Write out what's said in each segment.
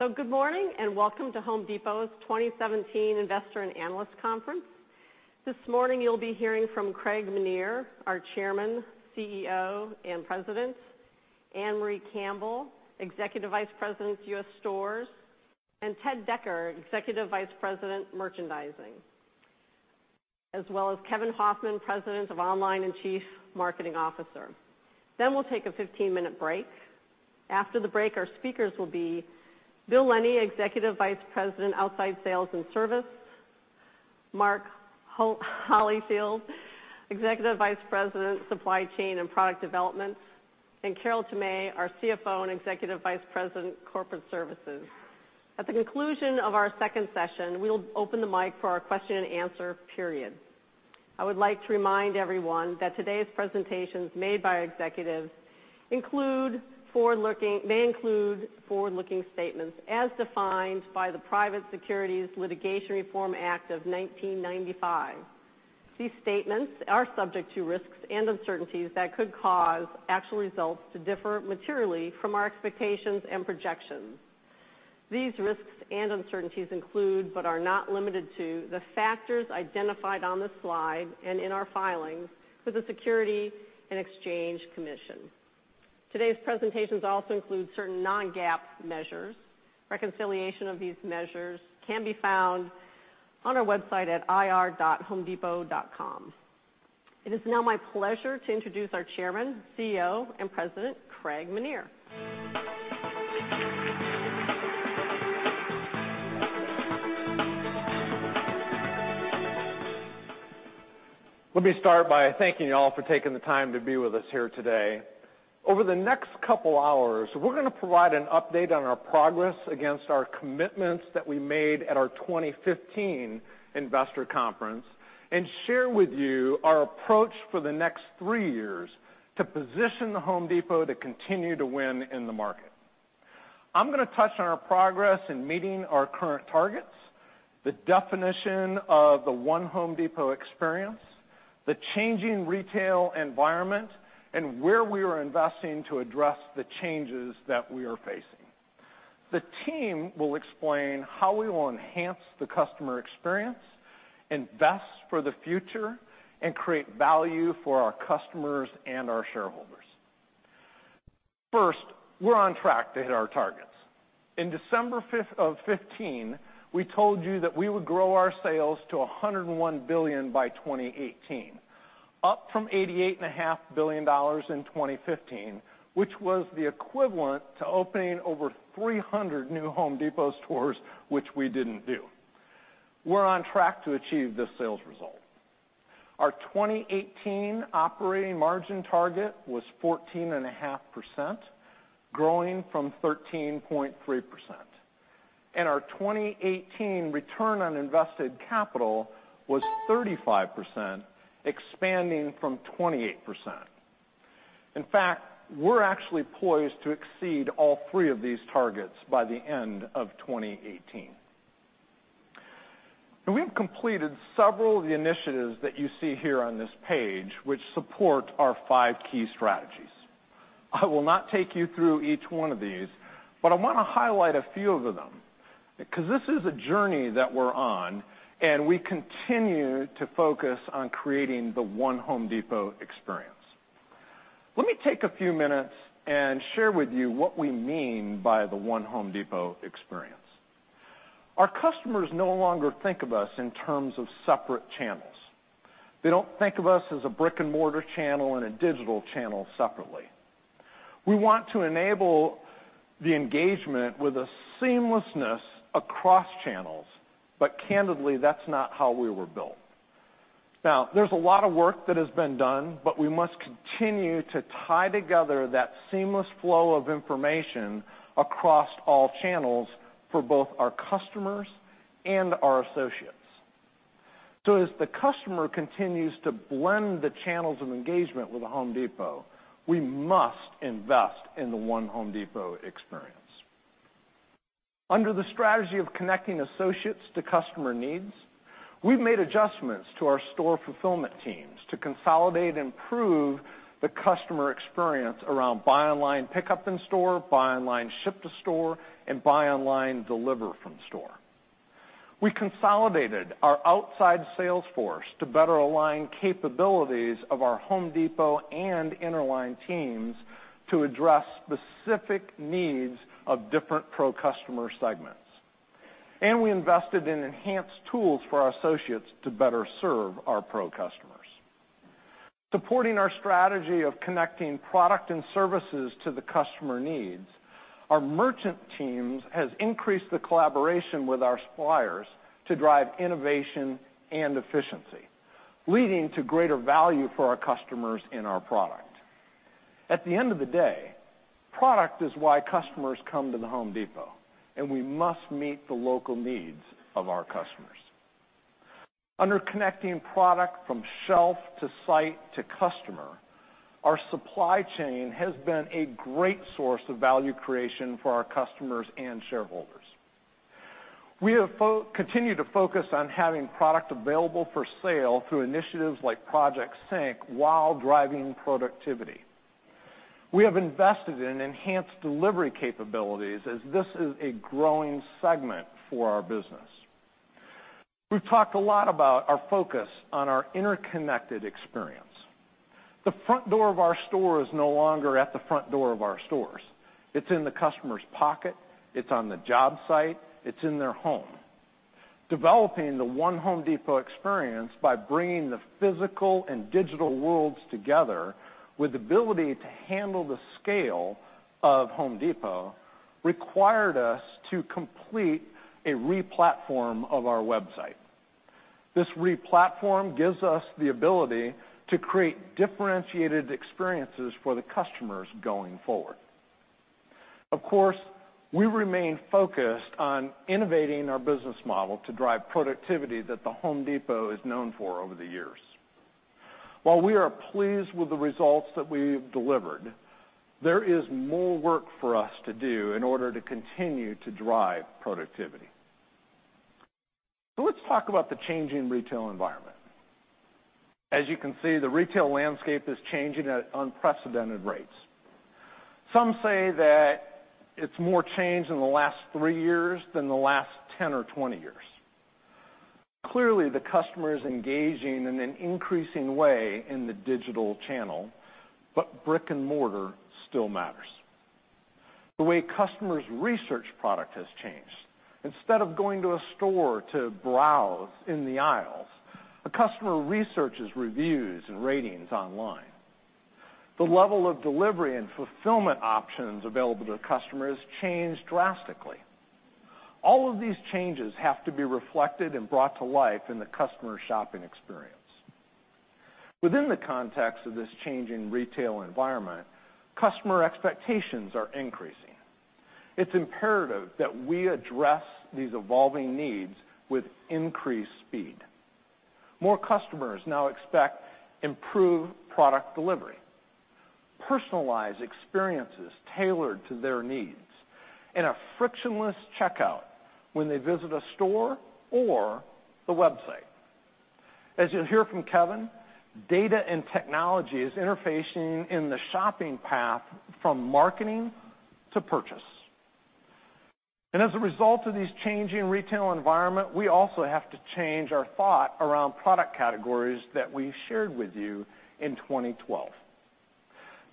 Good morning, and welcome to The Home Depot's 2017 Investor and Analyst Conference. This morning, you will be hearing from Craig Menear, our Chairman, CEO, and President, Ann-Marie Campbell, Executive Vice President, US Stores, and Ted Decker, Executive Vice President, Merchandising, as well as Kevin Hofmann, President of Online and Chief Marketing Officer. We will take a 15-minute break. After the break, our speakers will be Bill Lennie, Executive Vice President, Outside Sales and Service, Mark Holifield, Executive Vice President, Supply Chain and Product Development, and Carol Tomé, our CFO and Executive Vice President, Corporate Services. At the conclusion of our second session, we will open the mic for our question and answer period. I would like to remind everyone that today's presentations made by executives may include forward-looking statements as defined by the Private Securities Litigation Reform Act of 1995. These statements are subject to risks and uncertainties that could cause actual results to differ materially from our expectations and projections. These risks and uncertainties include, but are not limited to, the factors identified on this slide and in our filings with the Securities and Exchange Commission. Today's presentations also include certain non-GAAP measures. Reconciliation of these measures can be found on our website at ir.homedepot.com. It is now my pleasure to introduce our Chairman, CEO, and President, Craig Menear. Let me start by thanking you all for taking the time to be with us here today. Over the next couple of hours, we are going to provide an update on our progress against our commitments that we made at our 2015 investor conference and share with you our approach for the next three years to position The Home Depot to continue to win in the market. I am going to touch on our progress in meeting our current targets, the definition of the One Home Depot experience, the changing retail environment, and where we are investing to address the changes that we are facing. The team will explain how we will enhance the customer experience, invest for the future, and create value for our customers and our shareholders. First, we are on track to hit our targets. In December of 2015, we told you that we would grow our sales to $101 billion by 2018, up from $88.5 billion in 2015, which was the equivalent to opening over 300 new The Home Depot stores, which we did not do. We are on track to achieve this sales result. Our 2018 operating margin target was 14.5%, growing from 13.3%. Our 2018 return on invested capital was 35%, expanding from 28%. In fact, we are actually poised to exceed all three of these targets by the end of 2018. We have completed several of the initiatives that you see here on this page, which support our five key strategies. I will not take you through each one of these, but I want to highlight a few of them because this is a journey that we are on, and we continue to focus on creating the One Home Depot experience. Let me take a few minutes and share with you what we mean by the One Home Depot experience. Our customers no longer think of us in terms of separate channels. They don't think of us as a brick-and-mortar channel and a digital channel separately. We want to enable the engagement with a seamlessness across channels, but candidly, that's not how we were built. There's a lot of work that has been done, but we must continue to tie together that seamless flow of information across all channels for both our customers and our associates. As the customer continues to blend the channels of engagement with The Home Depot, we must invest in the One Home Depot experience. Under the strategy of connecting associates to customer needs, we've made adjustments to our store fulfillment teams to consolidate and improve the customer experience around buy online, pickup in store, buy online, ship to store, and buy online, deliver from store. We consolidated our outside sales force to better align capabilities of our Home Depot and Interline teams to address specific needs of different pro customer segments. We invested in enhanced tools for our associates to better serve our pro customers. Supporting our strategy of connecting product and services to the customer needs, our merchant teams has increased the collaboration with our suppliers to drive innovation and efficiency, leading to greater value for our customers in our product. At the end of the day, product is why customers come to The Home Depot, and we must meet the local needs of our customers. Under connecting product from shelf to site to customer, our supply chain has been a great source of value creation for our customers and shareholders. We have continued to focus on having product available for sale through initiatives like Project Sync, while driving productivity. We have invested in enhanced delivery capabilities as this is a growing segment for our business. We've talked a lot about our focus on our interconnected experience. The front door of our store is no longer at the front door of our stores. It's in the customer's pocket, it's on the job site, it's in their home. Developing the One Home Depot experience by bringing the physical and digital worlds together with ability to handle the scale of Home Depot required us to complete a re-platform of our website. This re-platform gives us the ability to create differentiated experiences for the customers going forward. Of course, we remain focused on innovating our business model to drive productivity that The Home Depot is known for over the years. While we are pleased with the results that we have delivered, there is more work for us to do in order to continue to drive productivity. Let's talk about the changing retail environment. As you can see, the retail landscape is changing at unprecedented rates. Some say that it's more change in the last three years than the last 10 or 20 years. Clearly, the customer is engaging in an increasing way in the digital channel, but brick-and-mortar still matters. The way customers research product has changed. Instead of going to a store to browse in the aisles, a customer researches reviews and ratings online. The level of delivery and fulfillment options available to customers changed drastically. All of these changes have to be reflected and brought to life in the customer shopping experience. Within the context of this changing retail environment, customer expectations are increasing. It's imperative that we address these evolving needs with increased speed. More customers now expect improved product delivery, personalized experiences tailored to their needs, and a frictionless checkout when they visit a store or the website. As you'll hear from Kevin, data and technology is interfacing in the shopping path from marketing to purchase. As a result of these changing retail environment, we also have to change our thought around product categories that we shared with you in 2012.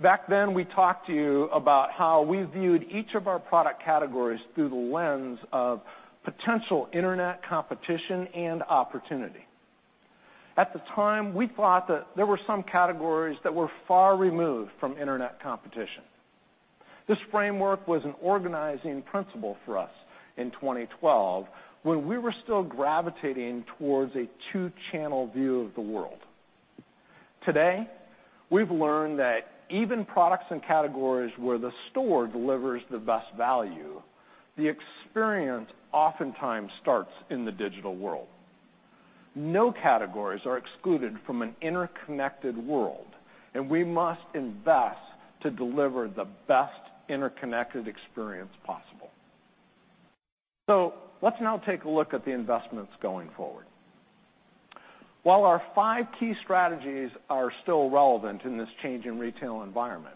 Back then, we talked to you about how we viewed each of our product categories through the lens of potential internet competition and opportunity. At the time, we thought that there were some categories that were far removed from internet competition. This framework was an organizing principle for us in 2012 when we were still gravitating towards a two-channel view of the world. Today, we've learned that even products and categories where the store delivers the best value, the experience oftentimes starts in the digital world. No categories are excluded from an interconnected world, and we must invest to deliver the best interconnected experience possible. Let's now take a look at the investments going forward. While our five key strategies are still relevant in this changing retail environment,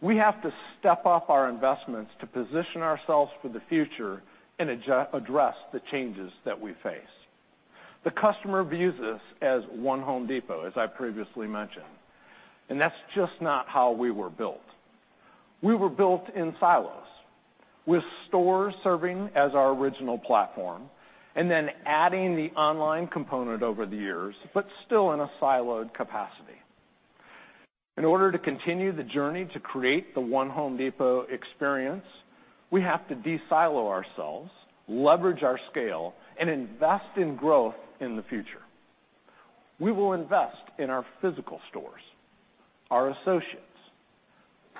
we have to step up our investments to position ourselves for the future and address the changes that we face. The customer views this as One Home Depot, as I previously mentioned, and that's just not how we were built. We were built in silos, with stores serving as our original platform, and then adding the online component over the years, but still in a siloed capacity. In order to continue the journey to create the One Home Depot experience, we have to de-silo ourselves, leverage our scale, and invest in growth in the future. We will invest in our physical stores, our associates,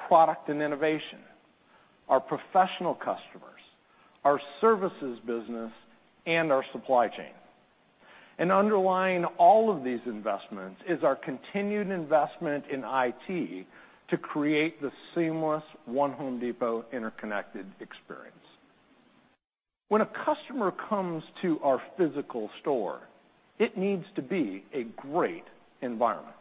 product and innovation, our professional customers, our services business, and our supply chain. Underlying all of these investments is our continued investment in IT to create the seamless One Home Depot interconnected experience. When a customer comes to our physical store, it needs to be a great environment.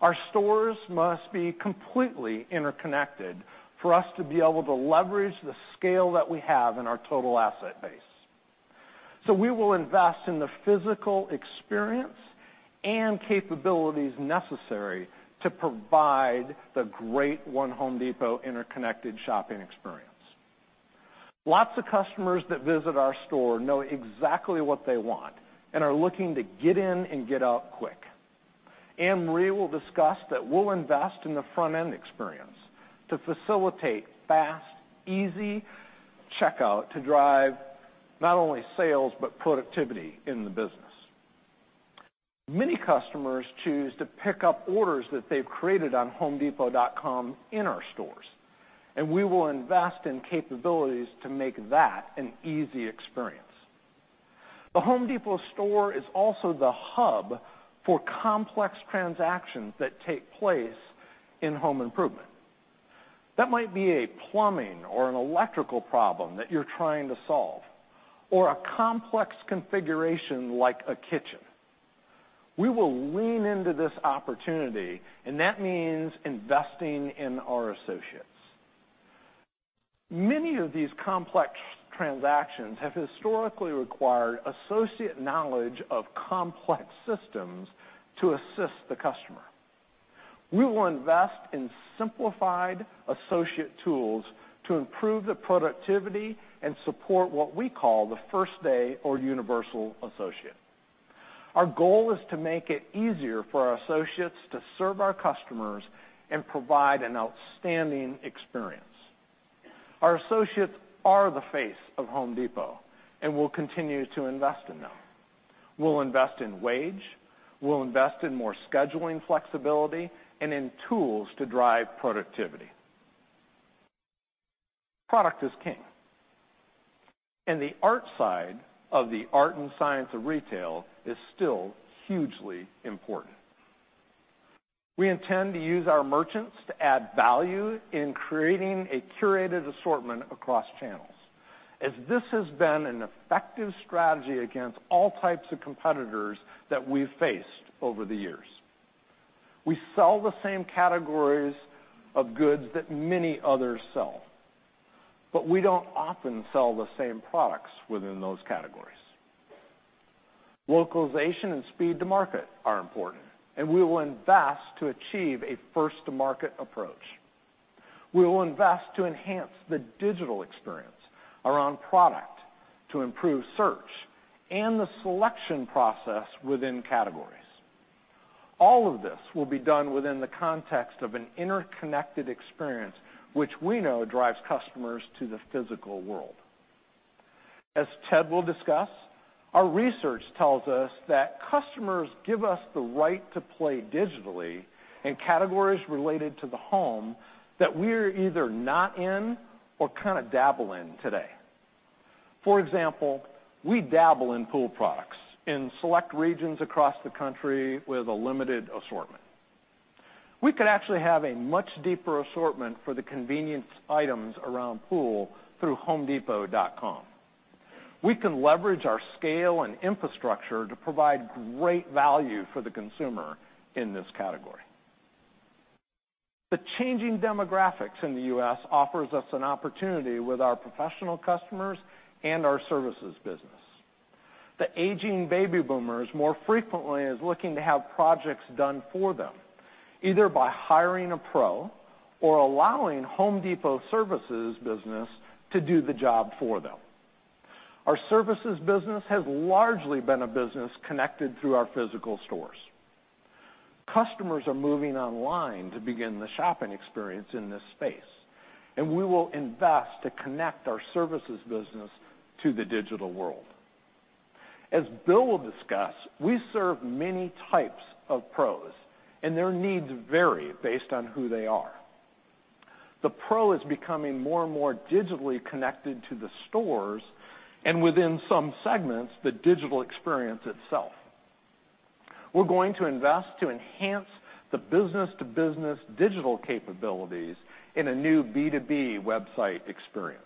Our stores must be completely interconnected for us to be able to leverage the scale that we have in our total asset base. We will invest in the physical experience and capabilities necessary to provide the great One Home Depot interconnected shopping experience. Lots of customers that visit our store know exactly what they want and are looking to get in and get out quick. Ann-Marie will discuss that we'll invest in the front-end experience to facilitate fast, easy checkout to drive not only sales, but productivity in the business. Many customers choose to pick up orders that they've created on homedepot.com in our stores, and we will invest in capabilities to make that an easy experience. The Home Depot store is also the hub for complex transactions that take place in home improvement. That might be a plumbing or an electrical problem that you're trying to solve, or a complex configuration like a kitchen. We will lean into this opportunity, and that means investing in our associates. Many of these complex transactions have historically required associate knowledge of complex systems to assist the customer. We will invest in simplified associate tools to improve the productivity and support what we call the first day or universal associate. Our goal is to make it easier for our associates to serve our customers and provide an outstanding experience. Our associates are the face of The Home Depot, we'll continue to invest in them. We'll invest in wage, we'll invest in more scheduling flexibility, and in tools to drive productivity. Product is king. The art side of the art and science of retail is still hugely important. We intend to use our merchants to add value in creating a curated assortment across channels, as this has been an effective strategy against all types of competitors that we've faced over the years. We sell the same categories of goods that many others sell, we don't often sell the same products within those categories. Localization and speed to market are important, we will invest to achieve a first-to-market approach. We will invest to enhance the digital experience around product, to improve search, and the selection process within categories. All of this will be done within the context of an interconnected experience, which we know drives customers to the physical world. As Ted will discuss, our research tells us that customers give us the right to play digitally in categories related to the home that we're either not in or kind of dabble in today. For example, we dabble in pool products in select regions across the country with a limited assortment. We could actually have a much deeper assortment for the convenience items around pool through homedepot.com. We can leverage our scale and infrastructure to provide great value for the consumer in this category. The changing demographics in the U.S. offers us an opportunity with our professional customers and our services business. The aging baby boomers more frequently is looking to have projects done for them, either by hiring a pro or allowing The Home Depot services business to do the job for them. Our services business has largely been a business connected through our physical stores. Customers are moving online to begin the shopping experience in this space, we will invest to connect our services business to the digital world. As Bill will discuss, we serve many types of pros, their needs vary based on who they are. The pro is becoming more and more digitally connected to the stores, within some segments, the digital experience itself. We're going to invest to enhance the business-to-business digital capabilities in a new B2B website experience.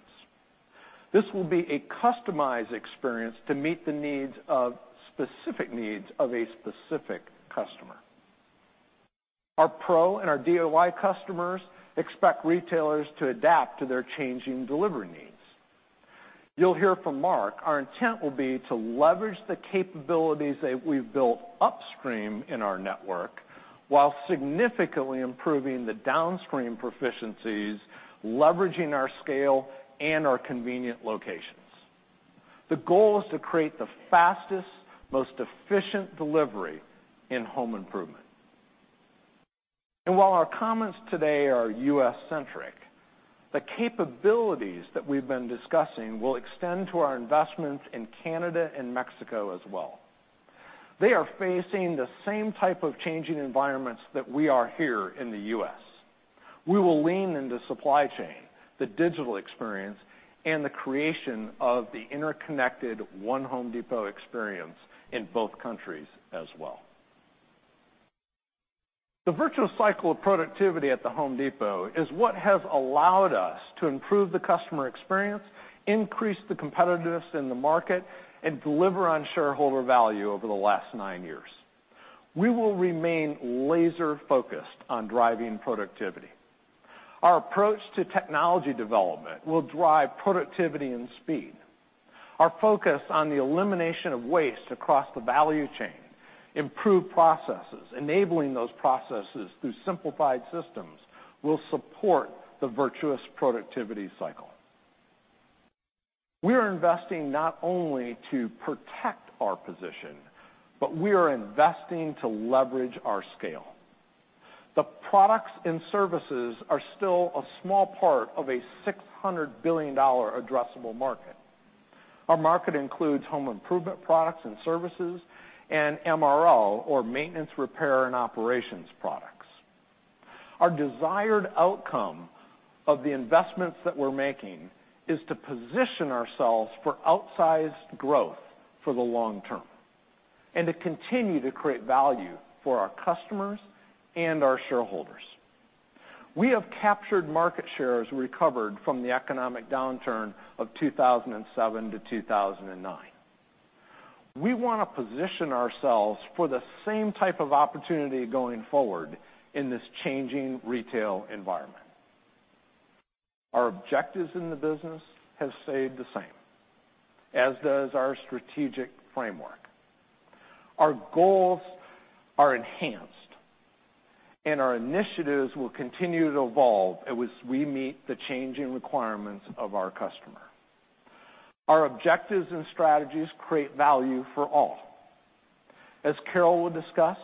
This will be a customized experience to meet the specific needs of a specific customer. Our pro and our DIY customers expect retailers to adapt to their changing delivery needs. You'll hear from Mark, our intent will be to leverage the capabilities that we've built upstream in our network while significantly improving the downstream proficiencies, leveraging our scale and our convenient locations. The goal is to create the fastest, most efficient delivery in home improvement. While our comments today are U.S.-centric, the capabilities that we've been discussing will extend to our investments in Canada and Mexico as well. They are facing the same type of changing environments that we are here in the U.S. We will lean into supply chain, the digital experience, and the creation of the interconnected One Home Depot experience in both countries as well. The virtuous cycle of productivity at The Home Depot is what has allowed us to improve the customer experience, increase the competitiveness in the market, and deliver on shareholder value over the last nine years. We will remain laser-focused on driving productivity. Our approach to technology development will drive productivity and speed. Our focus on the elimination of waste across the value chain, improved processes, enabling those processes through simplified systems will support the virtuous productivity cycle. We are investing not only to protect our position, but we are investing to leverage our scale. The products and services are still a small part of a $600 billion addressable market. Our market includes home improvement products and services and MRO, or maintenance, repair, and operations products. Our desired outcome of the investments that we're making is to position ourselves for outsized growth for the long term, and to continue to create value for our customers and our shareholders. We have captured market shares recovered from the economic downturn of 2007 to 2009. We want to position ourselves for the same type of opportunity going forward in this changing retail environment. Our objectives in the business have stayed the same, as does our strategic framework. Our goals are enhanced, and our initiatives will continue to evolve as we meet the changing requirements of our customer. Our objectives and strategies create value for all. As Carol will discuss,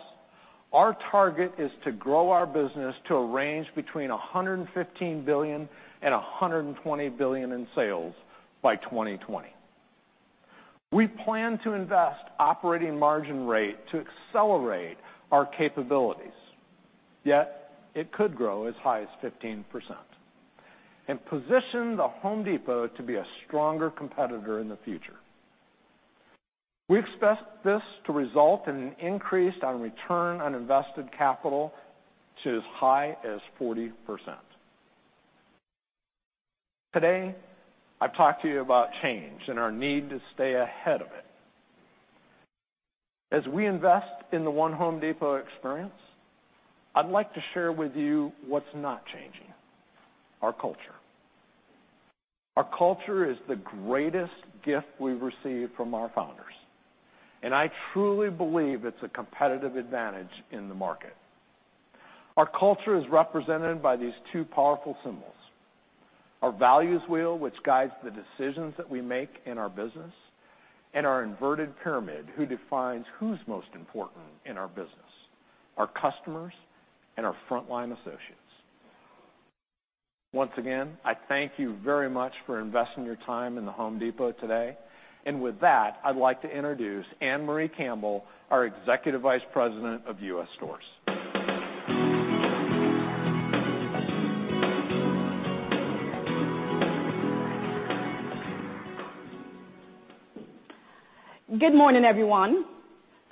our target is to grow our business to a range between $115 billion and $120 billion in sales by 2020. We plan to invest operating margin rate to accelerate our capabilities, yet it could grow as high as 15%, and position The Home Depot to be a stronger competitor in the future. We expect this to result in an increase on return on invested capital to as high as 40%. Today, I've talked to you about change and our need to stay ahead of it. As we invest in the One Home Depot experience, I'd like to share with you what's not changing, our culture. Our culture is the greatest gift we've received from our founders, and I truly believe it's a competitive advantage in the market. Our culture is represented by these two powerful symbols: our values wheel, which guides the decisions that we make in our business, and our inverted pyramid, who defines who's most important in our business, our customers and our frontline associates. Once again, I thank you very much for investing your time in The Home Depot today. With that, I'd like to introduce Ann-Marie Campbell, our Executive Vice President, US Stores. Good morning, everyone.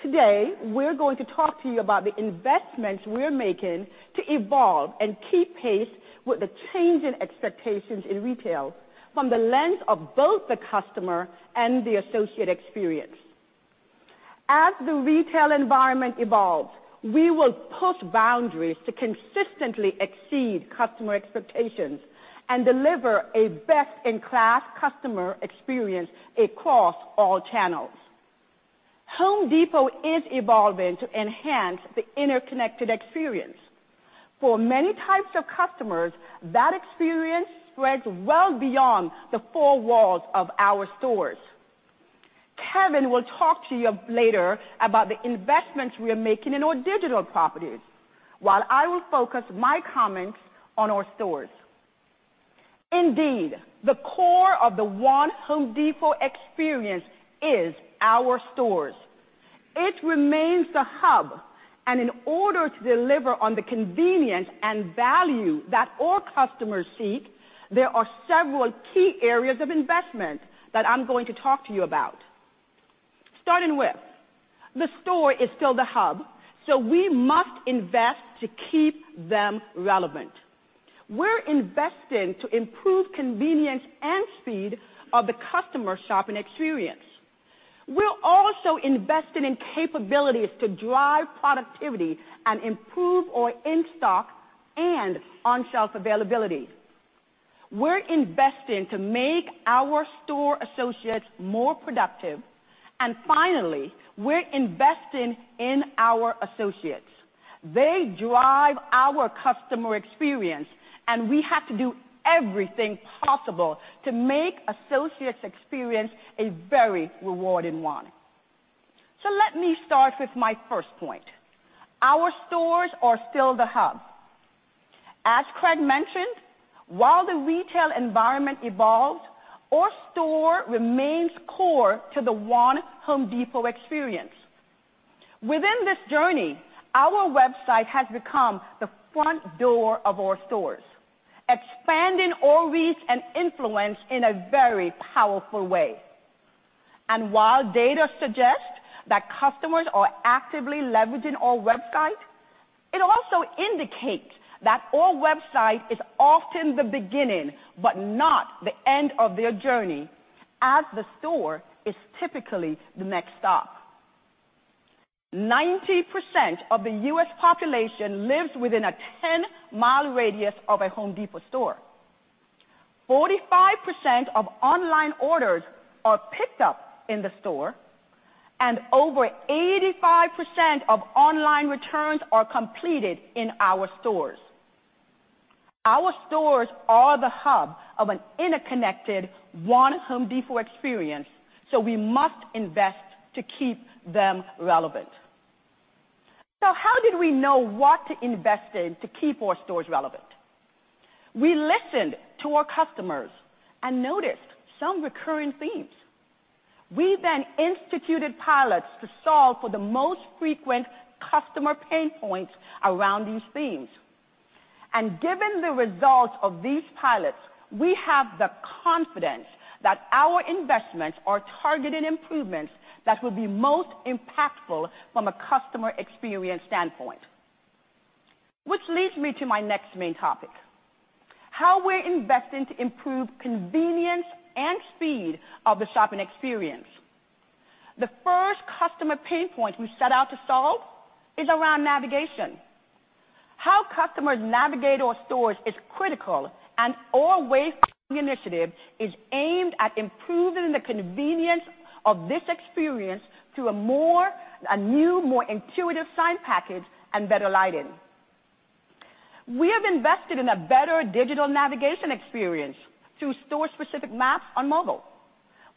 Today, we're going to talk to you about the investments we're making to evolve and keep pace with the changing expectations in retail from the lens of both the customer and the associate experience. As the retail environment evolves, we will push boundaries to consistently exceed customer expectations and deliver a best-in-class customer experience across all channels. The Home Depot is evolving to enhance the interconnected experience. For many types of customers, that experience spreads well beyond the four walls of our stores. Kevin will talk to you later about the investments we are making in our digital properties, while I will focus my comments on our stores. Indeed, the core of the One Home Depot experience is our stores. It remains the hub. In order to deliver on the convenience and value that all customers seek, there are several key areas of investment that I'm going to talk to you about. Starting with the store is still the hub, we must invest to keep them relevant. We're investing to improve convenience and speed of the customer shopping experience. We're also investing in capabilities to drive productivity and improve our in-stock and on-shelf availability. We're investing to make our store associates more productive. Finally, we're investing in our associates. They drive our customer experience, and we have to do everything possible to make associates' experience a very rewarding one. Let me start with my first point. Our stores are still the hub. As Craig mentioned, while the retail environment evolves, our store remains core to the One Home Depot experience. Within this journey, our website has become the front door of our stores, expanding our reach and influence in a very powerful way. While data suggests that customers are actively leveraging our website, it also indicates that our website is often the beginning, but not the end of their journey, as the store is typically the next stop. 90% of the U.S. population lives within a 10-mile radius of a The Home Depot store. 45% of online orders are picked up in the store, and over 85% of online returns are completed in our stores. Our stores are the hub of an interconnected One Home Depot experience, we must invest to keep them relevant. How did we know what to invest in to keep our stores relevant? We listened to our customers and noticed some recurring themes. We instituted pilots to solve for the most frequent customer pain points around these themes. Given the results of these pilots, we have the confidence that our investments are targeted improvements that will be most impactful from a customer experience standpoint. This leads me to my next main topic: how we're investing to improve convenience and speed of the shopping experience. The first customer pain point we set out to solve is around navigation. How customers navigate our stores is critical. Our wayfinding initiative is aimed at improving the convenience of this experience through a new, more intuitive sign package and better lighting. We have invested in a better digital navigation experience through store-specific maps on mobile,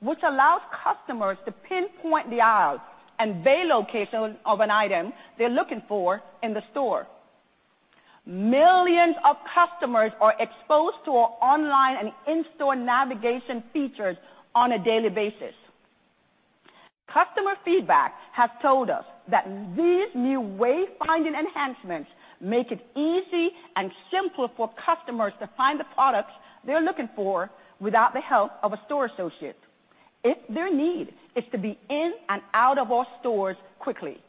which allows customers to pinpoint the aisle and bay location of an item they're looking for in the store. Millions of customers are exposed to our online and in-store navigation features on a daily basis. Customer feedback has told us that these new way-finding enhancements make it easy and simple for customers to find the products they're looking for without the help of a store associate if their need is to be in and out of our stores quickly.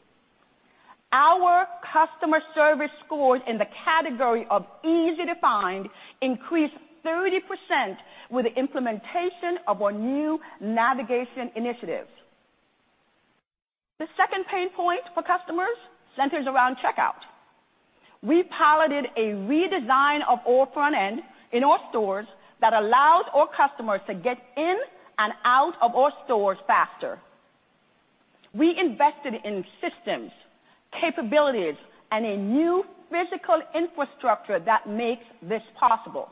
Our customer service scores in the category of easy to find increased 30% with the implementation of our new navigation initiatives. The second pain point for customers centers around checkout. We piloted a redesign of our front end in our stores that allows our customers to get in and out of our stores faster. We invested in systems, capabilities, and a new physical infrastructure that makes this possible.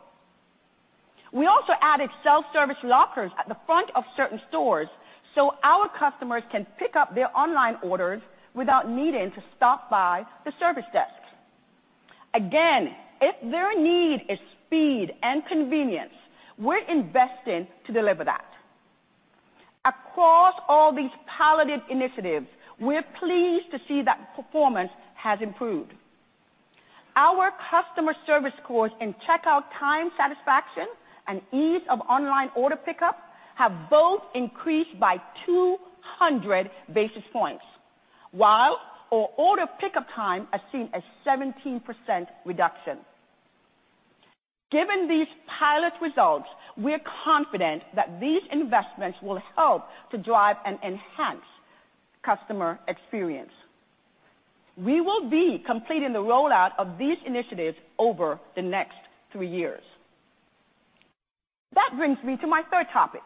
We also added self-service lockers at the front of certain stores so our customers can pick up their online orders without needing to stop by the service desk. Again, if their need is speed and convenience, we're investing to deliver that. Across all these piloted initiatives, we're pleased to see that performance has improved. Our customer service scores in checkout time satisfaction and ease of online order pickup have both increased by 200 basis points, while our order pickup time has seen a 17% reduction. Given these pilot results, we are confident that these investments will help to drive an enhanced customer experience. We will be completing the rollout of these initiatives over the next three years. That brings me to my third topic,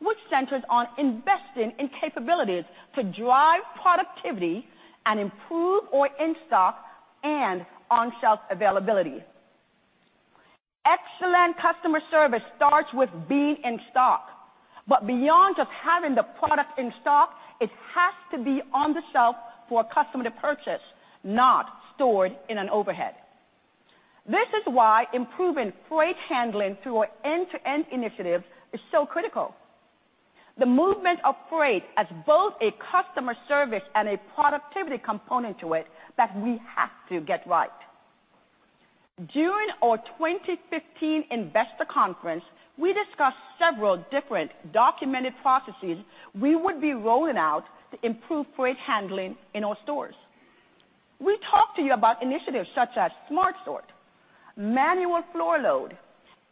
which centers on investing in capabilities to drive productivity and improve our in-stock and on-shelf availability. Excellent customer service starts with being in stock. Beyond just having the product in stock, it has to be on the shelf for a customer to purchase, not stored in an overhead. This is why improving freight handling through our end-to-end initiatives is so critical. The movement of freight has both a customer service and a productivity component to it that we have to get right. During our 2015 investor conference, we discussed several different documented processes we would be rolling out to improve freight handling in our stores. We talked to you about initiatives such as Smart Sort, manual floor load,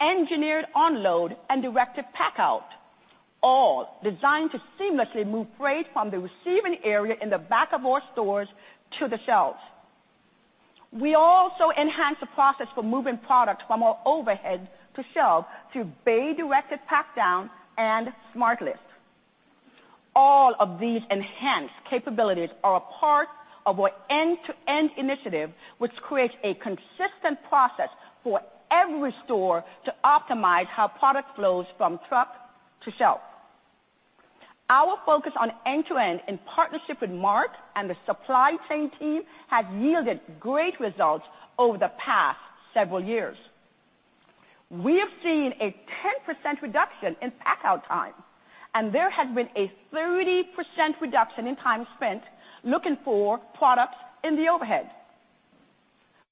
Engineered Unload, and Directed Packout, all designed to seamlessly move freight from the receiving area in the back of our stores to the shelves. We also enhanced the process for moving product from our overhead to shelves through bay directed pack down and Smart List. All of these enhanced capabilities are a part of our end-to-end initiative, which creates a consistent process for every store to optimize how product flows from truck to shelf. Our focus on end-to-end in partnership with Mark and the supply chain team has yielded great results over the past several years. We have seen a 10% reduction in pack-out time, and there has been a 30% reduction in time spent looking for products in the overhead.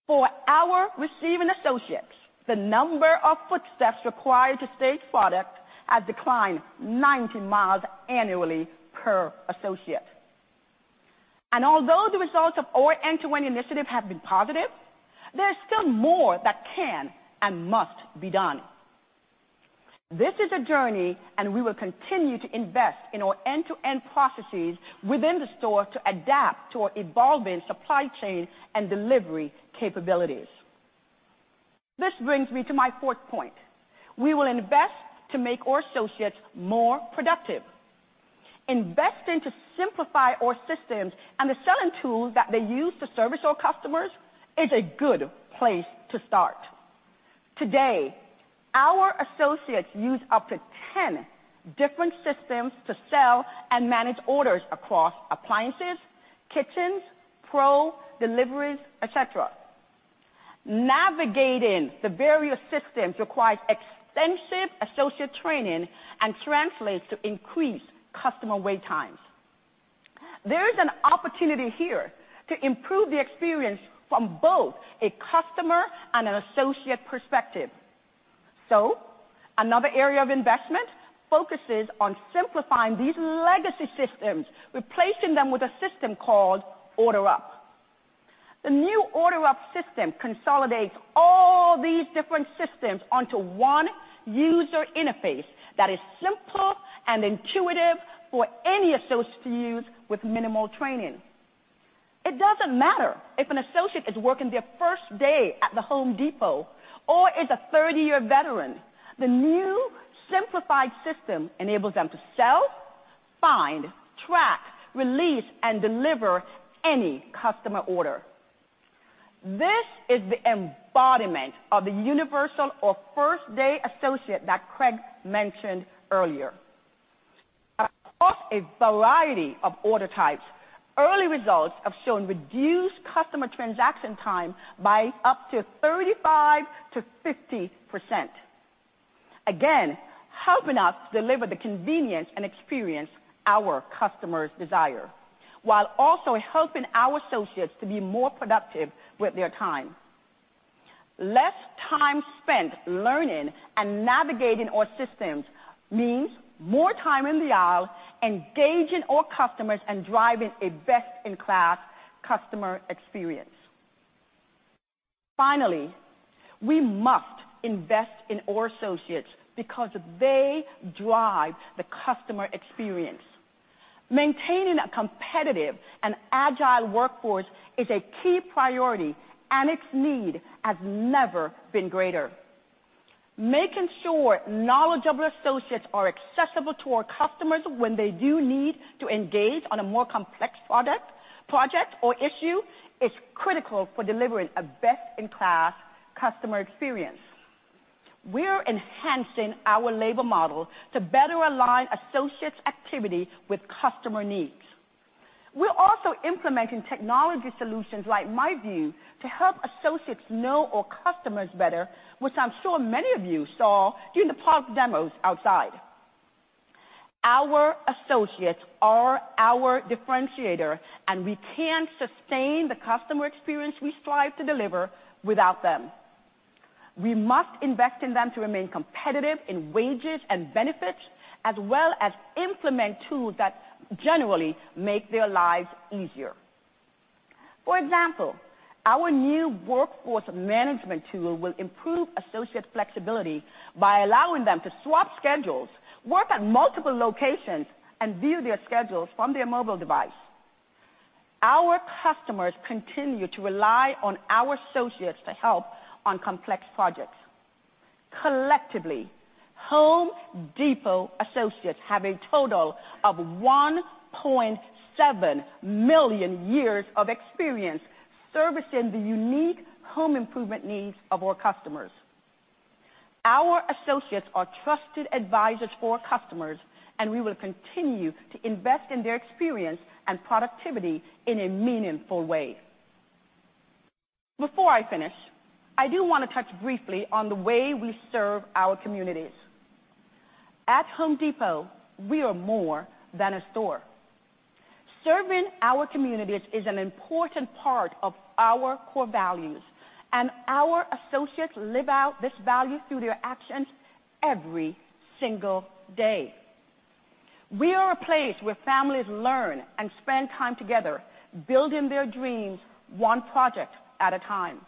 For our receiving associates, the number of footsteps required to stage product has declined 90 miles annually per associate. Although the results of our end-to-end initiative have been positive, there is still more that can and must be done. This is a journey, and we will continue to invest in our end-to-end processes within the store to adapt to our evolving supply chain and delivery capabilities. This brings me to my fourth point: we will invest to make our associates more productive. Investing to simplify our systems and the selling tools that they use to service our customers is a good place to start. Today our associates use up to 10 different systems to sell and manage orders across appliances, kitchens, Pro, deliveries, et cetera. Navigating the various systems requires extensive associate training and translates to increased customer wait times. Another area of investment focuses on simplifying these legacy systems, replacing them with a system called Order Up. The new Order Up system consolidates all these different systems onto one user interface that is simple and intuitive for any associate to use with minimal training. It doesn't matter if an associate is working their first day at The Home Depot or is a 30-year veteran. The new simplified system enables them to sell, find, track, release, and deliver any customer order. This is the embodiment of the universal or first-day associate that Craig mentioned earlier. Across a variety of order types, early results have shown reduced customer transaction time by up to 35%-50%. Again, helping us deliver the convenience and experience our customers desire, while also helping our associates to be more productive with their time. Less time spent learning and navigating our systems means more time in the aisle engaging our customers and driving a best-in-class customer experience. Finally, we must invest in our associates because they drive the customer experience. Maintaining a competitive and agile workforce is a key priority, and its need has never been greater. Making sure knowledgeable associates are accessible to our customers when they do need to engage on a more complex project or issue is critical for delivering a best-in-class customer experience. We're enhancing our labor model to better align associates' activity with customer needs. We're also implementing technology solutions like myView to help associates know our customers better, which I'm sure many of you saw during the product demos outside. Our associates are our differentiator, and we can't sustain the customer experience we strive to deliver without them. We must invest in them to remain competitive in wages and benefits, as well as implement tools that generally make their lives easier. For example, our new workforce management tool will improve associate flexibility by allowing them to swap schedules, work at multiple locations, and view their schedules from their mobile device. Our customers continue to rely on our associates to help on complex projects. Collectively, Home Depot associates have a total of 1.7 million years of experience servicing the unique home improvement needs of our customers. Our associates are trusted advisors for our customers, and we will continue to invest in their experience and productivity in a meaningful way. Before I finish, I do want to touch briefly on the way we serve our communities. At Home Depot, we are more than a store. Serving our communities is an important part of our core values, and our associates live out this value through their actions every single day. We are a place where families learn and spend time together, building their dreams one project at a time.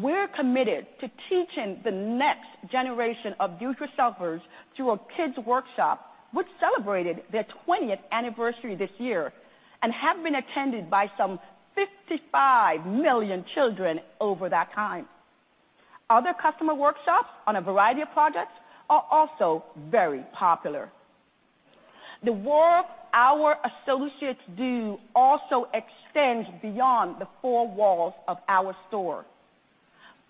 We're committed to teaching the next generation of do-it-yourselfers through our Kids Workshop, which celebrated their 20th anniversary this year and have been attended by some 55 million children over that time. Other customer workshops on a variety of projects are also very popular. The work our associates do also extends beyond the four walls of our store.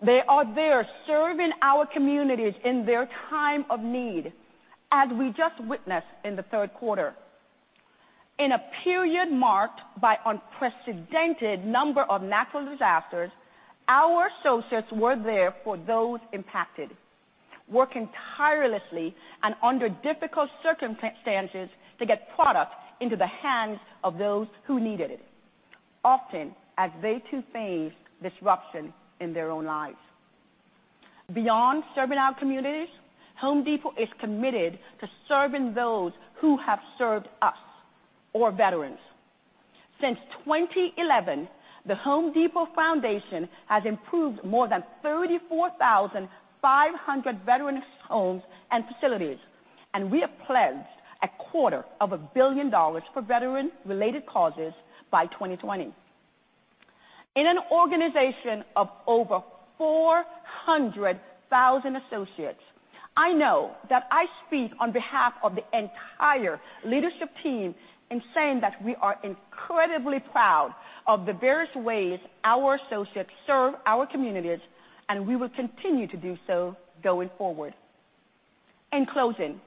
They are there serving our communities in their time of need, as we just witnessed in the third quarter. In a period marked by unprecedented number of natural disasters, our associates were there for those impacted, working tirelessly and under difficult circumstances to get product into the hands of those who needed it, often as they too faced disruption in their own lives. Beyond serving our communities, The Home Depot is committed to serving those who have served us, our veterans. Since 2011, The Home Depot Foundation has improved more than 34,500 veterans' homes and facilities, and we have pledged a quarter of a billion dollars for veteran-related causes by 2020. In an organization of over 400,000 associates I know that I speak on behalf of the entire leadership team in saying that we are incredibly proud of the various ways our associates serve our communities, and we will continue to do so going forward. In closing,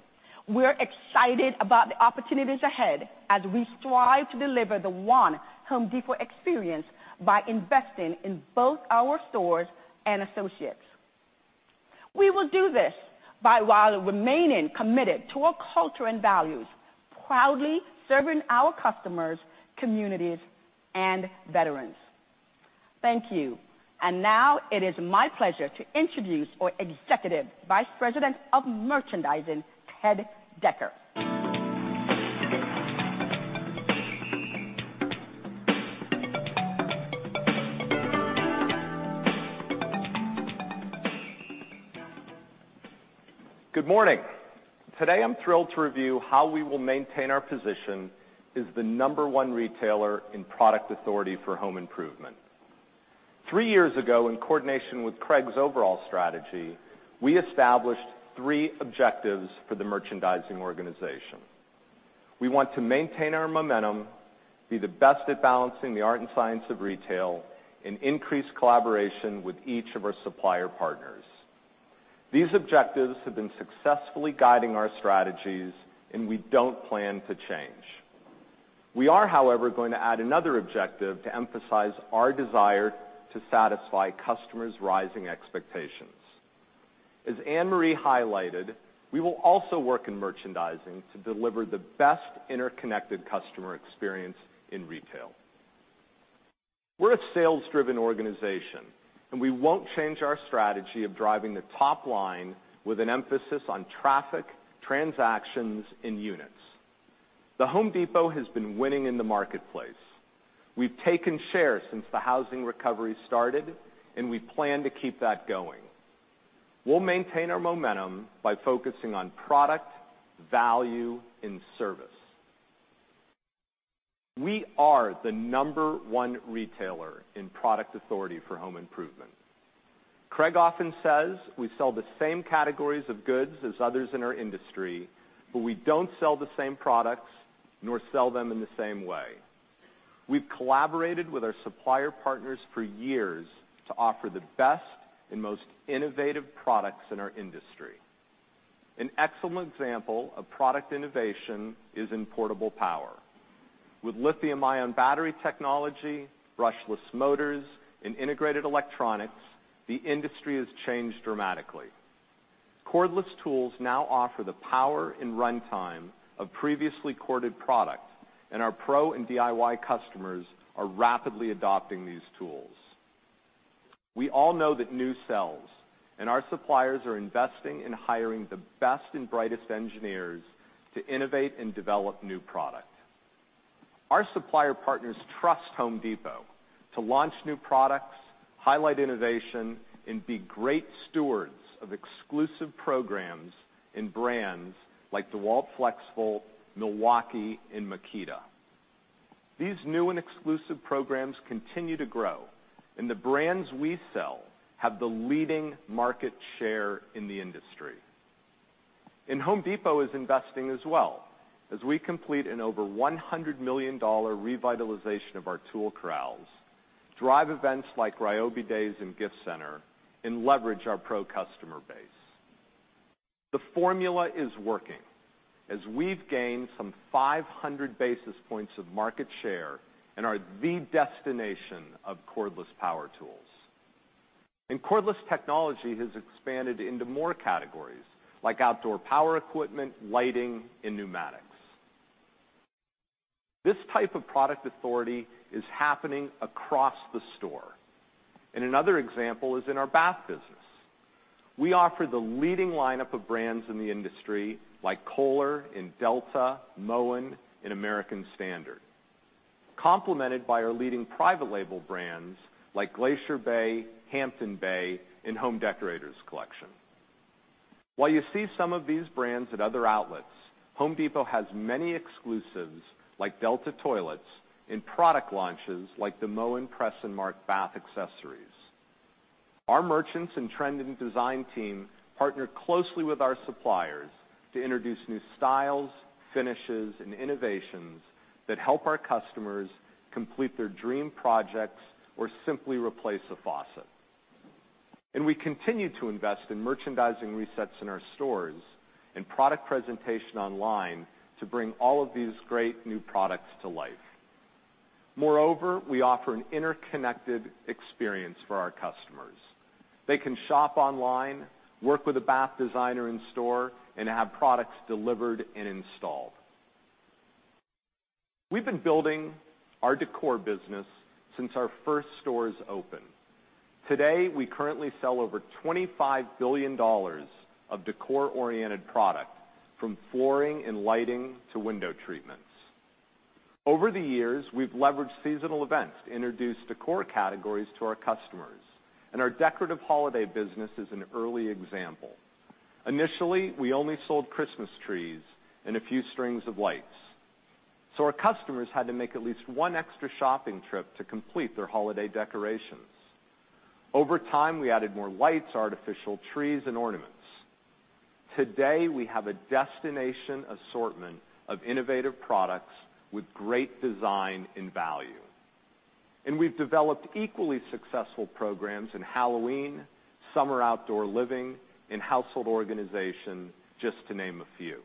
we're excited about the opportunities ahead as we strive to deliver the One Home Depot experience by investing in both our stores and associates. We will do this while remaining committed to our culture and values, proudly serving our customers, communities, and veterans. Thank you. Now it is my pleasure to introduce our Executive Vice President of Merchandising, Ted Decker. Good morning. Today, I'm thrilled to review how we will maintain our position as the number one retailer in product authority for home improvement. Three years ago, in coordination with Craig's overall strategy, we established three objectives for the merchandising organization. We want to maintain our momentum, be the best at balancing the art and science of retail, and increase collaboration with each of our supplier partners. These objectives have been successfully guiding our strategies, and we don't plan to change. We are, however, going to add another objective to emphasize our desire to satisfy customers' rising expectations. As Ann-Marie highlighted, we will also work in merchandising to deliver the best interconnected customer experience in retail. We're a sales-driven organization, and we won't change our strategy of driving the top line with an emphasis on traffic, transactions, and units. The Home Depot has been winning in the marketplace. We've taken shares since the housing recovery started. We plan to keep that going. We'll maintain our momentum by focusing on product, value, and service. We are the number one retailer in product authority for home improvement. Craig often says, we sell the same categories of goods as others in our industry, but we don't sell the same products nor sell them in the same way. We've collaborated with our supplier partners for years to offer the best and most innovative products in our industry. An excellent example of product innovation is in portable power. With lithium-ion battery technology, brushless motors, and integrated electronics, the industry has changed dramatically. Cordless tools now offer the power and runtime of previously corded products, and our Pro and DIY customers are rapidly adopting these tools. We all know that new sells, our suppliers are investing in hiring the best and brightest engineers to innovate and develop new product. Our supplier partners trust Home Depot to launch new products, highlight innovation, and be great stewards of exclusive programs and brands like DEWALT FLEXVOLT, Milwaukee, and Makita. These new and exclusive programs continue to grow, the brands we sell have the leading market share in the industry. Home Depot is investing as well as we complete an over $100 million revitalization of our tool corrals, drive events like RYOBI Days and Gift Center, and leverage our pro customer base. The formula is working as we've gained some 500 basis points of market share and are the destination of cordless power tools. Cordless technology has expanded into more categories like outdoor power equipment, lighting, and pneumatics. This type of product authority is happening across the store. Another example is in our bath business. We offer the leading lineup of brands in the industry, like Kohler and Delta, Moen, and American Standard, complemented by our leading private label brands like Glacier Bay, Hampton Bay, and Home Decorators Collection. While you see some of these brands at other outlets, Home Depot has many exclusives like Delta toilets and product launches like the Moen Press & Mark Bath accessories. Our merchants and trend and design team partner closely with our suppliers to introduce new styles, finishes, and innovations that help our customers complete their dream projects or simply replace a faucet. We continue to invest in merchandising resets in our stores and product presentation online to bring all of these great new products to life. Moreover, we offer an interconnected experience for our customers. They can shop online, work with a bath designer in store, and have products delivered and installed. We've been building our decor business since our first stores opened. Today, we currently sell over $25 billion of decor-oriented product, from flooring and lighting to window treatments. Over the years, we've leveraged seasonal events to introduce decor categories to our customers, our decorative holiday business is an early example. Initially, we only sold Christmas trees and a few strings of lights. Our customers had to make at least one extra shopping trip to complete their holiday decorations. Over time, we added more lights, artificial trees, and ornaments. Today, we have a destination assortment of innovative products with great design and value. We've developed equally successful programs in Halloween, summer outdoor living, and household organization, just to name a few.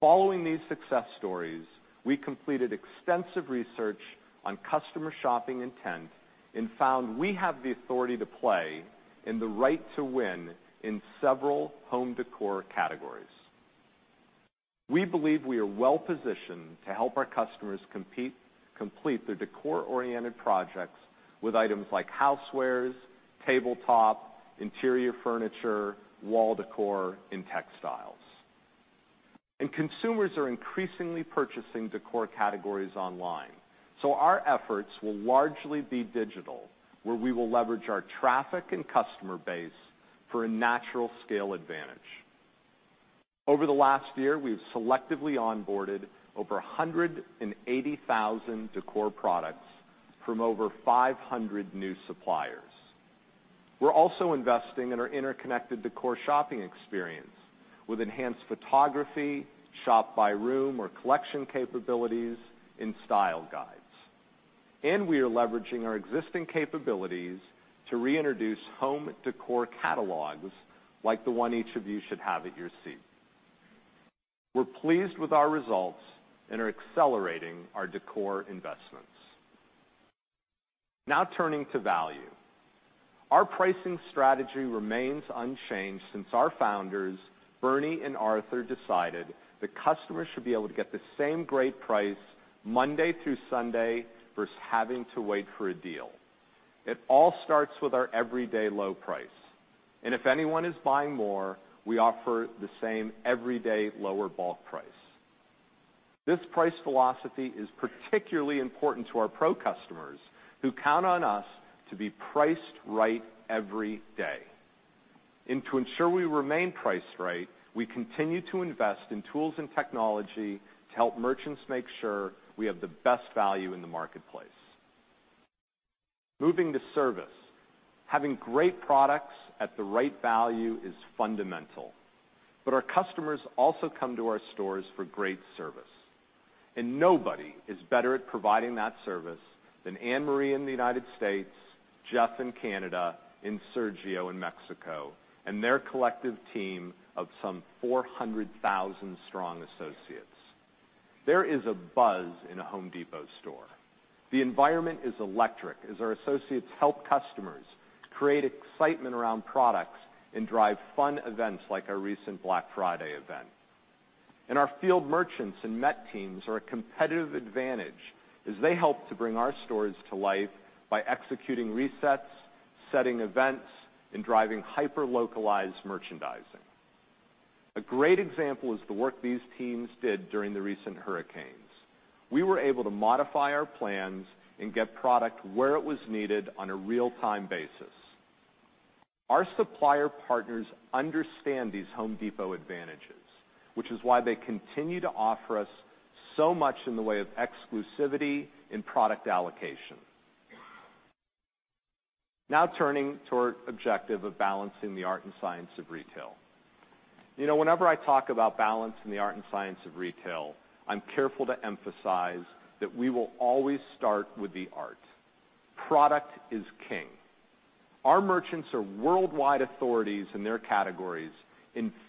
Following these success stories, we completed extensive research on customer shopping intent and found we have the authority to play and the right to win in several home decor categories. We believe we are well-positioned to help our customers complete their decor-oriented projects with items like housewares, tabletop, interior furniture, wall decor, and textiles. Consumers are increasingly purchasing decor categories online. Our efforts will largely be digital, where we will leverage our traffic and customer base for a natural scale advantage. Over the last year, we've selectively onboarded over 180,000 decor products from over 500 new suppliers. We're also investing in our interconnected decor shopping experience with enhanced photography, shop by room or collection capabilities, and style guides. We are leveraging our existing capabilities to reintroduce home decor catalogs like the one each of you should have at your seat. We're pleased with our results and are accelerating our decor investments. Turning to value. Our pricing strategy remains unchanged since our founders, Bernie and Arthur, decided that customers should be able to get the same great price Monday through Sunday versus having to wait for a deal. It all starts with our everyday low price. If anyone is buying more, we offer the same everyday lower bulk price. This price philosophy is particularly important to our pro customers who count on us to be priced right every day. To ensure we remain priced right, we continue to invest in tools and technology to help merchants make sure we have the best value in the marketplace. Moving to service. Having great products at the right value is fundamental, our customers also come to our stores for great service. Nobody is better at providing that service than Ann-Marie in the U.S., Jeff in Canada, and Sergio in Mexico, and their collective team of some 400,000 strong associates. There is a buzz in a Home Depot store. The environment is electric as our associates help customers create excitement around products and drive fun events like our recent Black Friday event. Our field merchants and MET teams are a competitive advantage as they help to bring our stores to life by executing resets, setting events, and driving hyper-localized merchandising. A great example is the work these teams did during the recent hurricanes. We were able to modify our plans and get product where it was needed on a real-time basis. Our supplier partners understand these Home Depot advantages, which is why they continue to offer us so much in the way of exclusivity and product allocation. Turning to our objective of balancing the art and science of retail. Whenever I talk about balancing the art and science of retail, I'm careful to emphasize that we will always start with the art. Product is king. Our merchants are worldwide authorities in their categories,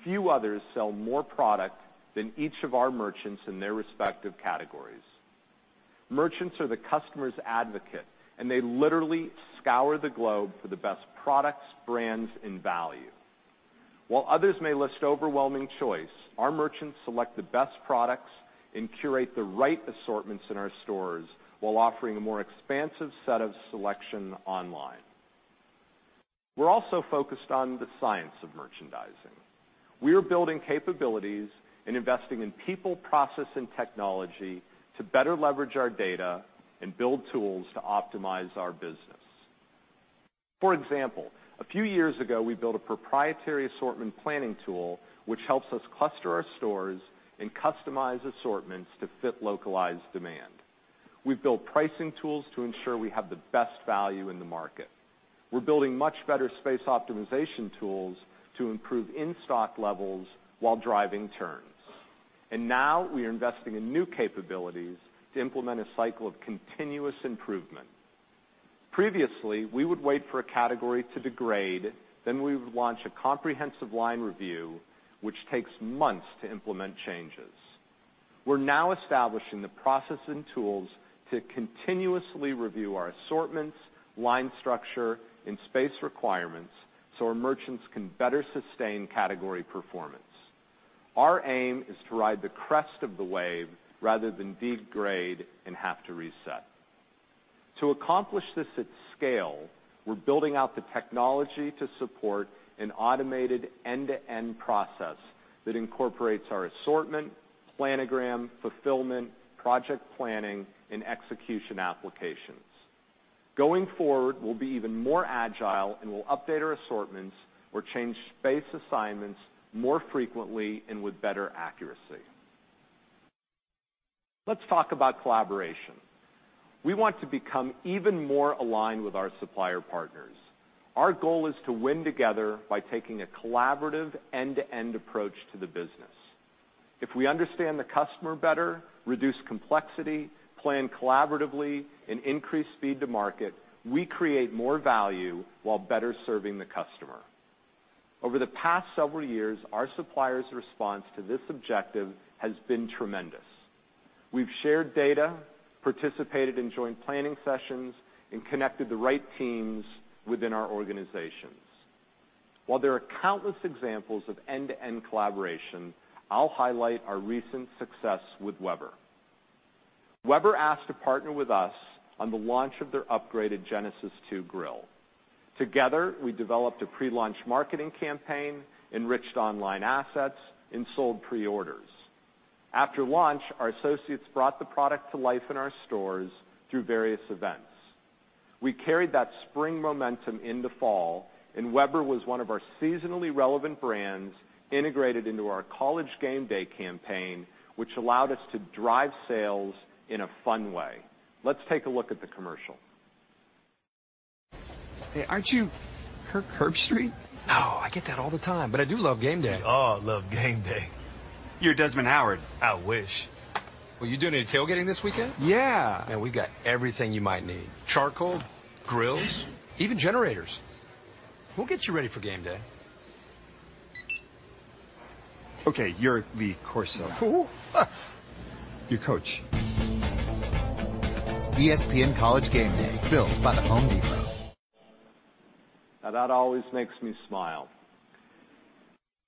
few others sell more product than each of our merchants in their respective categories. Merchants are the customer's advocate, they literally scour the globe for the best products, brands, and value. While others may list overwhelming choice, our merchants select the best products and curate the right assortments in our stores while offering a more expansive set of selection online. We're also focused on the science of merchandising. We are building capabilities and investing in people, process, and technology to better leverage our data and build tools to optimize our business. For example, a few years ago, we built a proprietary assortment planning tool which helps us cluster our stores and customize assortments to fit localized demand. We've built pricing tools to ensure we have the best value in the market. We're building much better space optimization tools to improve in-stock levels while driving turns. Now we are investing in new capabilities to implement a cycle of continuous improvement. Previously, we would wait for a category to degrade, we would launch a comprehensive line review, which takes months to implement changes. We're now establishing the process and tools to continuously review our assortments, line structure, and space requirements so our merchants can better sustain category performance. Our aim is to ride the crest of the wave rather than degrade and have to reset. To accomplish this at scale, we're building out the technology to support an automated end-to-end process that incorporates our assortment, planogram, fulfillment, project planning, and execution applications. Going forward, we'll be even more agile, we'll update our assortments or change space assignments more frequently and with better accuracy. Let's talk about collaboration. We want to become even more aligned with our supplier partners. Our goal is to win together by taking a collaborative end-to-end approach to the business. If we understand the customer better, reduce complexity, plan collaboratively, and increase speed to market, we create more value while better serving the customer. Over the past several years, our suppliers' response to this objective has been tremendous. We've shared data, participated in joint planning sessions, and connected the right teams within our organizations. While there are countless examples of end-to-end collaboration, I'll highlight our recent success with Weber. Weber asked to partner with us on the launch of their upgraded Genesis II grill. Together, we developed a pre-launch marketing campaign, enriched online assets, and sold pre-orders. After launch, our associates brought the product to life in our stores through various events. We carried that spring momentum into fall, and Weber was one of our seasonally relevant brands integrated into our College GameDay campaign, which allowed us to drive sales in a fun way. Let's take a look at the commercial. Hey, aren't you Kirk Herbstreit? No, I get that all the time. I do love GameDay. We all love GameDay. You're Desmond Howard. I wish. Well, you doing any tailgating this weekend? Yeah. Man, we got everything you might need. Charcoal, grills, even generators. We'll get you ready for GameDay. Okay, you're Lee Corso. Who? Your coach. ESPN College GameDay, built by The Home Depot. That always makes me smile.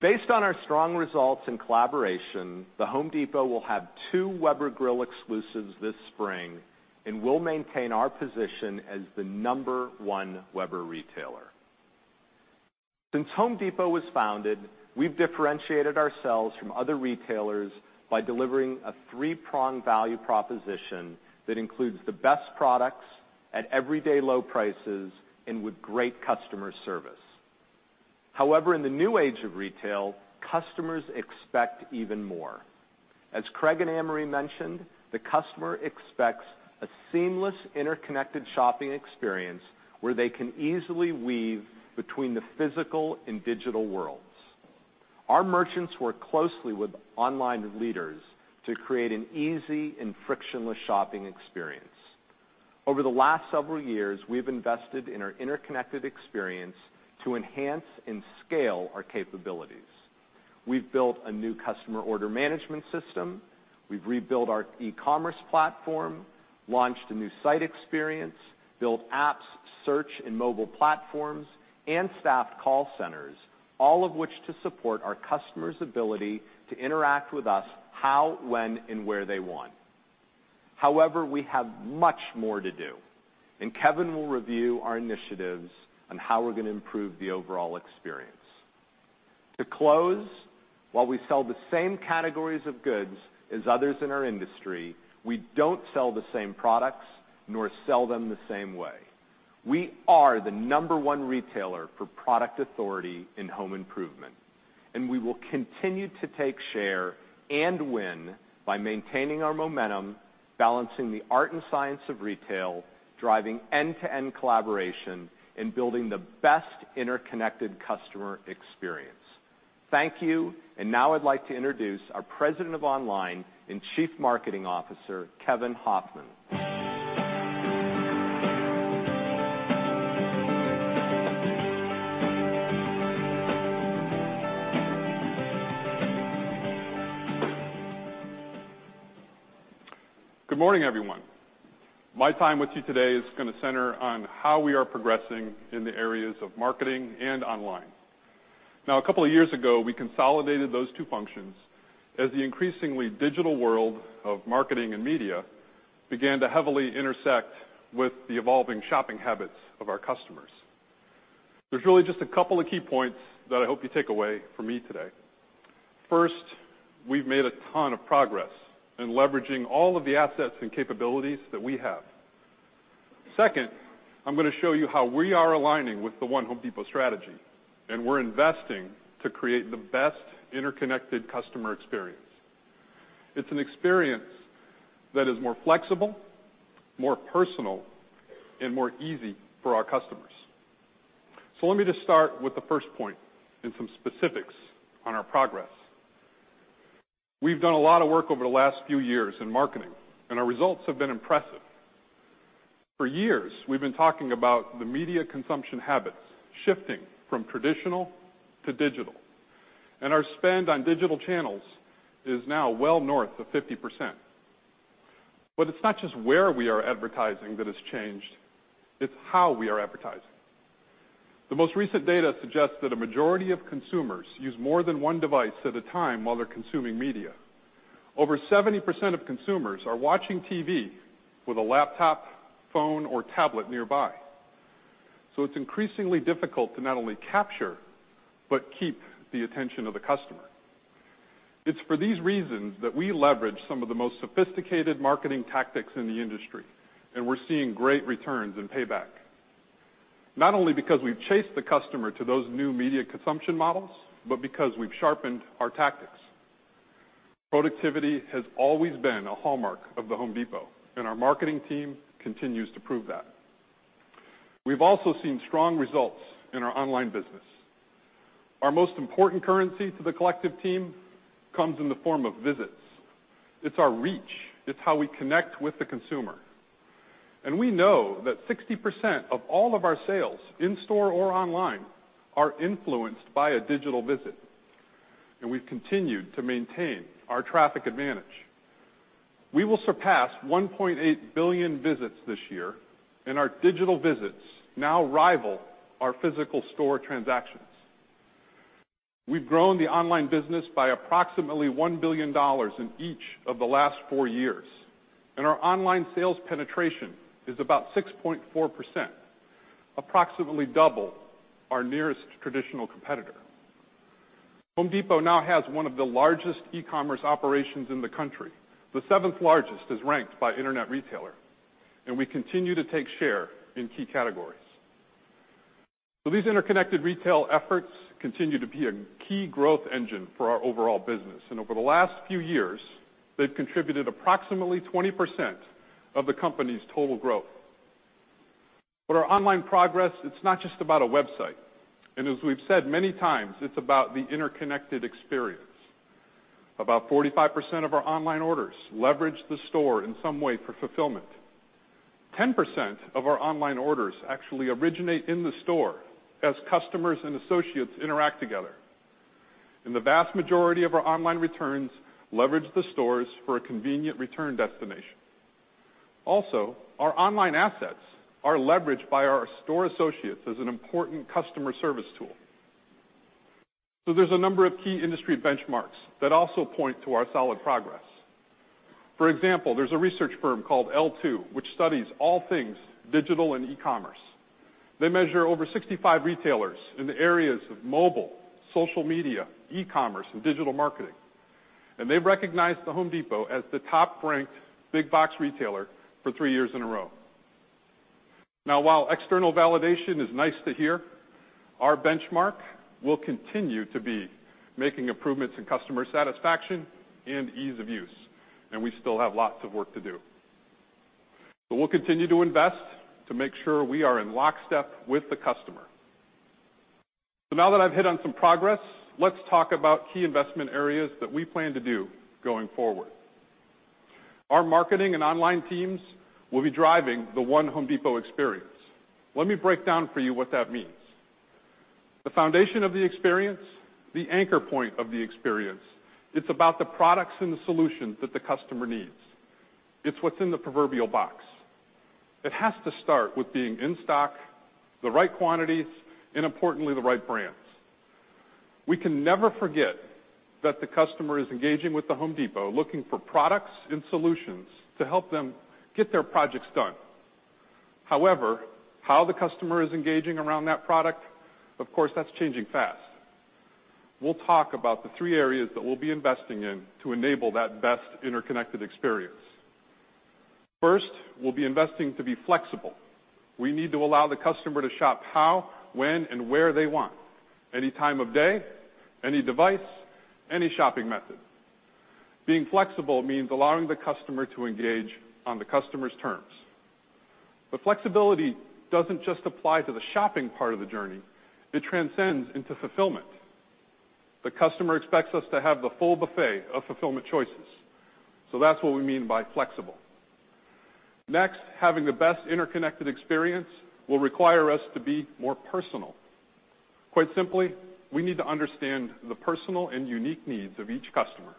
Based on our strong results and collaboration, The Home Depot will have two Weber grill exclusives this spring, and we'll maintain our position as the number one Weber retailer. Since The Home Depot was founded, we've differentiated ourselves from other retailers by delivering a three-pronged value proposition that includes the best products at everyday low prices and with great customer service. In the new age of retail, customers expect even more. As Craig and Ann-Marie mentioned, the customer expects a seamless, interconnected shopping experience where they can easily weave between the physical and digital worlds. Our merchants work closely with online leaders to create an easy and frictionless shopping experience. Over the last several years, we've invested in our interconnected experience to enhance and scale our capabilities. We've built a new customer order management system, we've rebuilt our e-commerce platform, launched a new site experience, built apps, search, and mobile platforms, and staffed call centers, all of which to support our customers' ability to interact with us how, when, and where they want. We have much more to do, and Kevin will review our initiatives on how we're going to improve the overall experience. To close, while we sell the same categories of goods as others in our industry, we don't sell the same products nor sell them the same way. We are the number one retailer for product authority in home improvement, and we will continue to take share and win by maintaining our momentum, balancing the art and science of retail, driving end-to-end collaboration, and building the best interconnected customer experience. Thank you. Now I'd like to introduce our President of Online and Chief Marketing Officer, Kevin Hofmann. Good morning, everyone. My time with you today is going to center on how we are progressing in the areas of marketing and online. A couple of years ago, we consolidated those two functions as the increasingly digital world of marketing and media began to heavily intersect with the evolving shopping habits of our customers. There's really just a couple of key points that I hope you take away from me today. First, we've made a ton of progress in leveraging all of the assets and capabilities that we have. Second, I'm going to show you how we are aligning with the One Home Depot strategy, we're investing to create the best interconnected customer experience. It's an experience that is more flexible, more personal, and more easy for our customers. Let me just start with the first point and some specifics on our progress. We've done a lot of work over the last few years in marketing. Our results have been impressive. For years, we've been talking about the media consumption habits shifting from traditional to digital. Our spend on digital channels is now well north of 50%. It's not just where we are advertising that has changed, it's how we are advertising. The most recent data suggests that a majority of consumers use more than one device at a time while they're consuming media. Over 70% of consumers are watching TV with a laptop, phone, or tablet nearby. It's increasingly difficult to not only capture but keep the attention of the customer. It's for these reasons that we leverage some of the most sophisticated marketing tactics in the industry. We're seeing great returns and payback. Not only because we've chased the customer to those new media consumption models, because we've sharpened our tactics. Productivity has always been a hallmark of The Home Depot. Our marketing team continues to prove that. We've also seen strong results in our online business. Our most important currency to the collective team comes in the form of visits. It's our reach, it's how we connect with the consumer. We know that 60% of all of our sales, in store or online, are influenced by a digital visit. We've continued to maintain our traffic advantage. We will surpass 1.8 billion visits this year. Our digital visits now rival our physical store transactions. We've grown the online business by approximately $1 billion in each of the last four years. Our online sales penetration is about 6.4%, approximately double our nearest traditional competitor. The Home Depot now has one of the largest e-commerce operations in the country, the seventh largest as ranked by Internet Retailer. We continue to take share in key categories. These interconnected retail efforts continue to be a key growth engine for our overall business. Over the last few years, they've contributed approximately 20% of the company's total growth. Our online progress, it's not just about a website. As we've said many times, it's about the interconnected experience. About 45% of our online orders leverage the store in some way for fulfillment. 10% of our online orders actually originate in the store as customers and associates interact together. The vast majority of our online returns leverage the stores for a convenient return destination. Also, our online assets are leveraged by our store associates as an important customer service tool. There's a number of key industry benchmarks that also point to our solid progress. For example, there's a research firm called L2 which studies all things digital and e-commerce. They measure over 65 retailers in the areas of mobile, social media, e-commerce, and digital marketing. They've recognized The Home Depot as the top-ranked big box retailer for three years in a row. While external validation is nice to hear, our benchmark will continue to be making improvements in customer satisfaction and ease of use. We still have lots of work to do. We'll continue to invest to make sure we are in lockstep with the customer. Now that I've hit on some progress, let's talk about key investment areas that we plan to do going forward. Our marketing and online teams will be driving the One Home Depot experience. Let me break down for you what that means. The foundation of the experience, the anchor point of the experience, it's about the products and the solutions that the customer needs. It's what's in the proverbial box. It has to start with being in stock, the right quantities, and importantly, the right brands. We can never forget that the customer is engaging with The Home Depot looking for products and solutions to help them get their projects done. How the customer is engaging around that product, of course, that's changing fast. We'll talk about the three areas that we'll be investing in to enable that best interconnected experience. First, we'll be investing to be flexible. We need to allow the customer to shop how, when, and where they want, any time of day, any device, any shopping method. Being flexible means allowing the customer to engage on the customer's terms. Flexibility doesn't just apply to the shopping part of the journey. It transcends into fulfillment. The customer expects us to have the full buffet of fulfillment choices. That's what we mean by flexible. Next, having the best interconnected experience will require us to be more personal. Quite simply, we need to understand the personal and unique needs of each customer.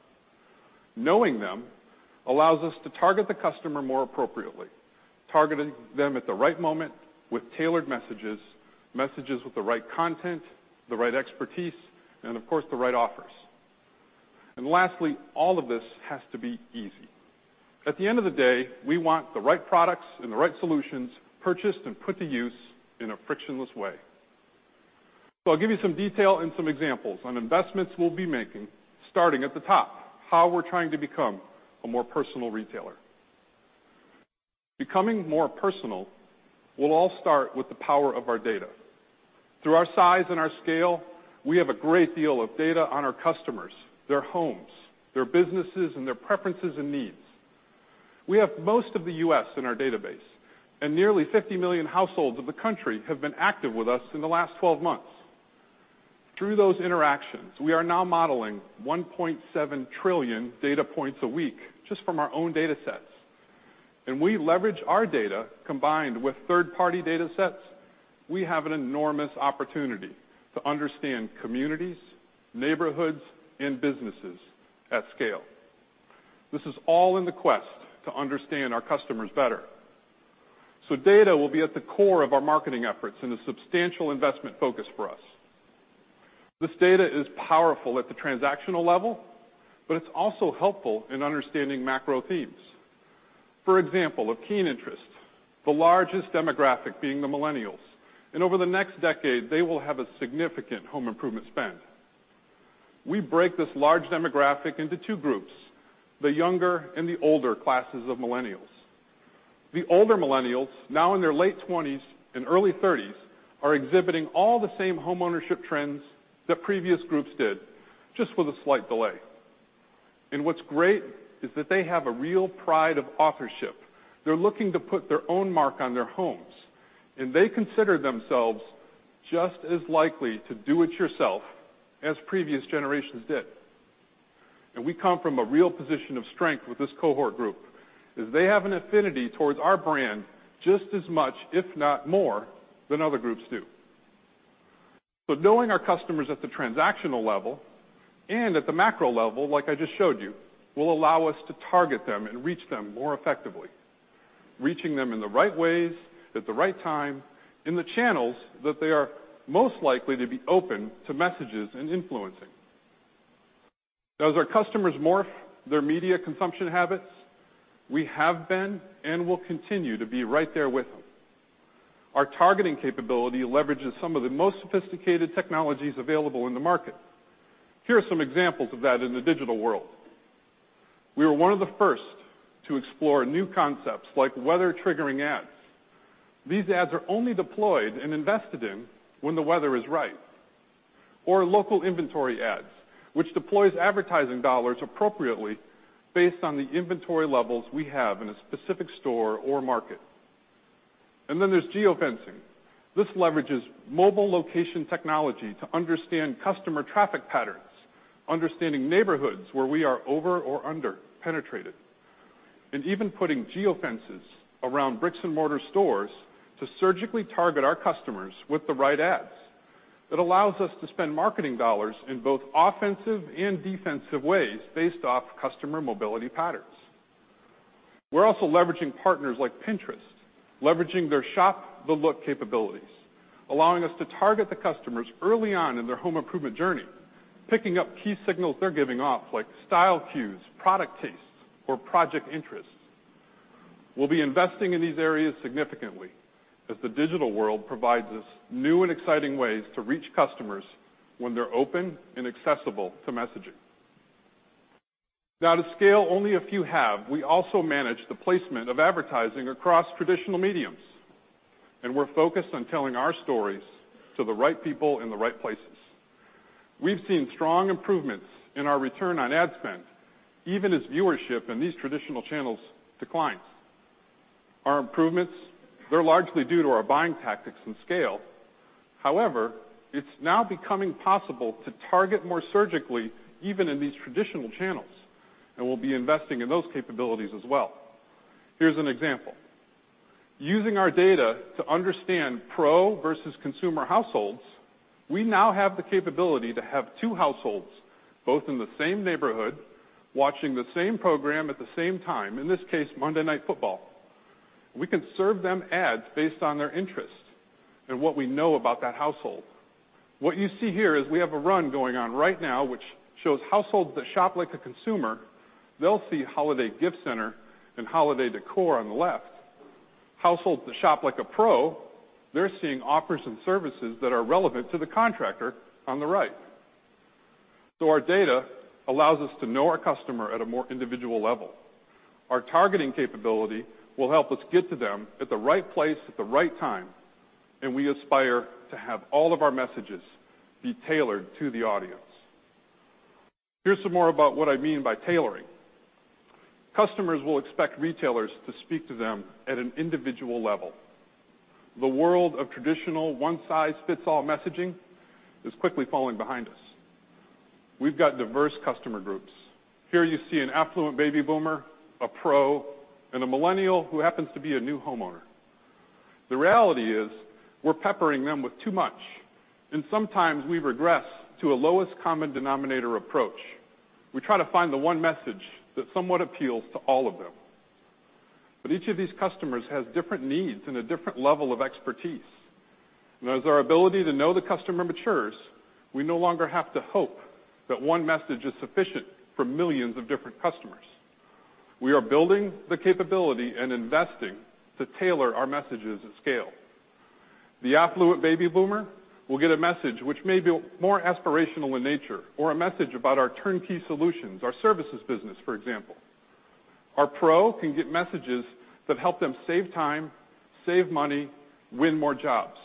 Knowing them allows us to target the customer more appropriately, targeting them at the right moment with tailored messages with the right content, the right expertise, and of course, the right offers. Lastly, all of this has to be easy. At the end of the day, we want the right products and the right solutions purchased and put to use in a frictionless way. I'll give you some detail and some examples on investments we'll be making starting at the top, how we're trying to become a more personal retailer. Becoming more personal will all start with the power of our data. Through our size and our scale, we have a great deal of data on our customers, their homes, their businesses, and their preferences and needs. We have most of the U.S. in our database, and nearly 50 million households of the country have been active with us in the last 12 months. Through those interactions, we are now modeling 1.7 trillion data points a week just from our own data sets. We leverage our data combined with third-party data sets. We have an enormous opportunity to understand communities, neighborhoods, and businesses at scale. This is all in the quest to understand our customers better. Data will be at the core of our marketing efforts and a substantial investment focus for us. This data is powerful at the transactional level, but it's also helpful in understanding macro themes. For example, of keen interest, the largest demographic being the millennials. Over the next decade, they will have a significant home improvement spend. We break this large demographic into two groups, the younger and the older classes of millennials. The older millennials, now in their late 20s and early 30s, are exhibiting all the same homeownership trends that previous groups did, just with a slight delay. What's great is that they have a real pride of authorship. They're looking to put their own mark on their homes, and they consider themselves just as likely to do it themselves as previous generations did. We come from a real position of strength with this cohort group, as they have an affinity towards our brand just as much, if not more, than other groups do. Knowing our customers at the transactional level and at the macro level, like I just showed you, will allow us to target them and reach them more effectively, reaching them in the right ways, at the right time, in the channels that they are most likely to be open to messages and influencing. As our customers morph their media consumption habits, we have been and will continue to be right there with them. Our targeting capability leverages some of the most sophisticated technologies available in the market. Here are some examples of that in the digital world. We were one of the first to explore new concepts like weather-triggering ads. These ads are only deployed and invested in when the weather is right. Local inventory ads, which deploys advertising dollars appropriately based on the inventory levels we have in a specific store or market. There's geofencing. This leverages mobile location technology to understand customer traffic patterns, understanding neighborhoods where we are over or under-penetrated, and even putting geofences around bricks-and-mortar stores to surgically target our customers with the right ads. It allows us to spend marketing dollars in both offensive and defensive ways based off customer mobility patterns. We're also leveraging partners like Pinterest, leveraging their Shop the Look capabilities, allowing us to target the customers early on in their home improvement journey, picking up key signals they're giving off, like style cues, product tastes, or project interests. We'll be investing in these areas significantly as the digital world provides us new and exciting ways to reach customers when they're open and accessible to messaging. To scale only a few have, we also manage the placement of advertising across traditional mediums, we're focused on telling our stories to the right people in the right places. We've seen strong improvements in our return on ad spend, even as viewership in these traditional channels declines. Our improvements, they're largely due to our buying tactics and scale. It's now becoming possible to target more surgically, even in these traditional channels, we'll be investing in those capabilities as well. Here's an example. Using our data to understand pro versus consumer households, we now have the capability to have two households, both in the same neighborhood, watching the same program at the same time, in this case, Monday Night Football. We can serve them ads based on their interests and what we know about that household. What you see here is we have a run going on right now which shows households that shop like a consumer, they'll see holiday Gift Center and holiday decor on the left. Households that shop like a pro, they're seeing offers and services that are relevant to the contractor on the right. Our data allows us to know our customer at a more individual level. Our targeting capability will help us get to them at the right place at the right time, we aspire to have all of our messages be tailored to the audience. Here's some more about what I mean by tailoring. Customers will expect retailers to speak to them at an individual level. The world of traditional one-size-fits-all messaging is quickly falling behind us. We've got diverse customer groups. Here you see an affluent baby boomer, a pro, and a millennial who happens to be a new homeowner. The reality is we're peppering them with too much, and sometimes we regress to a lowest common denominator approach. We try to find the one message that somewhat appeals to all of them. Each of these customers has different needs and a different level of expertise. As our ability to know the customer matures, we no longer have to hope that one message is sufficient for millions of different customers. We are building the capability and investing to tailor our messages at scale. The affluent baby boomer will get a message which may be more aspirational in nature or a message about our turnkey solutions, our services business, for example. Our pro can get messages that help them save time, save money, win more jobs.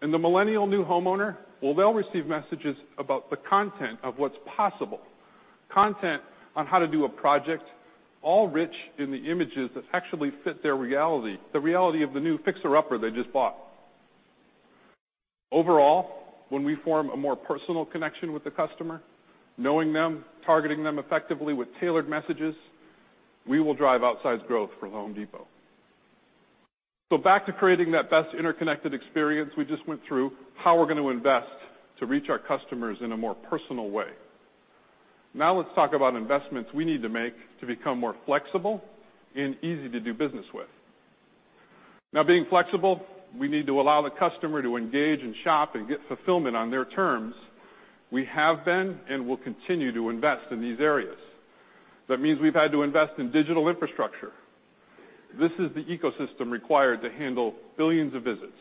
The millennial new homeowner, well, they'll receive messages about the content of what's possible, content on how to do a project, all rich in the images that actually fit their reality, the reality of the new fixer-upper they just bought. Overall, when we form a more personal connection with the customer, knowing them, targeting them effectively with tailored messages, we will drive outsized growth for The Home Depot. Back to creating that best interconnected experience we just went through, how we're going to invest to reach our customers in a more personal way. Let's talk about investments we need to make to become more flexible and easy to do business with. Being flexible, we need to allow the customer to engage and shop and get fulfillment on their terms. We have been, and will continue to invest in these areas. That means we've had to invest in digital infrastructure. This is the ecosystem required to handle billions of visits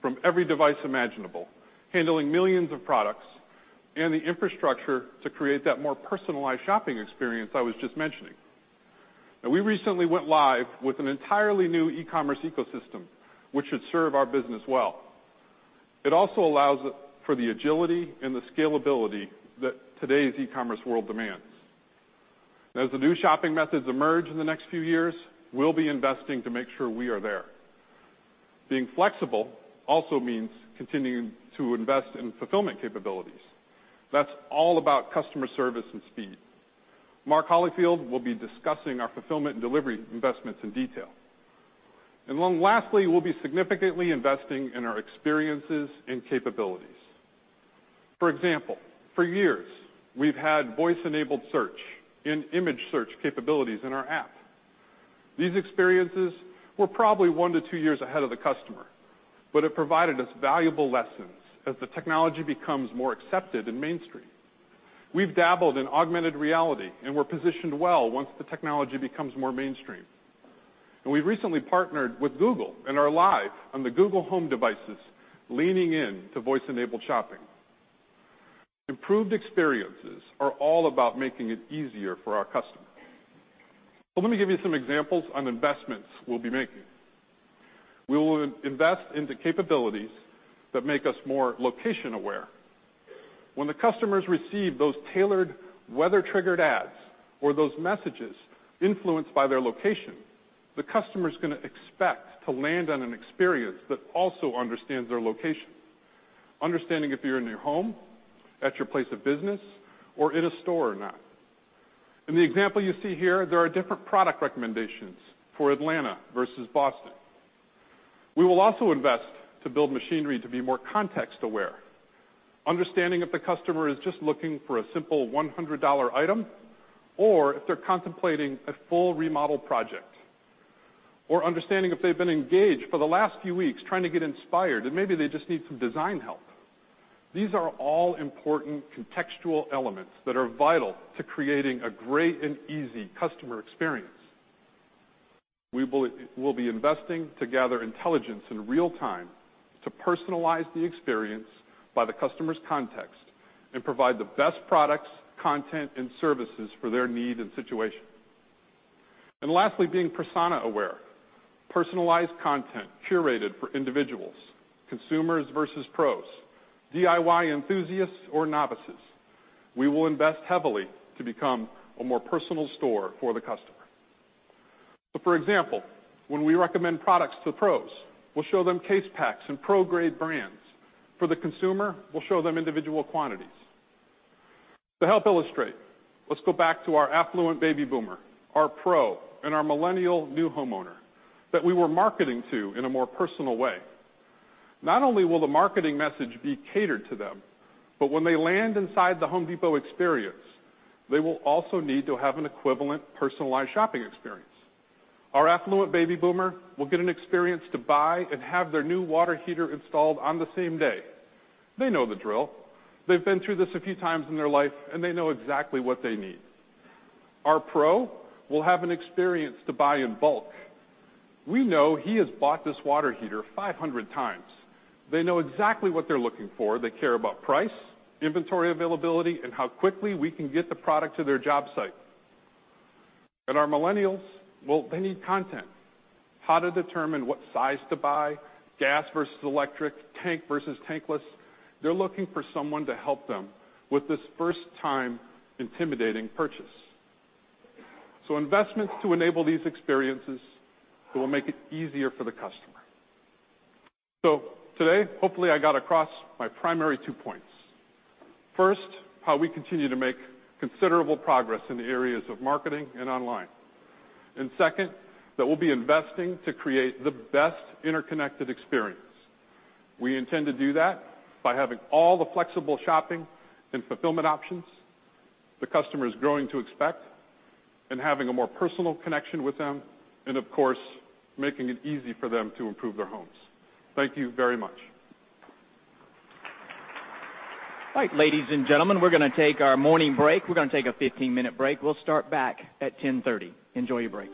from every device imaginable, handling millions of products, and the infrastructure to create that more personalized shopping experience I was just mentioning. We recently went live with an entirely new e-commerce ecosystem, which should serve our business well. It also allows for the agility and the scalability that today's e-commerce world demands. As the new shopping methods emerge in the next few years, we'll be investing to make sure we are there. Being flexible also means continuing to invest in fulfillment capabilities. That's all about customer service and speed. Mark Holifield will be discussing our fulfillment and delivery investments in detail. Then lastly, we'll be significantly investing in our experiences and capabilities. For example, for years, we've had voice-enabled search and image search capabilities in our app. These experiences were probably one to two years ahead of the customer, but it provided us valuable lessons as the technology becomes more accepted in mainstream. We've dabbled in augmented reality, and we're positioned well once the technology becomes more mainstream. We've recently partnered with Google and are live on the Google Home devices, leaning in to voice-enabled shopping. Improved experiences are all about making it easier for our customer. Let me give you some examples on investments we'll be making. We will invest in the capabilities that make us more location-aware. When the customers receive those tailored weather-triggered ads or those messages influenced by their location, the customer's going to expect to land on an experience that also understands their location, understanding if you're in your home, at your place of business, or in a store or not. In the example you see here, there are different product recommendations for Atlanta versus Boston. We will also invest to build machinery to be more context-aware, understanding if the customer is just looking for a simple $100 item, or if they're contemplating a full remodel project. Understanding if they've been engaged for the last few weeks trying to get inspired, and maybe they just need some design help. These are all important contextual elements that are vital to creating a great and easy customer experience. We'll be investing to gather intelligence in real time to personalize the experience by the customer's context and provide the best products, content, and services for their need and situation. Lastly, being persona-aware, personalized content curated for individuals, consumers versus pros, DIY enthusiasts or novices. We will invest heavily to become a more personal store for the customer. For example, when we recommend products to pros, we'll show them case packs and pro-grade brands. For the consumer, we'll show them individual quantities. To help illustrate, let's go back to our affluent baby boomer, our pro, and our millennial new homeowner that we were marketing to in a more personal way. Not only will the marketing message be catered to them, but when they land inside The Home Depot experience, they will also need to have an equivalent personalized shopping experience. Our affluent baby boomer will get an experience to buy and have their new water heater installed on the same day. They know the drill. They've been through this a few times in their life, and they know exactly what they need. Our pro will have an experience to buy in bulk. We know he has bought this water heater 500 times. They know exactly what they're looking for. They care about price, inventory availability, and how quickly we can get the product to their job site. Our millennials, well, they need content. How to determine what size to buy, gas versus electric, tank versus tankless. They're looking for someone to help them with this first-time intimidating purchase. Investments to enable these experiences that will make it easier for the customer. Today, hopefully, I got across my primary two points. First, how we continue to make considerable progress in the areas of marketing and online. Second, that we'll be investing to create the best interconnected experience. We intend to do that by having all the flexible shopping and fulfillment options the customer is growing to expect and having a more personal connection with them, and of course, making it easy for them to improve their homes. Thank you very much. All right, ladies and gentlemen, we're going to take our morning break. We're going to take a 15-minute break. We'll start back at 10:30. Enjoy your break.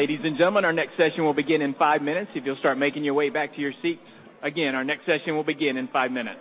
All right, ladies and gentlemen, our next session will begin in 5 minutes. If you'll start making your way back to your seats. Again, our next session will begin in 5 minutes.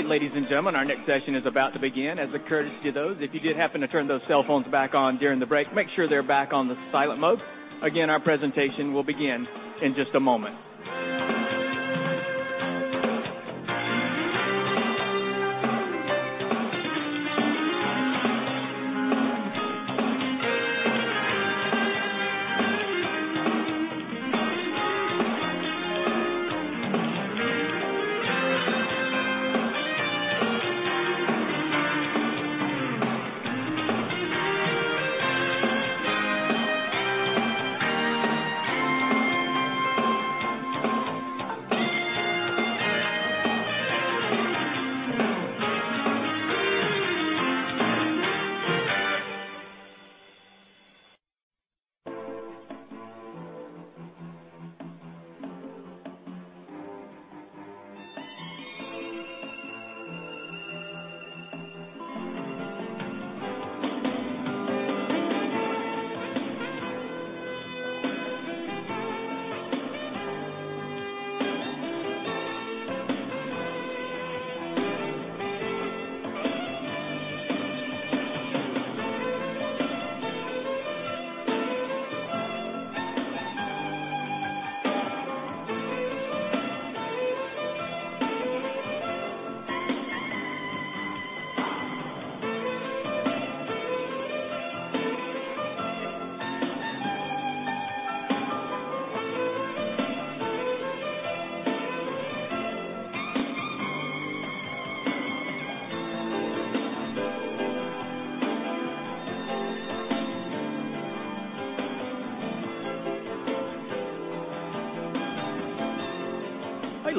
All right, ladies and gentlemen, our next session is about to begin. As a courtesy to those, if you did happen to turn those cell phones back on during the break, make sure they're back on the silent mode. Again, our presentation will begin in just a moment.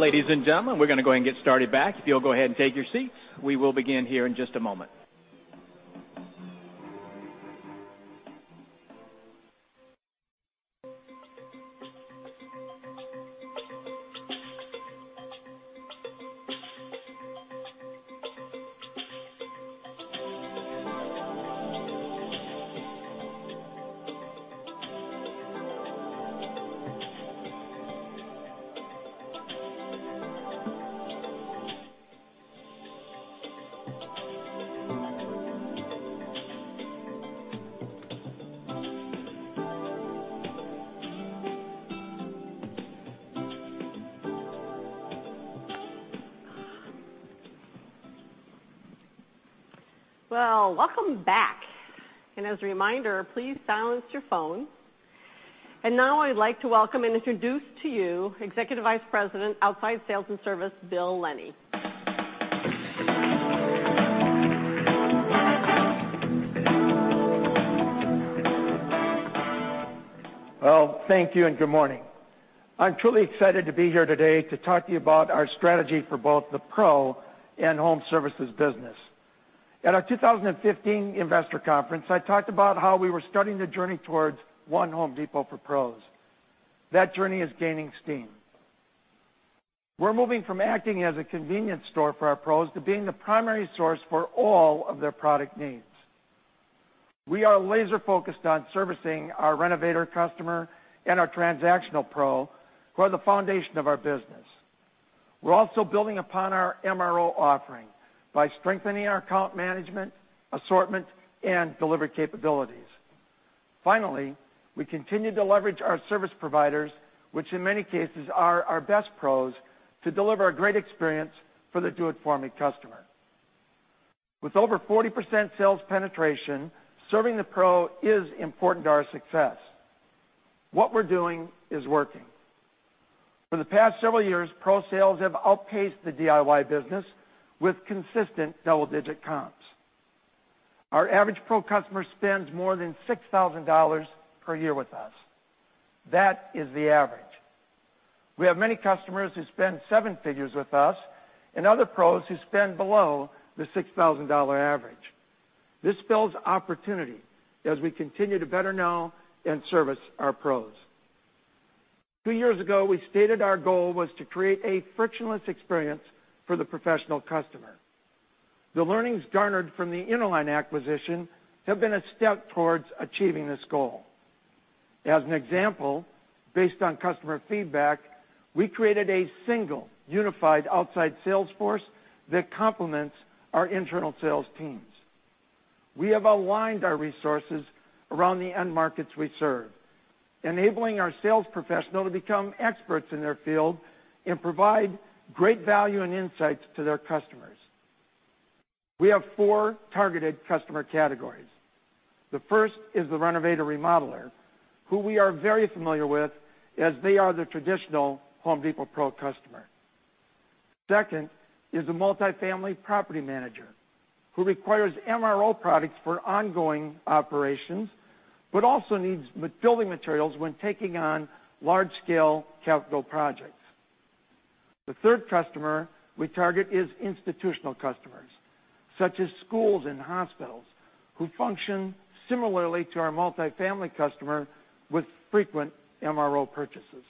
All right, ladies and gentlemen, we're going to go ahead and get started back. If you'll go ahead and take your seats, we will begin here in just a moment. Welcome back. As a reminder, please silence your phone. Now I'd like to welcome and introduce to you Executive Vice President, Outside Sales and Service, Bill Lennie. Thank you, and good morning. I'm truly excited to be here today to talk to you about our strategy for both the pro and home services business. At our 2015 investor conference, I talked about how we were starting the journey towards One Home Depot for pros. That journey is gaining steam. We're moving from acting as a convenience store for our pros to being the primary source for all of their product needs. We are laser-focused on servicing our renovator customer and our transactional pro who are the foundation of our business. We're also building upon our MRO offering by strengthening our account management, assortment, and delivery capabilities. Finally, we continue to leverage our service providers, which in many cases are our best pros, to deliver a great experience for the do-it-for-me customer. With over 40% sales penetration, serving the pro is important to our success. What we're doing is working. For the past several years, pro sales have outpaced the DIY business with consistent double-digit comps. Our average pro customer spends more than $6,000 per year with us. That is the average. We have many customers who spend seven figures with us and other pros who spend below the $6,000 average. This builds opportunity as we continue to better know and service our pros. Two years ago, we stated our goal was to create a frictionless experience for the professional customer. The learnings garnered from the Interline Brands acquisition have been a step towards achieving this goal. As an example, based on customer feedback, we created a single unified outside sales force that complements our internal sales teams. We have aligned our resources around the end markets we serve, enabling our sales professional to become experts in their field and provide great value and insights to their customers. We have four targeted customer categories. The first is the renovator/remodeler, who we are very familiar with, as they are the traditional Home Depot pro customer. Second is the multifamily property manager, who requires MRO products for ongoing operations but also needs building materials when taking on large-scale capital projects. The third customer we target is institutional customers, such as schools and hospitals, who function similarly to our multifamily customer with frequent MRO purchases.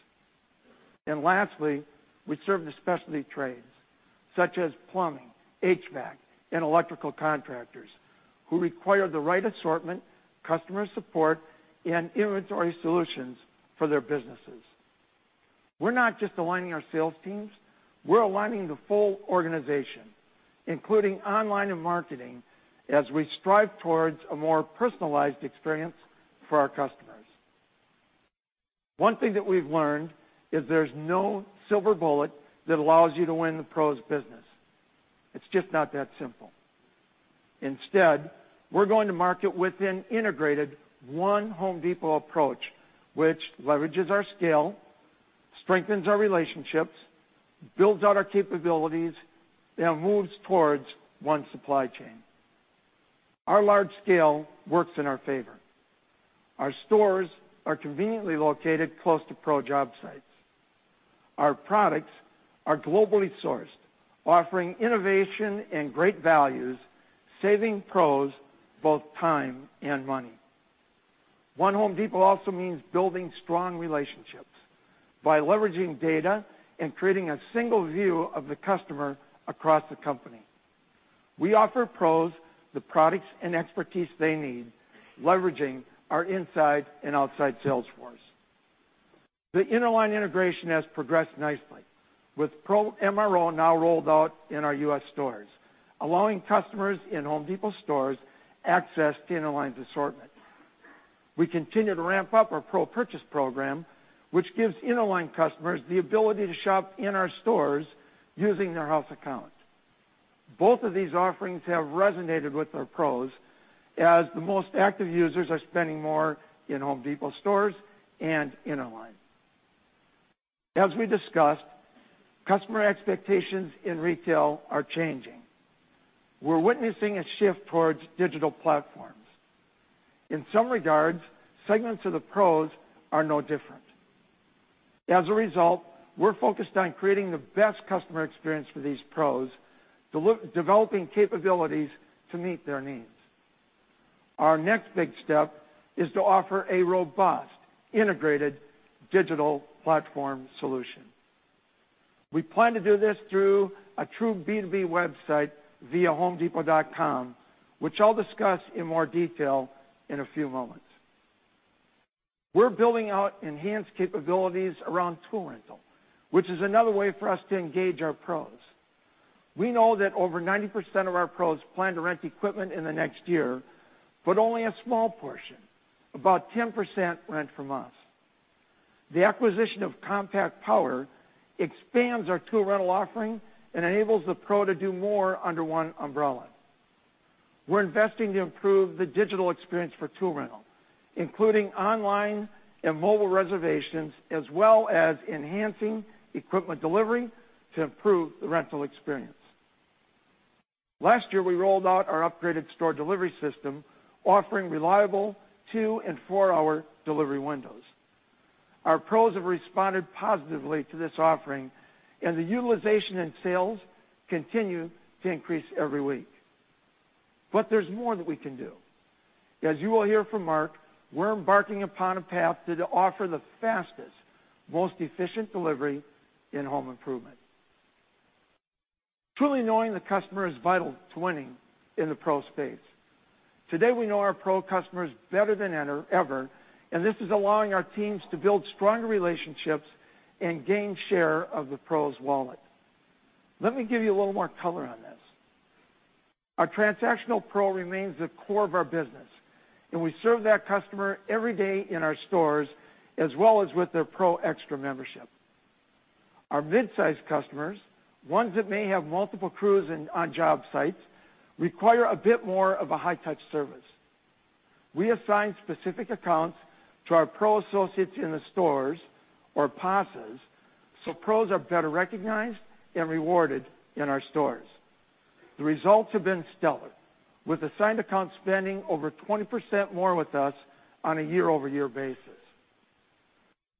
Lastly, we serve the specialty trades, such as plumbing, HVAC, and electrical contractors who require the right assortment, customer support, and inventory solutions for their businesses. We're not just aligning our sales teams, we're aligning the full organization, including online and marketing, as we strive towards a more personalized experience for our customers. One thing that we've learned is there's no silver bullet that allows you to win the pros business. It's just not that simple. Instead, we're going to market with an integrated One Home Depot approach, which leverages our scale, strengthens our relationships, builds out our capabilities, and moves towards one supply chain. Our large scale works in our favor. Our stores are conveniently located close to pro job sites. Our products are globally sourced, offering innovation and great values, saving pros both time and money. One Home Depot also means building strong relationships by leveraging data and creating a single view of the customer across the company. We offer pros the products and expertise they need, leveraging our inside and outside sales force. The Interline Brands integration has progressed nicely with pro MRO now rolled out in our U.S. stores, allowing customers in Home Depot stores access to Interline Brands' assortment. We continue to ramp up our pro purchase program, which gives Interline Brands customers the ability to shop in our stores using their house account. Both of these offerings have resonated with our pros as the most active users are spending more in Home Depot stores and Interline Brands. As we discussed, customer expectations in retail are changing. We're witnessing a shift towards digital platforms. In some regards, segments of the pros are no different. As a result, we're focused on creating the best customer experience for these pros, developing capabilities to meet their needs. Our next big step is to offer a robust, integrated digital platform solution. We plan to do this through a true B2B website via homedepot.com, which I'll discuss in more detail in a few moments. We're building out enhanced capabilities around tool rental, which is another way for us to engage our pros. We know that over 90% of our pros plan to rent equipment in the next year, but only a small portion, about 10%, rent from us. The acquisition of Compact Power expands our tool rental offering and enables the pro to do more under one umbrella. We're investing to improve the digital experience for tool rental, including online and mobile reservations, as well as enhancing equipment delivery to improve the rental experience. Last year, we rolled out our upgraded store delivery system, offering reliable two and four-hour delivery windows. Our pros have responded positively to this offering, and the utilization and sales continue to increase every week. There's more that we can do. As you will hear from Mark, we're embarking upon a path to offer the fastest, most efficient delivery in home improvement. Truly knowing the customer is vital to winning in the pro space. Today, we know our pro customers better than ever, and this is allowing our teams to build stronger relationships and gain share of the pros wallet. Let me give you a little more color on this. Our transactional pro remains the core of our business, and we serve that customer every day in our stores, as well as with their Pro Xtra membership. Our mid-size customers, ones that may have multiple crews on job sites, require a bit more of a high-touch service. We assign specific accounts to our pro associates in the stores or PASAs, so pros are better recognized and rewarded in our stores. The results have been stellar, with assigned accounts spending over 20% more with us on a year-over-year basis.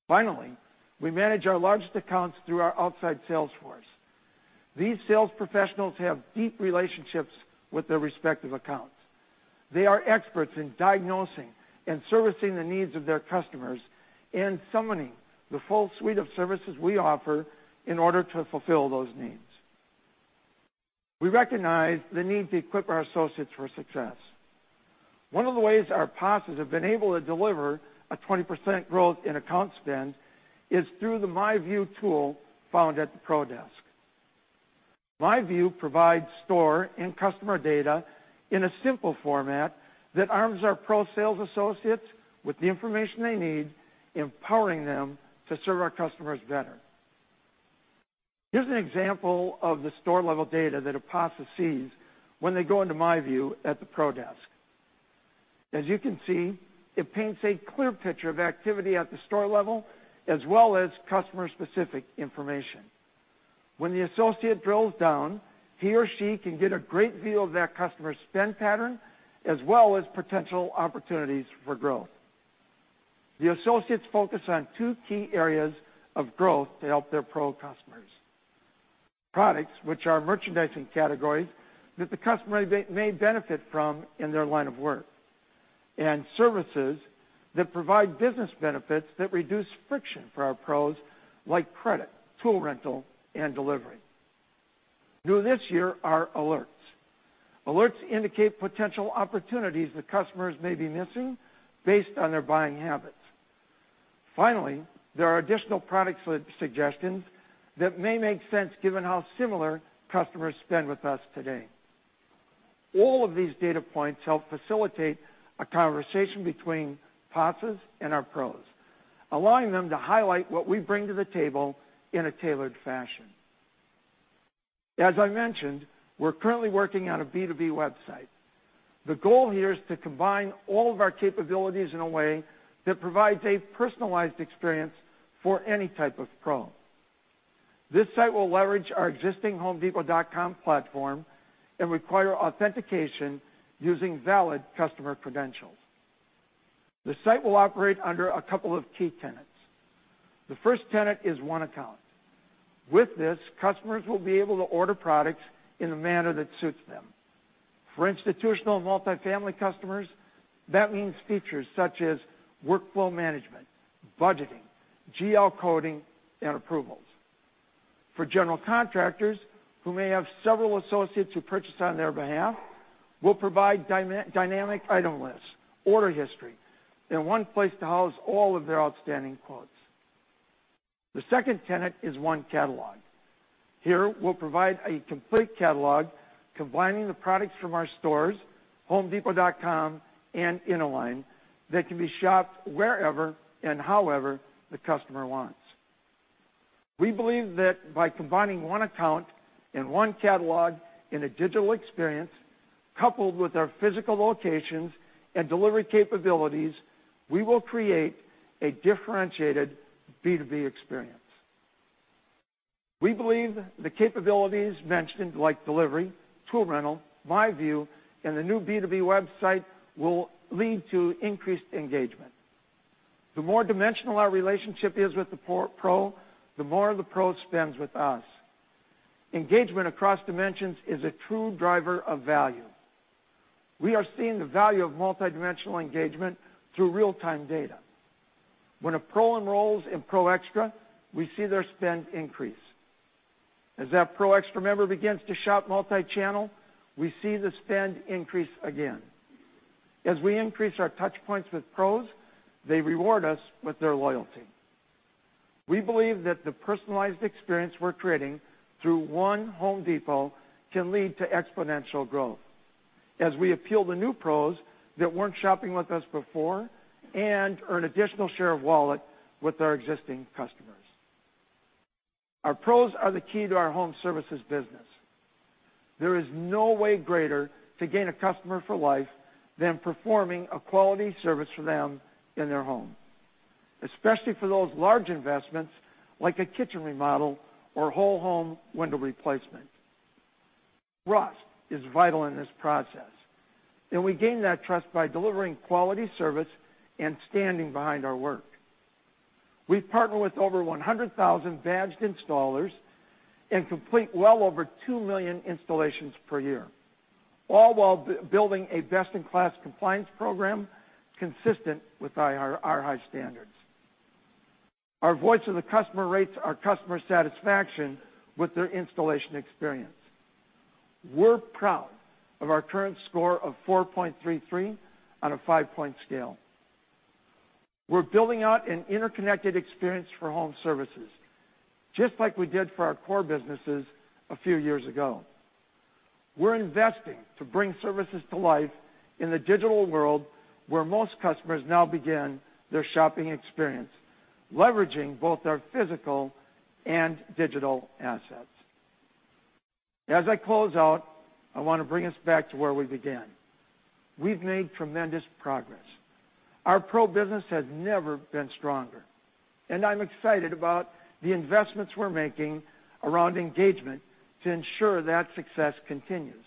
Finally, we manage our largest accounts through our outside sales force. These sales professionals have deep relationships with their respective accounts. They are experts in diagnosing and servicing the needs of their customers and summoning the full suite of services we offer in order to fulfill those needs. We recognize the need to equip our associates for success. One of the ways our PASAs have been able to deliver a 20% growth in account spend is through the myView tool found at the pro desk. myView provides store and customer data in a simple format that arms our pro sales associates with the information they need, empowering them to serve our customers better. Here's an example of the store-level data that a PASA sees when they go into myView at the pro desk. As you can see, it paints a clear picture of activity at the store level as well as customer-specific information. When the associate drills down, he or she can get a great view of that customer's spend pattern, as well as potential opportunities for growth. The associates focus on two key areas of growth to help their pro customers. Products which are merchandising categories that the customer may benefit from in their line of work, and services that provide business benefits that reduce friction for our pros, like credit, tool rental, and delivery. New this year are alerts. Alerts indicate potential opportunities that customers may be missing based on their buying habits. There are additional product suggestions that may make sense given how similar customers spend with us today. All of these data points help facilitate a conversation between PASAs and our pros, allowing them to highlight what we bring to the table in a tailored fashion. As I mentioned, we're currently working on a B2B website. The goal here is to combine all of our capabilities in a way that provides a personalized experience for any type of pro. This site will leverage our existing homedepot.com platform and require authentication using valid customer credentials. The site will operate under a couple of key tenets. The first tenet is one account. With this, customers will be able to order products in a manner that suits them. For institutional multifamily customers, that means features such as workflow management, budgeting, GL coding, and approvals. For general contractors who may have several associates who purchase on their behalf, we will provide dynamic item lists, order history, and one place to house all of their outstanding quotes. The second tenet is one catalog. Here we will provide a complete catalog combining the products from our stores, homedepot.com, and Interline that can be shopped wherever and however the customer wants. We believe that by combining one account and one catalog in a digital experience, coupled with our physical locations and delivery capabilities, we will create a differentiated B2B experience. We believe the capabilities mentioned like delivery, tool rental, myView, and the new B2B website will lead to increased engagement. The more dimensional our relationship is with the Pro, the more the Pro spends with us. Engagement across dimensions is a true driver of value. We are seeing the value of multidimensional engagement through real-time data. When a Pro enrolls in Pro Xtra, we see their spend increase. As that Pro Xtra member begins to shop multi-channel, we see the spend increase again. As we increase our touchpoints with Pros, they reward us with their loyalty. We believe that the personalized experience we are creating through One Home Depot can lead to exponential growth as we appeal to new Pros that were not shopping with us before and earn additional share of wallet with our existing customers. Our Pros are the key to our Home Services business. There is no way greater to gain a customer for life than performing a quality service for them in their home, especially for those large investments like a kitchen remodel or whole home window replacement. Trust is vital in this process, and we gain that trust by delivering quality service and standing behind our work. We partner with over 100,000 badged installers and complete well over 2 million installations per year, all while building a best-in-class compliance program consistent with our high standards. Our voice of the customer rates our customer satisfaction with their installation experience. We are proud of our current score of 4.33 on a five-point scale. We are building out an interconnected experience for Home Services, just like we did for our core businesses a few years ago. We are investing to bring services to life in the digital world where most customers now begin their shopping experience, leveraging both our physical and digital assets. As I close out, I want to bring us back to where we began. We have made tremendous progress. Our Pro business has never been stronger, and I am excited about the investments we are making around engagement to ensure that success continues.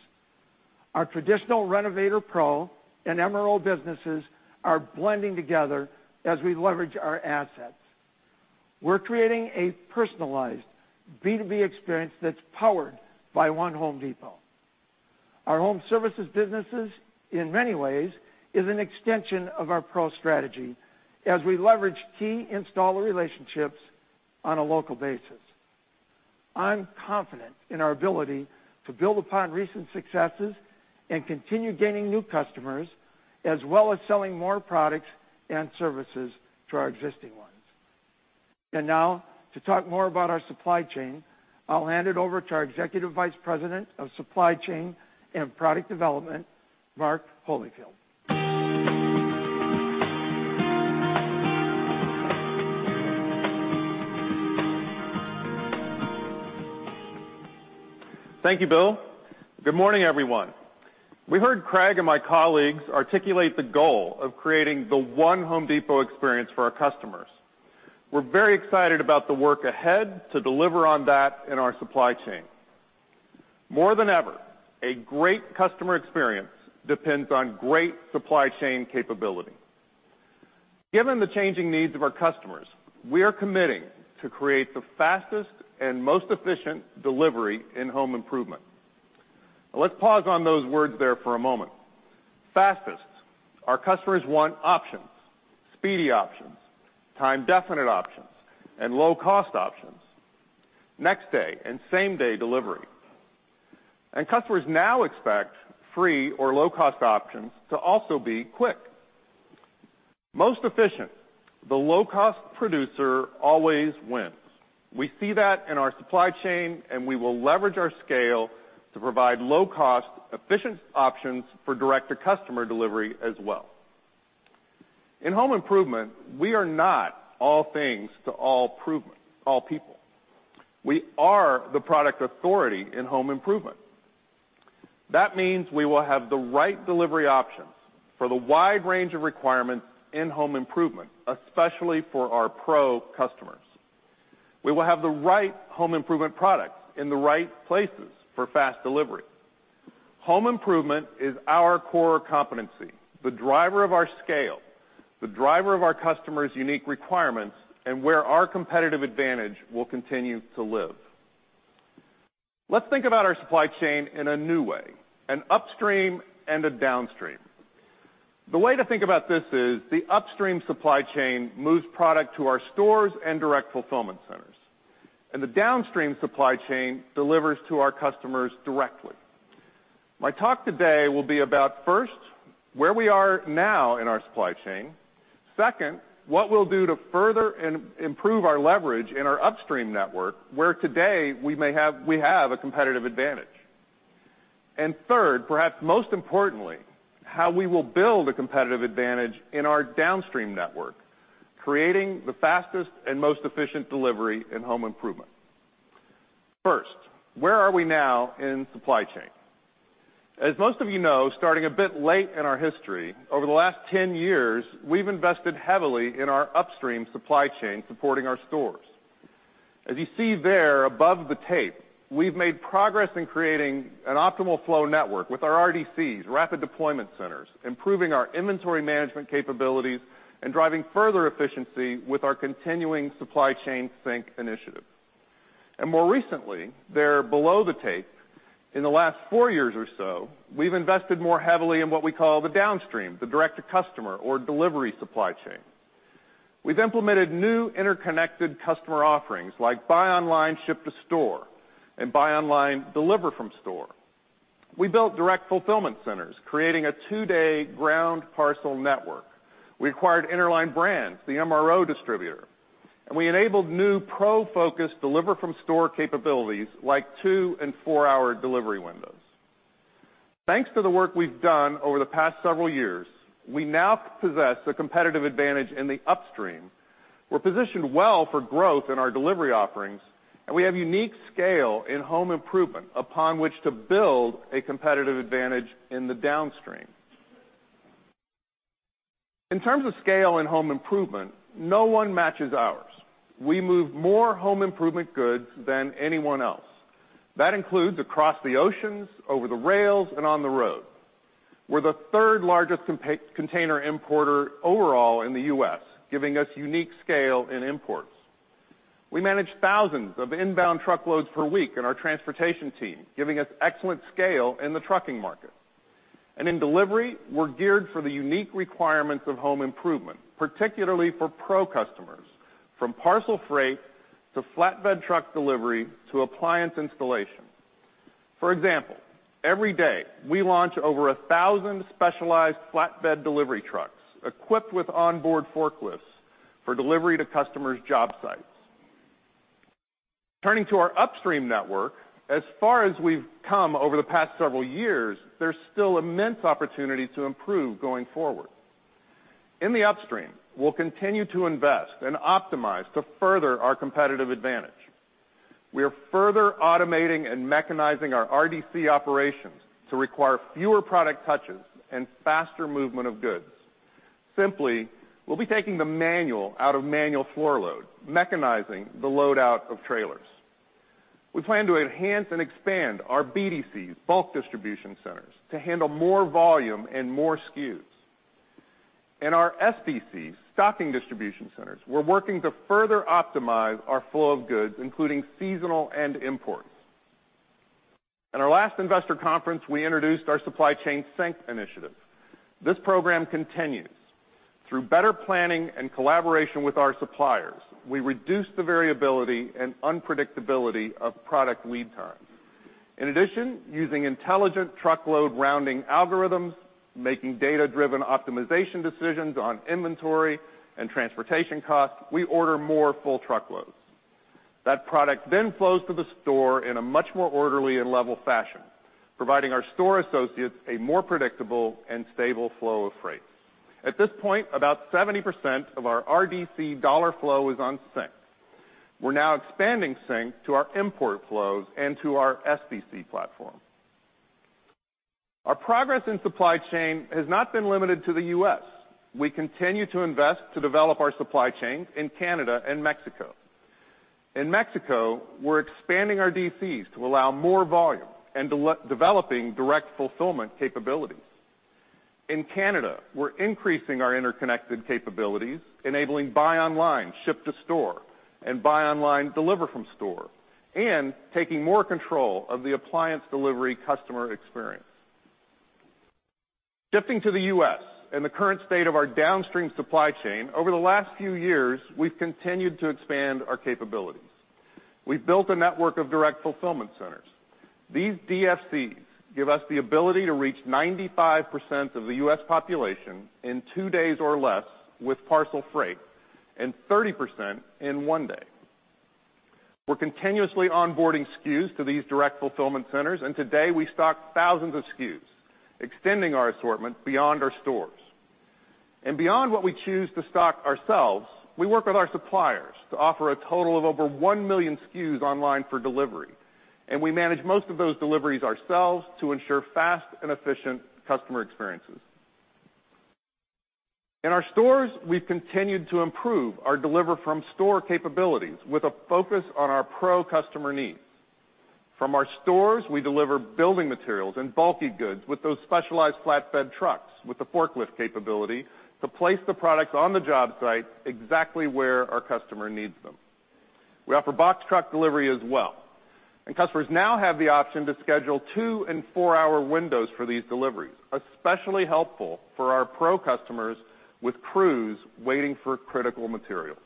Our traditional Renovator Pro and MRO businesses are blending together as we leverage our assets. We are creating a personalized B2B experience that is powered by One Home Depot. Our Home Services businesses, in many ways, is an extension of our Pro strategy as we leverage key installer relationships on a local basis. I am confident in our ability to build upon recent successes and continue gaining new customers, as well as selling more products and services to our existing ones. Now to talk more about our supply chain, I will hand it over to our Executive Vice President of Supply Chain and Product Development, Mark Holifield. Thank you, Bill. Good morning, everyone. We heard Craig and my colleagues articulate the goal of creating the One Home Depot experience for our customers. We are very excited about the work ahead to deliver on that in our supply chain. More than ever, a great customer experience depends on great supply chain capability. Given the changing needs of our customers, we are committing to create the fastest and most efficient delivery in home improvement. Let's pause on those words there for a moment. Fastest, our customers want options, speedy options, time-definite options, and low-cost options, next-day and same-day delivery. Customers now expect free or low-cost options to also be quick. Most efficient, the low-cost producer always wins. We see that in our supply chain, and we will leverage our scale to provide low-cost, efficient options for direct-to-customer delivery as well. In home improvement, we are not all things to all people. We are the product authority in home improvement. That means we will have the right delivery options for the wide range of requirements in home improvement, especially for our Pro customers. We will have the right home improvement products in the right places for fast delivery. Home improvement is our core competency, the driver of our scale, the driver of our customers' unique requirements, and where our competitive advantage will continue to live. Let's think about our supply chain in a new way, an upstream and a downstream. The way to think about this is the upstream supply chain moves product to our stores and direct fulfillment centers, and the downstream supply chain delivers to our customers directly. My talk today will be about, first, where we are now in our supply chain. Second, what we will do to further improve our leverage in our upstream network, where today we have a competitive advantage. Third, perhaps most importantly, how we will build a competitive advantage in our downstream network, creating the fastest and most efficient delivery in home improvement. First, where are we now in supply chain? As most of you know, starting a bit late in our history, over the last 10 years, we have invested heavily in our upstream supply chain supporting our stores. As you see there above the tape, we have made progress in creating an optimal flow network with our RDCs, rapid deployment centers, improving our inventory management capabilities, and driving further efficiency with our continuing Supply Chain Sync initiative. More recently, there below the tape, in the last four years or so, we have invested more heavily in what we call the downstream, the direct-to-customer or delivery supply chain. We have implemented new interconnected customer offerings like buy online, ship to store, and buy online, deliver from store. We built direct fulfillment centers, creating a two-day ground parcel network. We acquired Interline Brands, the MRO distributor, and we enabled new pro-focused deliver-from-store capabilities like two and four-hour delivery windows. Thanks to the work we have done over the past several years, we now possess a competitive advantage in the upstream. We are positioned well for growth in our delivery offerings, and we have unique scale in home improvement upon which to build a competitive advantage in the downstream. In terms of scale in home improvement, no one matches ours. We move more home improvement goods than anyone else. That includes across the oceans, over the rails, and on the road. We are the third largest container importer overall in the U.S., giving us unique scale in imports. We manage thousands of inbound truckloads per week in our transportation team, giving us excellent scale in the trucking market. In delivery, we're geared for the unique requirements of home improvement, particularly for pro customers, from parcel freight to flatbed truck delivery to appliance installation. For example, every day, we launch over 1,000 specialized flatbed delivery trucks equipped with onboard forklifts for delivery to customers' job sites. Turning to our upstream network, as far as we've come over the past several years, there's still immense opportunity to improve going forward. In the upstream, we'll continue to invest and optimize to further our competitive advantage. We are further automating and mechanizing our RDC operations to require fewer product touches and faster movement of goods. Simply, we'll be taking the manual out of manual floor load, mechanizing the load out of trailers. We plan to enhance and expand our BDCs, bulk distribution centers, to handle more volume and more SKUs. In our SDCs, stocking distribution centers, we're working to further optimize our flow of goods, including seasonal and imports. At our last investor conference, we introduced our Supply Chain Sync initiative. This program continues. Through better planning and collaboration with our suppliers, we reduce the variability and unpredictability of product lead times. In addition, using intelligent truckload rounding algorithms, making data-driven optimization decisions on inventory and transportation costs, we order more full truckloads. That product then flows to the store in a much more orderly and level fashion, providing our store associates a more predictable and stable flow of freight. At this point, about 70% of our RDC dollar flow is on Sync. We're now expanding Sync to our import flows and to our SDC platform. Our progress in supply chain has not been limited to the U.S. We continue to invest to develop our supply chain in Canada and Mexico. In Mexico, we're expanding our DCs to allow more volume and developing direct fulfillment capabilities. In Canada, we're increasing our interconnected capabilities, enabling buy online, ship to store, and buy online, deliver from store, and taking more control of the appliance delivery customer experience. Shifting to the U.S. and the current state of our downstream supply chain, over the last few years, we've continued to expand our capabilities. We've built a network of direct fulfillment centers. These DFCs give us the ability to reach 95% of the U.S. population in two days or less with parcel freight and 30% in one day. We're continuously onboarding SKUs to these direct fulfillment centers, and today we stock thousands of SKUs, extending our assortment beyond our stores. Beyond what we choose to stock ourselves, we work with our suppliers to offer a total of over 1 million SKUs online for delivery, and we manage most of those deliveries ourselves to ensure fast and efficient customer experiences. In our stores, we've continued to improve our deliver from store capabilities with a focus on our pro customer needs. From our stores, we deliver building materials and bulky goods with those specialized flatbed trucks with the forklift capability to place the products on the job site exactly where our customer needs them. We offer box truck delivery as well, and customers now have the option to schedule two and four-hour windows for these deliveries, especially helpful for our pro customers with crews waiting for critical materials.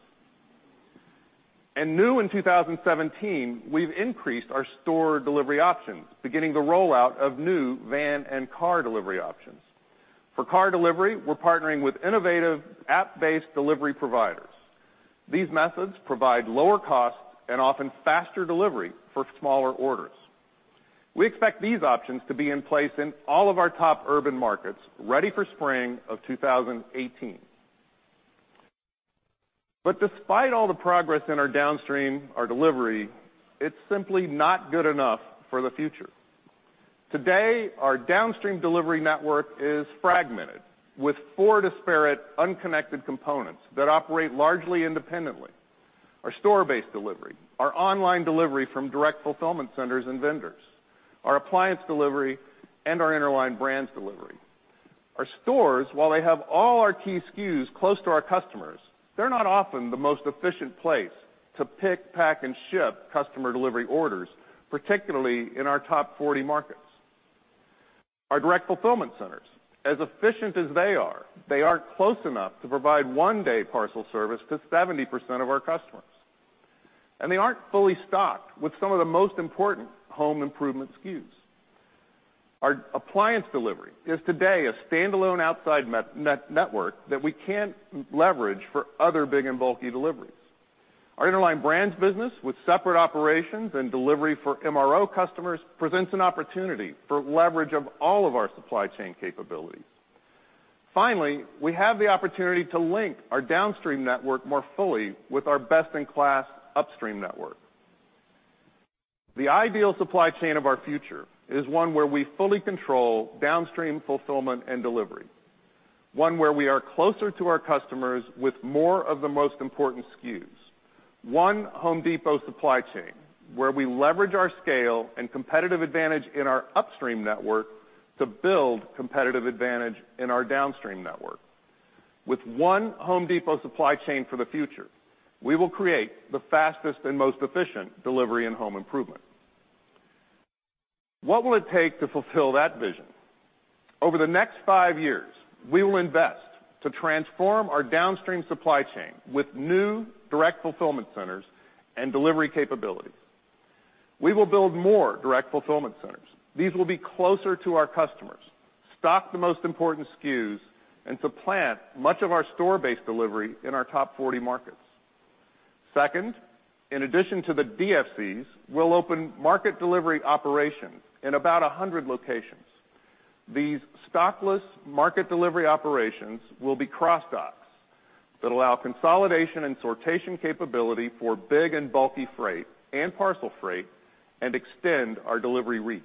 New in 2017, we've increased our store delivery options, beginning the rollout of new van and car delivery options. For car delivery, we're partnering with innovative app-based delivery providers. These methods provide lower cost and often faster delivery for smaller orders. We expect these options to be in place in all of our top urban markets ready for spring of 2018. Despite all the progress in our downstream, our delivery, it's simply not good enough for the future. Today, our downstream delivery network is fragmented with four disparate, unconnected components that operate largely independently. Our store-based delivery, our online delivery from direct fulfillment centers and vendors, our appliance delivery, and our Interline Brands delivery. Our stores, while they have all our key SKUs close to our customers, they're not often the most efficient place to pick, pack, and ship customer delivery orders, particularly in our top 40 markets. Our direct fulfillment centers, as efficient as they are, they aren't close enough to provide one-day parcel service to 70% of our customers. They aren't fully stocked with some of the most important home improvement SKUs. Our appliance delivery is today a standalone outside network that we can leverage for other big and bulky deliveries. Our Interline Brands business, with separate operations and delivery for MRO customers, presents an opportunity for leverage of all of our supply chain capabilities. Finally, we have the opportunity to link our downstream network more fully with our best-in-class upstream network. The ideal supply chain of our future is one where we fully control downstream fulfillment and delivery. One where we are closer to our customers with more of the most important SKUs. One Home Depot supply chain where we leverage our scale and competitive advantage in our upstream network to build competitive advantage in our downstream network. With one Home Depot supply chain for the future, we will create the fastest and most efficient delivery in home improvement. What will it take to fulfill that vision? Over the next 5 years, we will invest to transform our downstream supply chain with new direct fulfillment centers and delivery capabilities. We will build more direct fulfillment centers. These will be closer to our customers, stock the most important SKUs, and supplant much of our store-based delivery in our top 40 markets. Second, in addition to the DFCs, we'll open market delivery operations in about 100 locations. These stockless market delivery operations will be cross-docks that allow consolidation and sortation capability for big and bulky freight and parcel freight and extend our delivery reach.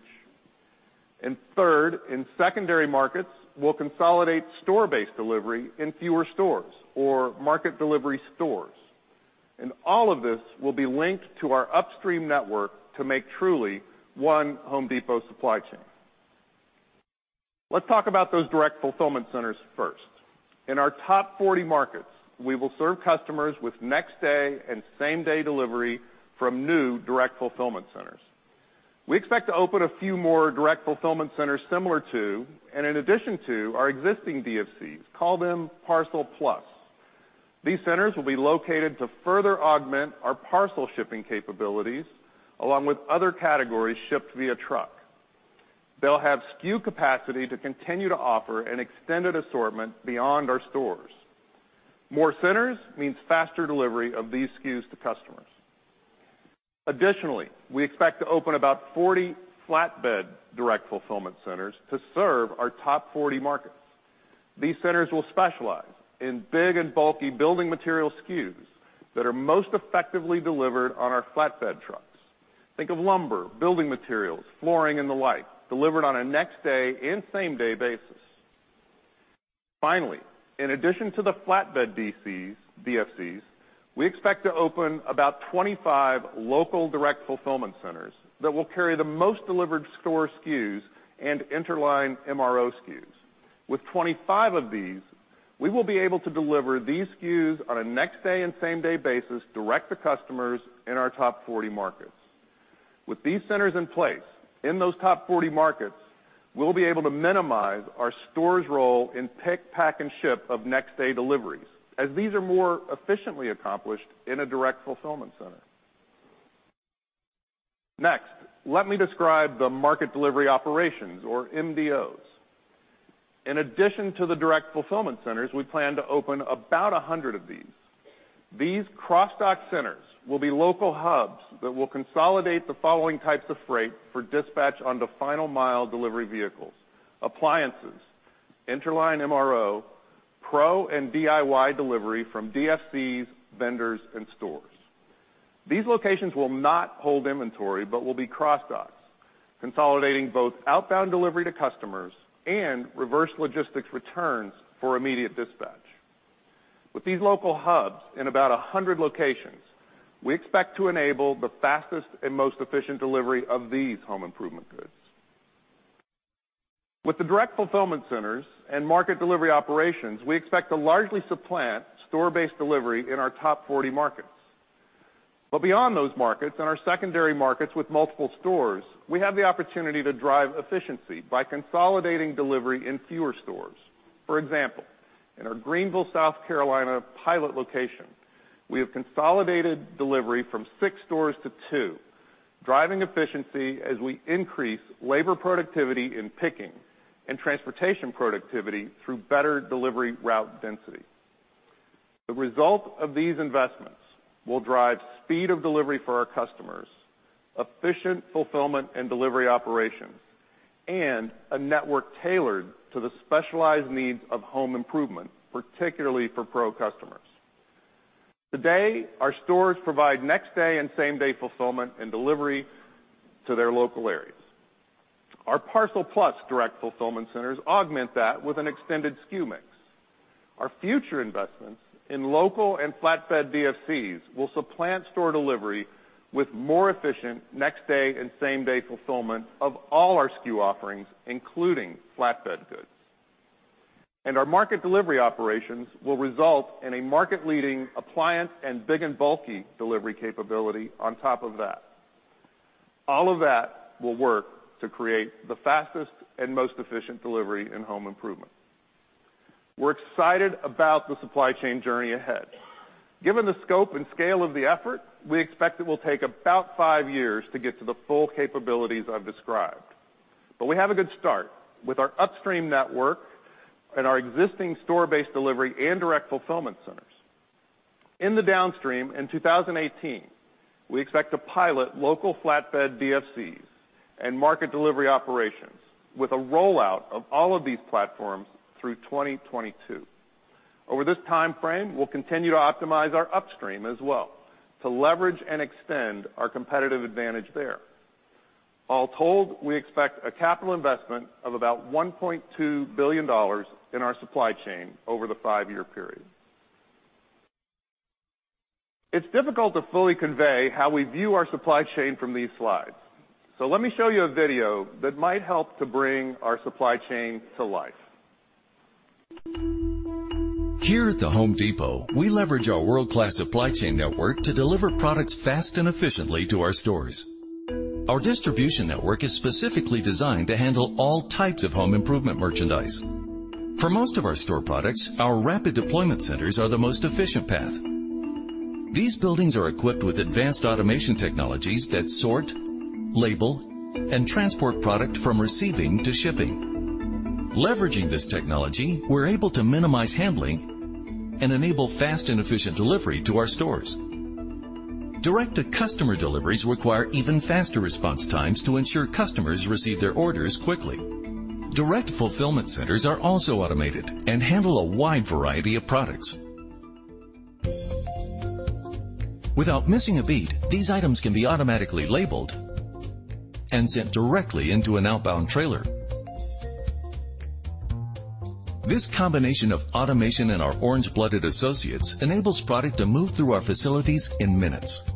Third, in secondary markets, we'll consolidate store-based delivery in fewer stores or market delivery stores. All of this will be linked to our upstream network to make truly One Home Depot supply chain. Let's talk about those direct fulfillment centers first. In our top 40 markets, we will serve customers with next-day and same-day delivery from new direct fulfillment centers. We expect to open a few more direct fulfillment centers similar to, and in addition to, our existing DFCs. Call them Parcel Plus. These centers will be located to further augment our parcel shipping capabilities, along with other categories shipped via truck. They'll have SKU capacity to continue to offer an extended assortment beyond our stores. More centers means faster delivery of these SKUs to customers. Additionally, we expect to open about 40 flatbed direct fulfillment centers to serve our top 40 markets. These centers will specialize in big and bulky building material SKUs that are most effectively delivered on our flatbed trucks. Think of lumber, building materials, flooring, and the like, delivered on a next-day and same-day basis. Finally, in addition to the flatbed DFCs, we expect to open about 25 local direct fulfillment centers that will carry the most delivered store SKUs and Interline MRO SKUs. With 25 of these, we will be able to deliver these SKUs on a next-day and same-day basis direct to customers in our top 40 markets. With these centers in place in those top 40 markets, we'll be able to minimize our stores' role in pick, pack, and ship of next-day deliveries, as these are more efficiently accomplished in a direct fulfillment center. Next, let me describe the Market Delivery Operations or MDOs. In addition to the direct fulfillment centers, we plan to open about 100 of these. These cross-dock centers will be local hubs that will consolidate the following types of freight for dispatch onto final mile delivery vehicles, appliances, Interline MRO, pro and DIY delivery from DFCs, vendors, and stores. These locations will not hold inventory, but will be cross-docks, consolidating both outbound delivery to customers and reverse logistics returns for immediate dispatch. With these local hubs in about 100 locations, we expect to enable the fastest and most efficient delivery of these home improvement goods. With the direct fulfillment centers and Market Delivery Operations, we expect to largely supplant store-based delivery in our top 40 markets. Beyond those markets, in our secondary markets with multiple stores, we have the opportunity to drive efficiency by consolidating delivery in fewer stores. For example, in our Greenville, South Carolina pilot location, we have consolidated delivery from six stores to two, driving efficiency as we increase labor productivity in picking and transportation productivity through better delivery route density. The result of these investments will drive speed of delivery for our customers, efficient fulfillment and delivery operations, and a network tailored to the specialized needs of home improvement, particularly for pro customers. Today, our stores provide next-day and same-day fulfillment and delivery to their local areas. Our Parcel Plus direct fulfillment centers augment that with an extended SKU mix. Our future investments in local and flatbed DFCs will supplant store delivery with more efficient next-day and same-day fulfillment of all our SKU offerings, including flatbed goods. Our Market Delivery Operations will result in a market-leading appliance and big and bulky delivery capability on top of that. All of that will work to create the fastest and most efficient delivery in home improvement. We're excited about the supply chain journey ahead. Given the scope and scale of the effort, we expect it will take about five years to get to the full capabilities I've described. We have a good start with our upstream network and our existing store-based delivery and direct fulfillment centers. In the downstream, in 2018, we expect to pilot local flatbed DFCs and Market Delivery Operations with a rollout of all of these platforms through 2022. Over this timeframe, we'll continue to optimize our upstream as well to leverage and extend our competitive advantage there. All told, we expect a capital investment of about $1.2 billion in our supply chain over the five-year period. It's difficult to fully convey how we view our supply chain from these slides. Let me show you a video that might help to bring our supply chain to life. Here at The Home Depot, we leverage our world-class supply chain network to deliver products fast and efficiently to our stores. Our distribution network is specifically designed to handle all types of home improvement merchandise. For most of our store products, our rapid deployment centers are the most efficient path. These buildings are equipped with advanced automation technologies that sort, label, and transport product from receiving to shipping. Leveraging this technology, we're able to minimize handling and enable fast and efficient delivery to our stores. Direct-to-customer deliveries require even faster response times to ensure customers receive their orders quickly. Direct fulfillment centers are also automated and handle a wide variety of products. Without missing a beat, these items can be automatically labeled and sent directly into an outbound trailer. This combination of automation and our orange-blooded associates enables product to move through our facilities in minutes.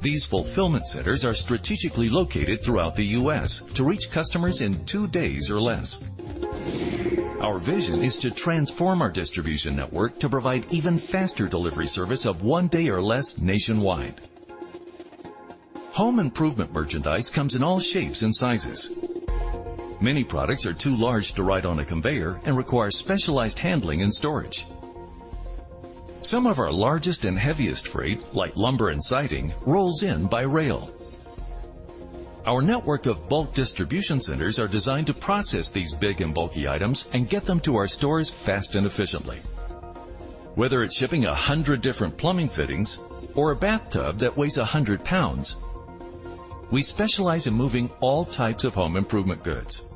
These fulfillment centers are strategically located throughout the U.S. to reach customers in 2 days or less. Our vision is to transform our distribution network to provide even faster delivery service of 1 day or less nationwide. Home improvement merchandise comes in all shapes and sizes. Many products are too large to ride on a conveyor and require specialized handling and storage. Some of our largest and heaviest freight, like lumber and siding, rolls in by rail. Our network of Bulk Distribution Centers are designed to process these big and bulky items and get them to our stores fast and efficiently. Whether it's shipping 100 different plumbing fittings or a bathtub that weighs 100 pounds, we specialize in moving all types of home improvement goods.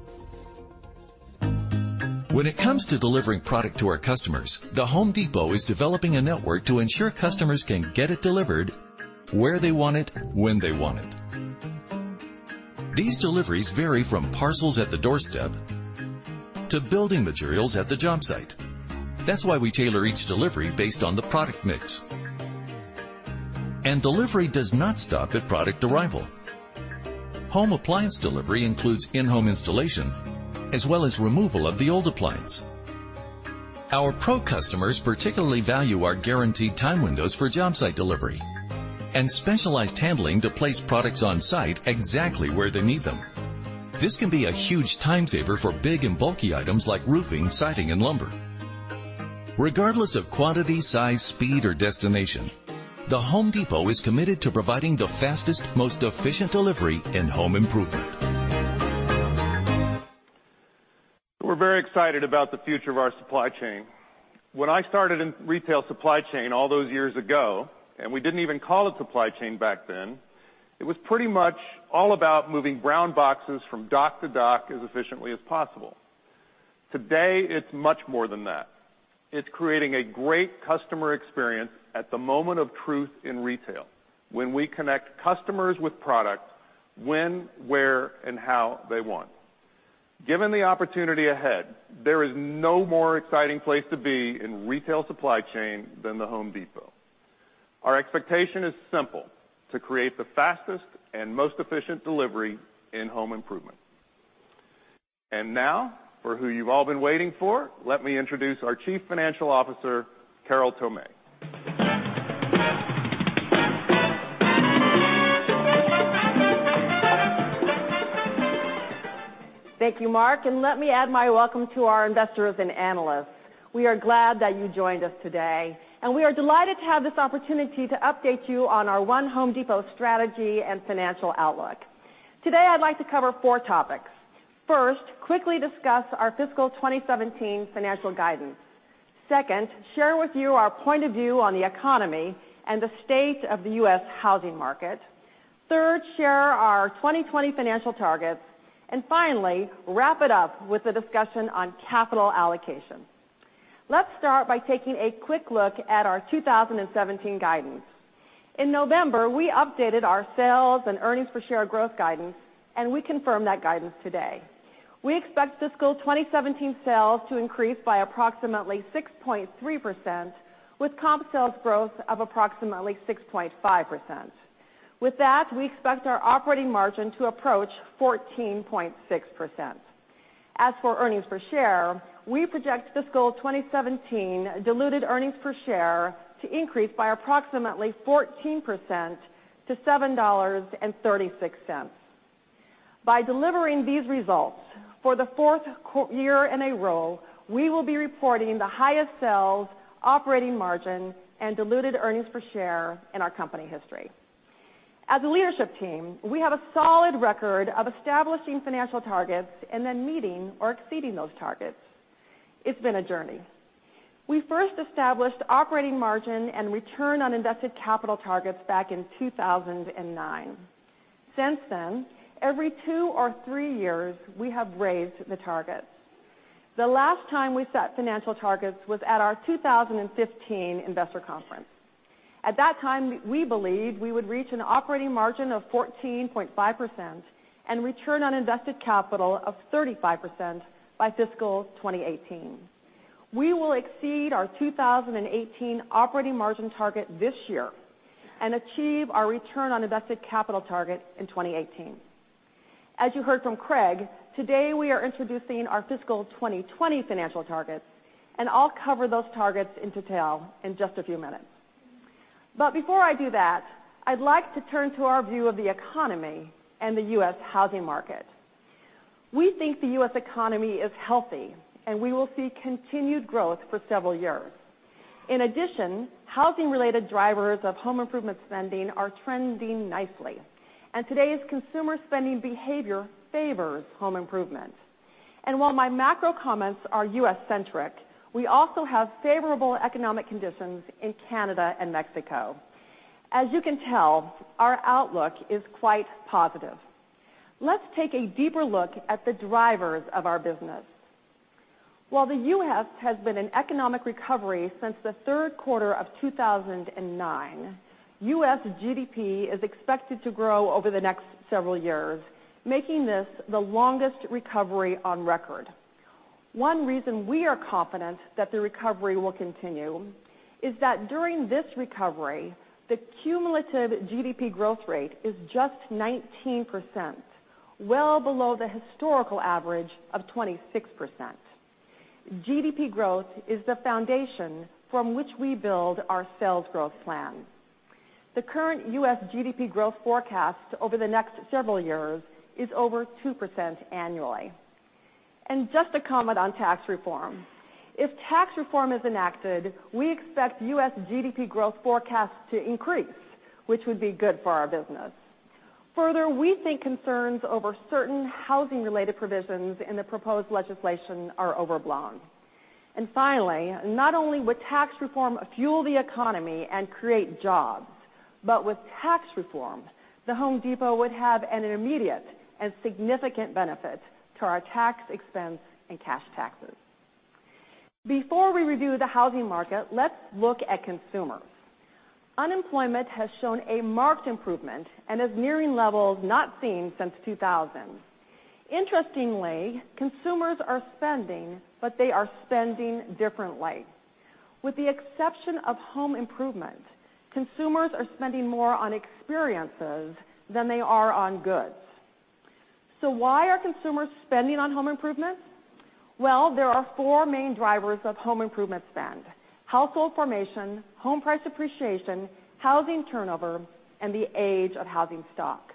When it comes to delivering product to our customers, The Home Depot is developing a network to ensure customers can get it delivered where they want it, when they want it. These deliveries vary from parcels at the doorstep to building materials at the job site. That's why we tailor each delivery based on the product mix. Delivery does not stop at product arrival. Home appliance delivery includes in-home installation, as well as removal of the old appliance. Our pro customers particularly value our guaranteed time windows for job site delivery and specialized handling to place products on site exactly where they need them. This can be a huge time saver for big and bulky items like roofing, siding, and lumber. Regardless of quantity, size, speed, or destination, The Home Depot is committed to providing the fastest, most efficient delivery in home improvement. We're very excited about the future of our supply chain. When I started in retail supply chain all those years ago, we didn't even call it supply chain back then, it was pretty much all about moving brown boxes from dock to dock as efficiently as possible. Today, it's much more than that. It's creating a great customer experience at the moment of truth in retail, when we connect customers with product when, where, and how they want. Given the opportunity ahead, there is no more exciting place to be in retail supply chain than The Home Depot. Our expectation is simple, to create the fastest and most efficient delivery in home improvement. Now, for who you've all been waiting for, let me introduce our Chief Financial Officer, Carol Tomé. Thank you, Mark, let me add my welcome to our investors and analysts. We are glad that you joined us today, and we are delighted to have this opportunity to update you on our One Home Depot strategy and financial outlook. Today, I'd like to cover four topics. First, quickly discuss our fiscal 2017 financial guidance. Second, share with you our point of view on the economy and the state of the U.S. housing market. Third, share our 2020 financial targets. Finally, wrap it up with a discussion on capital allocation. Let's start by taking a quick look at our 2017 guidance. In November, we updated our sales and earnings per share growth guidance, and we confirm that guidance today. We expect fiscal 2017 sales to increase by approximately 6.3%, with comp sales growth of approximately 6.5%. With that, we expect our operating margin to approach 14.6%. As for earnings per share, we project fiscal 2017 diluted earnings per share to increase by approximately 14% to $7.36. By delivering these results for the fourth year in a row, we will be reporting the highest sales, operating margin, and diluted earnings per share in our company history. As a leadership team, we have a solid record of establishing financial targets and then meeting or exceeding those targets. It's been a journey. We first established operating margin and return on invested capital targets back in 2009. Since then, every two or three years, we have raised the targets. The last time we set financial targets was at our 2015 investor conference. At that time, we believed we would reach an operating margin of 14.5% and return on invested capital of 35% by fiscal 2018. We will exceed our 2018 operating margin target this year and achieve our return on invested capital target in 2018. As you heard from Craig, today we are introducing our fiscal 2020 financial targets. I'll cover those targets in detail in just a few minutes. Before I do that, I'd like to turn to our view of the economy and the U.S. housing market. We think the U.S. economy is healthy, we will see continued growth for several years. In addition, housing-related drivers of home improvement spending are trending nicely, today's consumer spending behavior favors home improvement. While my macro comments are U.S.-centric, we also have favorable economic conditions in Canada and Mexico. As you can tell, our outlook is quite positive. Let's take a deeper look at the drivers of our business. While the U.S. has been in economic recovery since the third quarter of 2009, U.S. GDP is expected to grow over the next several years, making this the longest recovery on record. One reason we are confident that the recovery will continue is that during this recovery, the cumulative GDP growth rate is just 19%, well below the historical average of 26%. GDP growth is the foundation from which we build our sales growth plan. The current U.S. GDP growth forecast over the next several years is over 2% annually. Just a comment on tax reform. If tax reform is enacted, we expect U.S. GDP growth forecasts to increase, which would be good for our business. Further, we think concerns over certain housing-related provisions in the proposed legislation are overblown. Finally, not only would tax reform fuel the economy and create jobs, but with tax reform, The Home Depot would have an immediate and significant benefit to our tax expense and cash taxes. Before we review the housing market, let's look at consumers. Unemployment has shown a marked improvement and is nearing levels not seen since 2000. Interestingly, consumers are spending, but they are spending differently. With the exception of home improvement, consumers are spending more on experiences than they are on goods. So why are consumers spending on home improvements? Well, there are four main drivers of home improvement spend: household formation, home price appreciation, housing turnover, and the age of housing stock.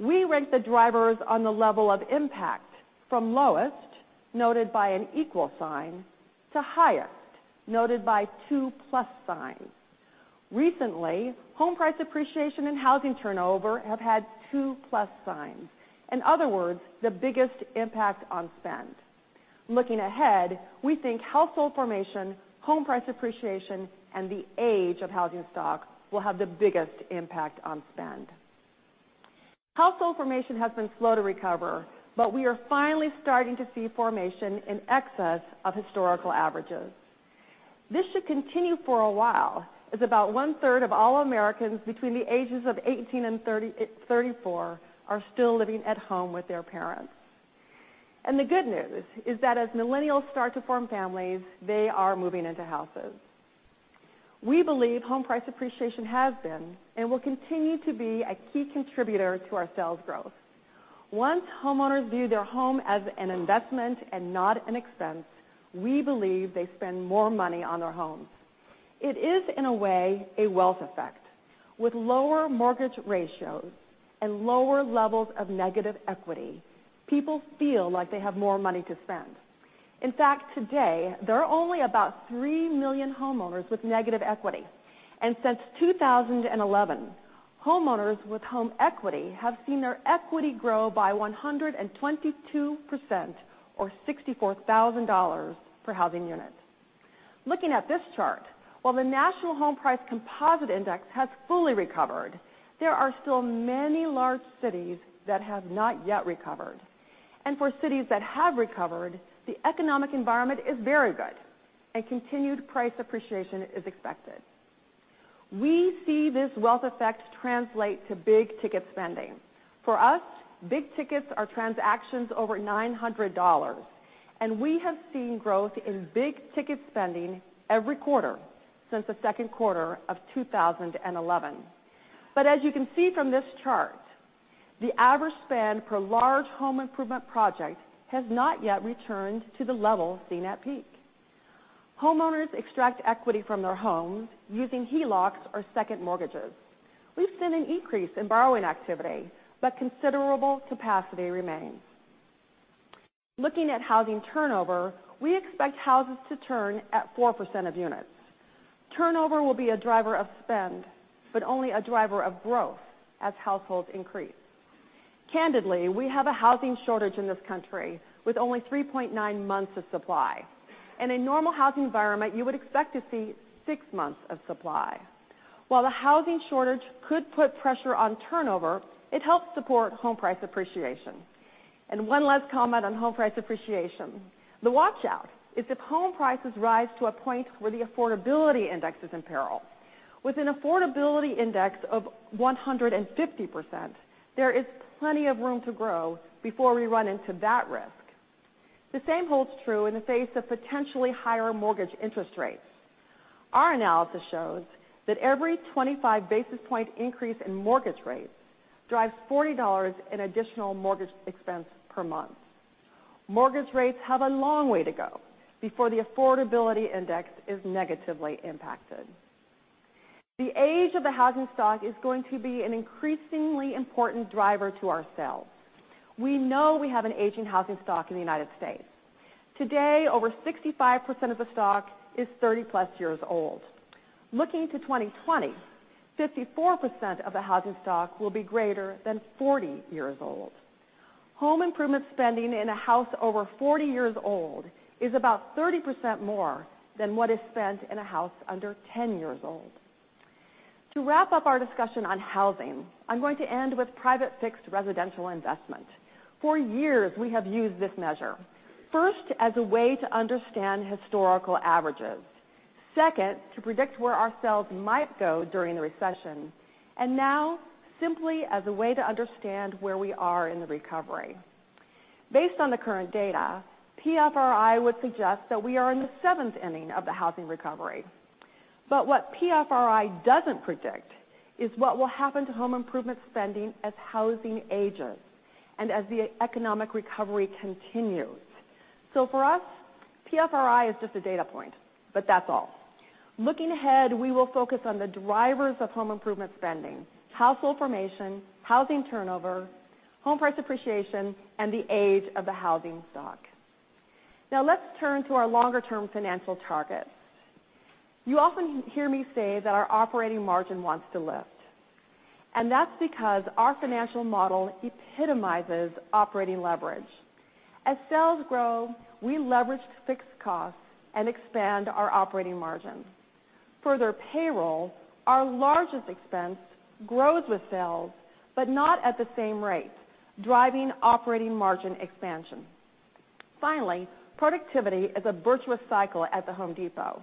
We rank the drivers on the level of impact from lowest, noted by an equal sign, to highest, noted by two plus signs. Recently, home price appreciation and housing turnover have had two plus signs. In other words, the biggest impact on spend. Looking ahead, we think household formation, home price appreciation, and the age of housing stock will have the biggest impact on spend. Household formation has been slow to recover, but we are finally starting to see formation in excess of historical averages. This should continue for a while, as about one-third of all Americans between the ages of 18 and 34 are still living at home with their parents. The good news is that as millennials start to form families, they are moving into houses. We believe home price appreciation has been, and will continue to be a key contributor to our sales growth. Once homeowners view their home as an investment and not an expense, we believe they spend more money on their homes. It is, in a way, a wealth effect. With lower mortgage ratios and lower levels of negative equity, people feel like they have more money to spend. In fact, today, there are only about 3 million homeowners with negative equity, and since 2011, homeowners with home equity have seen their equity grow by 122%, or $64,000 per housing unit. Looking at this chart, while the national home price composite index has fully recovered, there are still many large cities that have not yet recovered. For cities that have recovered, the economic environment is very good, and continued price appreciation is expected. We see this wealth effect translate to big-ticket spending. For us, big tickets are transactions over $900, and we have seen growth in big-ticket spending every quarter since the second quarter of 2011. As you can see from this chart, the average spend per large home improvement project has not yet returned to the level seen at peak. Homeowners extract equity from their homes using HELOCs or second mortgages. We've seen an increase in borrowing activity, but considerable capacity remains. Looking at housing turnover, we expect houses to turn at 4% of units. Turnover will be a driver of spend, but only a driver of growth as households increase. Candidly, we have a housing shortage in this country with only 3.9 months of supply. In a normal housing environment, you would expect to see six months of supply. While the housing shortage could put pressure on turnover, it helps support home price appreciation. One last comment on home price appreciation. The watch-out is if home prices rise to a point where the affordability index is in peril. With an affordability index of 150%, there is plenty of room to grow before we run into that risk. The same holds true in the face of potentially higher mortgage interest rates. Our analysis shows that every 25 basis point increase in mortgage rates drives $40 in additional mortgage expense per month. Mortgage rates have a long way to go before the affordability index is negatively impacted. The age of the housing stock is going to be an increasingly important driver to our sales. We know we have an aging housing stock in the U.S. Today, over 65% of the stock is 30-plus years old. Looking to 2020, 54% of the housing stock will be greater than 40 years old. Home improvement spending in a house over 40 years old is about 30% more than what is spent in a house under 10 years old. To wrap up our discussion on housing, I'm going to end with private fixed residential investment. For years, we have used this measure, first as a way to understand historical averages, second to predict where our sales might go during the recession, and now simply as a way to understand where we are in the recovery. Based on the current data, PFRI would suggest that we are in the seventh inning of the housing recovery. What PFRI doesn't predict is what will happen to home improvement spending as housing ages and as the economic recovery continues. For us, PFRI is just a data point, but that's all. Looking ahead, we will focus on the drivers of home improvement spending, household formation, housing turnover, home price appreciation, and the age of the housing stock. Let's turn to our longer-term financial targets. You often hear me say that our operating margin wants to lift, and that's because our financial model epitomizes operating leverage. As sales grow, we leverage fixed costs and expand our operating margin. Further, payroll, our largest expense, grows with sales but not at the same rate, driving operating margin expansion. Finally, productivity is a virtuous cycle at The Home Depot.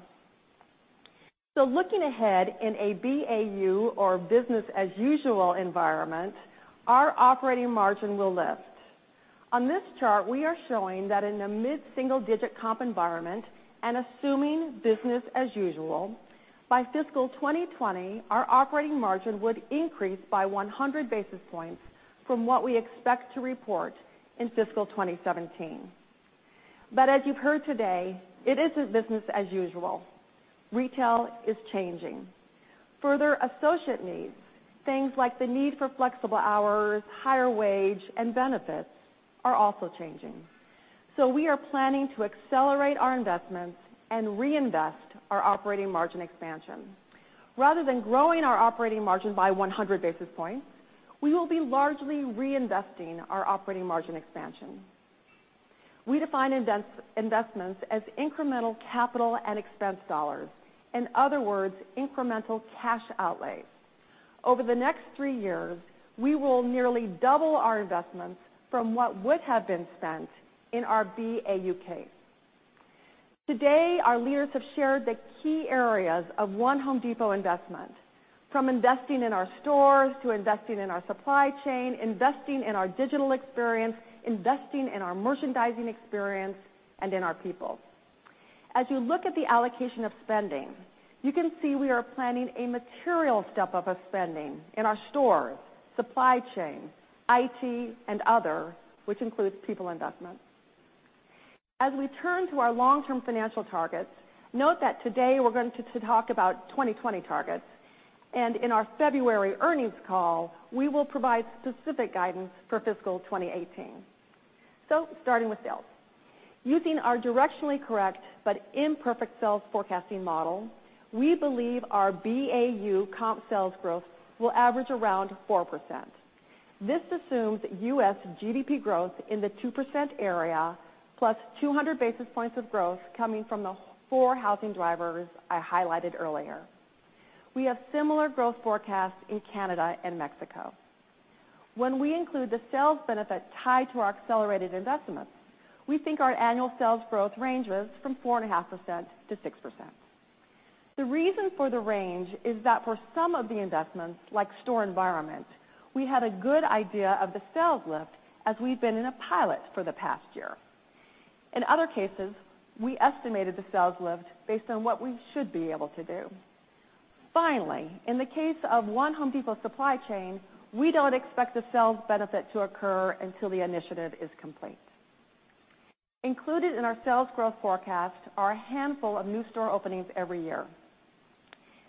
Looking ahead in a BAU or business as usual environment, our operating margin will lift. On this chart, we are showing that in a mid-single-digit comp environment and assuming business as usual, by fiscal 2020, our operating margin would increase by 100 basis points from what we expect to report in fiscal 2017. As you've heard today, it isn't business as usual. Retail is changing. Further, associate needs, things like the need for flexible hours, higher wage, and benefits are also changing. We are planning to accelerate our investments and reinvest our operating margin expansion. Rather than growing our operating margin by 100 basis points, we will be largely reinvesting our operating margin expansion. We define investments as incremental capital and expense dollars. In other words, incremental cash outlay. Over the next three years, we will nearly double our investments from what would have been spent in our BAU case. Today, our leaders have shared the key areas of One Home Depot investment, from investing in our stores to investing in our supply chain, investing in our digital experience, investing in our merchandising experience, and in our people. As you look at the allocation of spending, you can see we are planning a material step-up of spending in our stores, supply chain, IT, and other, which includes people investment. We turn to our long-term financial targets, note that today we're going to talk about 2020 targets, and in our February earnings call, we will provide specific guidance for fiscal 2018. Starting with sales. Using our directionally correct but imperfect sales forecasting model, we believe our BAU comp sales growth will average around 4%. This assumes U.S. GDP growth in the 2% area plus 200 basis points of growth coming from the four housing drivers I highlighted earlier. We have similar growth forecasts in Canada and Mexico. When we include the sales benefit tied to our accelerated investments, we think our annual sales growth ranges from 4.5%-6%. The reason for the range is that for some of the investments, like store environment, we had a good idea of the sales lift as we've been in a pilot for the past year. In other cases, we estimated the sales lift based on what we should be able to do. Finally, in the case of One Home Depot supply chain, we don't expect the sales benefit to occur until the initiative is complete. Included in our sales growth forecast are a handful of new store openings every year.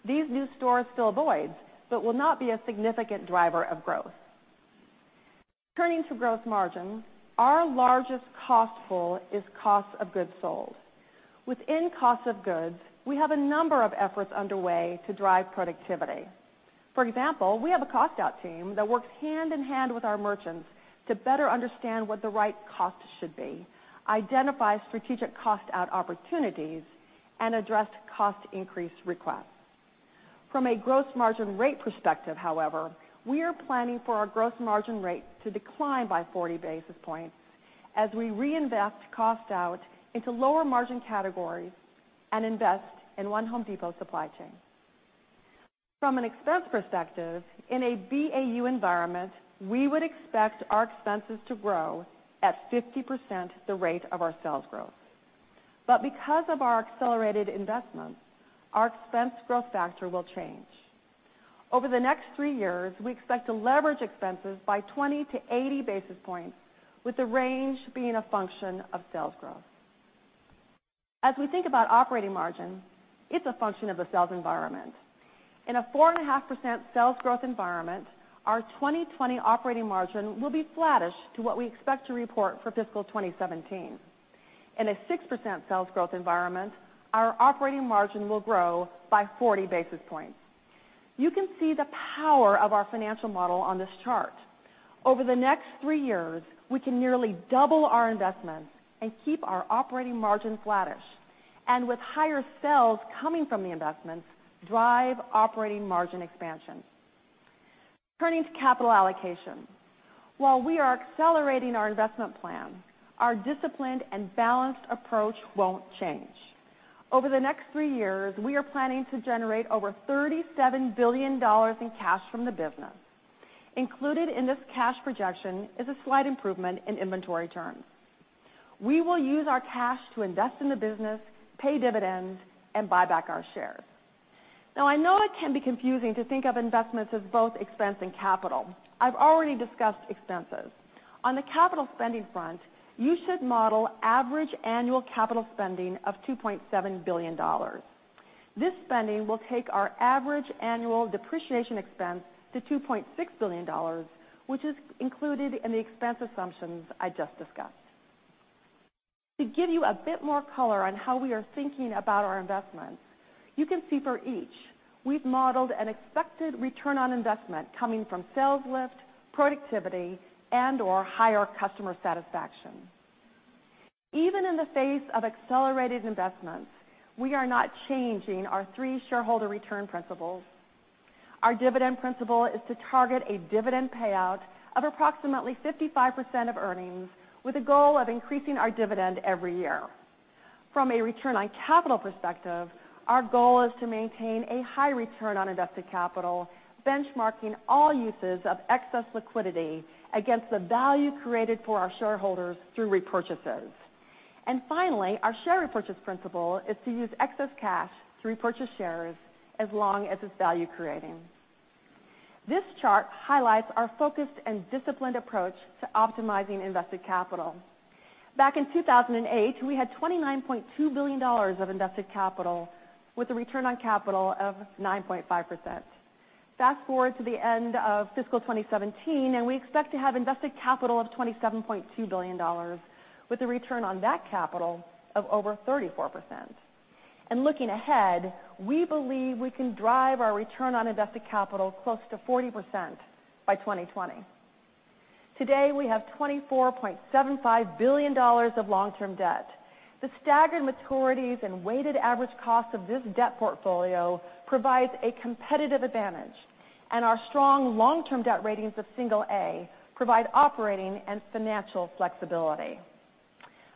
These new stores fill voids but will not be a significant driver of growth. Turning to gross margin, our largest cost pool is cost of goods sold. Within cost of goods, we have a number of efforts underway to drive productivity. For example, we have a cost out team that works hand in hand with our merchants to better understand what the right cost should be, identify strategic cost out opportunities, and address cost increase requests. From a gross margin rate perspective, however, we are planning for our gross margin rate to decline by 40 basis points as we reinvest cost out into lower margin categories and invest in One Home Depot supply chain. From an expense perspective, in a BAU environment, we would expect our expenses to grow at 50% the rate of our sales growth. Because of our accelerated investments, our expense growth factor will change. Over the next three years, we expect to leverage expenses by 20-80 basis points, with the range being a function of sales growth. We think about operating margin, it's a function of the sales environment. In a 4.5% sales growth environment, our 2020 operating margin will be flattish to what we expect to report for fiscal 2017. In a 6% sales growth environment, our operating margin will grow by 40 basis points. You can see the power of our financial model on this chart. Over the next three years, we can nearly double our investments and keep our operating margins flattish. With higher sales coming from the investments, drive operating margin expansion. Turning to capital allocation. While we are accelerating our investment plan, our disciplined and balanced approach won't change. Over the next three years, we are planning to generate over $37 billion in cash from the business. Included in this cash projection is a slight improvement in inventory turns. We will use our cash to invest in the business, pay dividends, and buy back our shares. I know it can be confusing to think of investments as both expense and capital. I've already discussed expenses. On the capital spending front, you should model average annual capital spending of $2.7 billion. This spending will take our average annual depreciation expense to $2.6 billion, which is included in the expense assumptions I just discussed. To give you a bit more color on how we are thinking about our investments, you can see for each, we've modeled an expected return on investment coming from sales lift, productivity, and/or higher customer satisfaction. Even in the face of accelerated investments, we are not changing our three shareholder return principles. Our dividend principle is to target a dividend payout of approximately 55% of earnings, with a goal of increasing our dividend every year. From a return on capital perspective, our goal is to maintain a high return on invested capital, benchmarking all uses of excess liquidity against the value created for our shareholders through repurchases. Finally, our share repurchase principle is to use excess cash to repurchase shares as long as it's value-creating. This chart highlights our focused and disciplined approach to optimizing invested capital. Back in 2008, we had $29.2 billion of invested capital with a return on capital of 9.5%. Fast-forward to the end of fiscal 2017, we expect to have invested capital of $27.2 billion, with a return on that capital of over 34%. Looking ahead, we believe we can drive our return on invested capital close to 40% by 2020. Today, we have $24.75 billion of long-term debt. The staggered maturities and weighted average cost of this debt portfolio provides a competitive advantage, and our strong long-term debt ratings of single A provide operating and financial flexibility.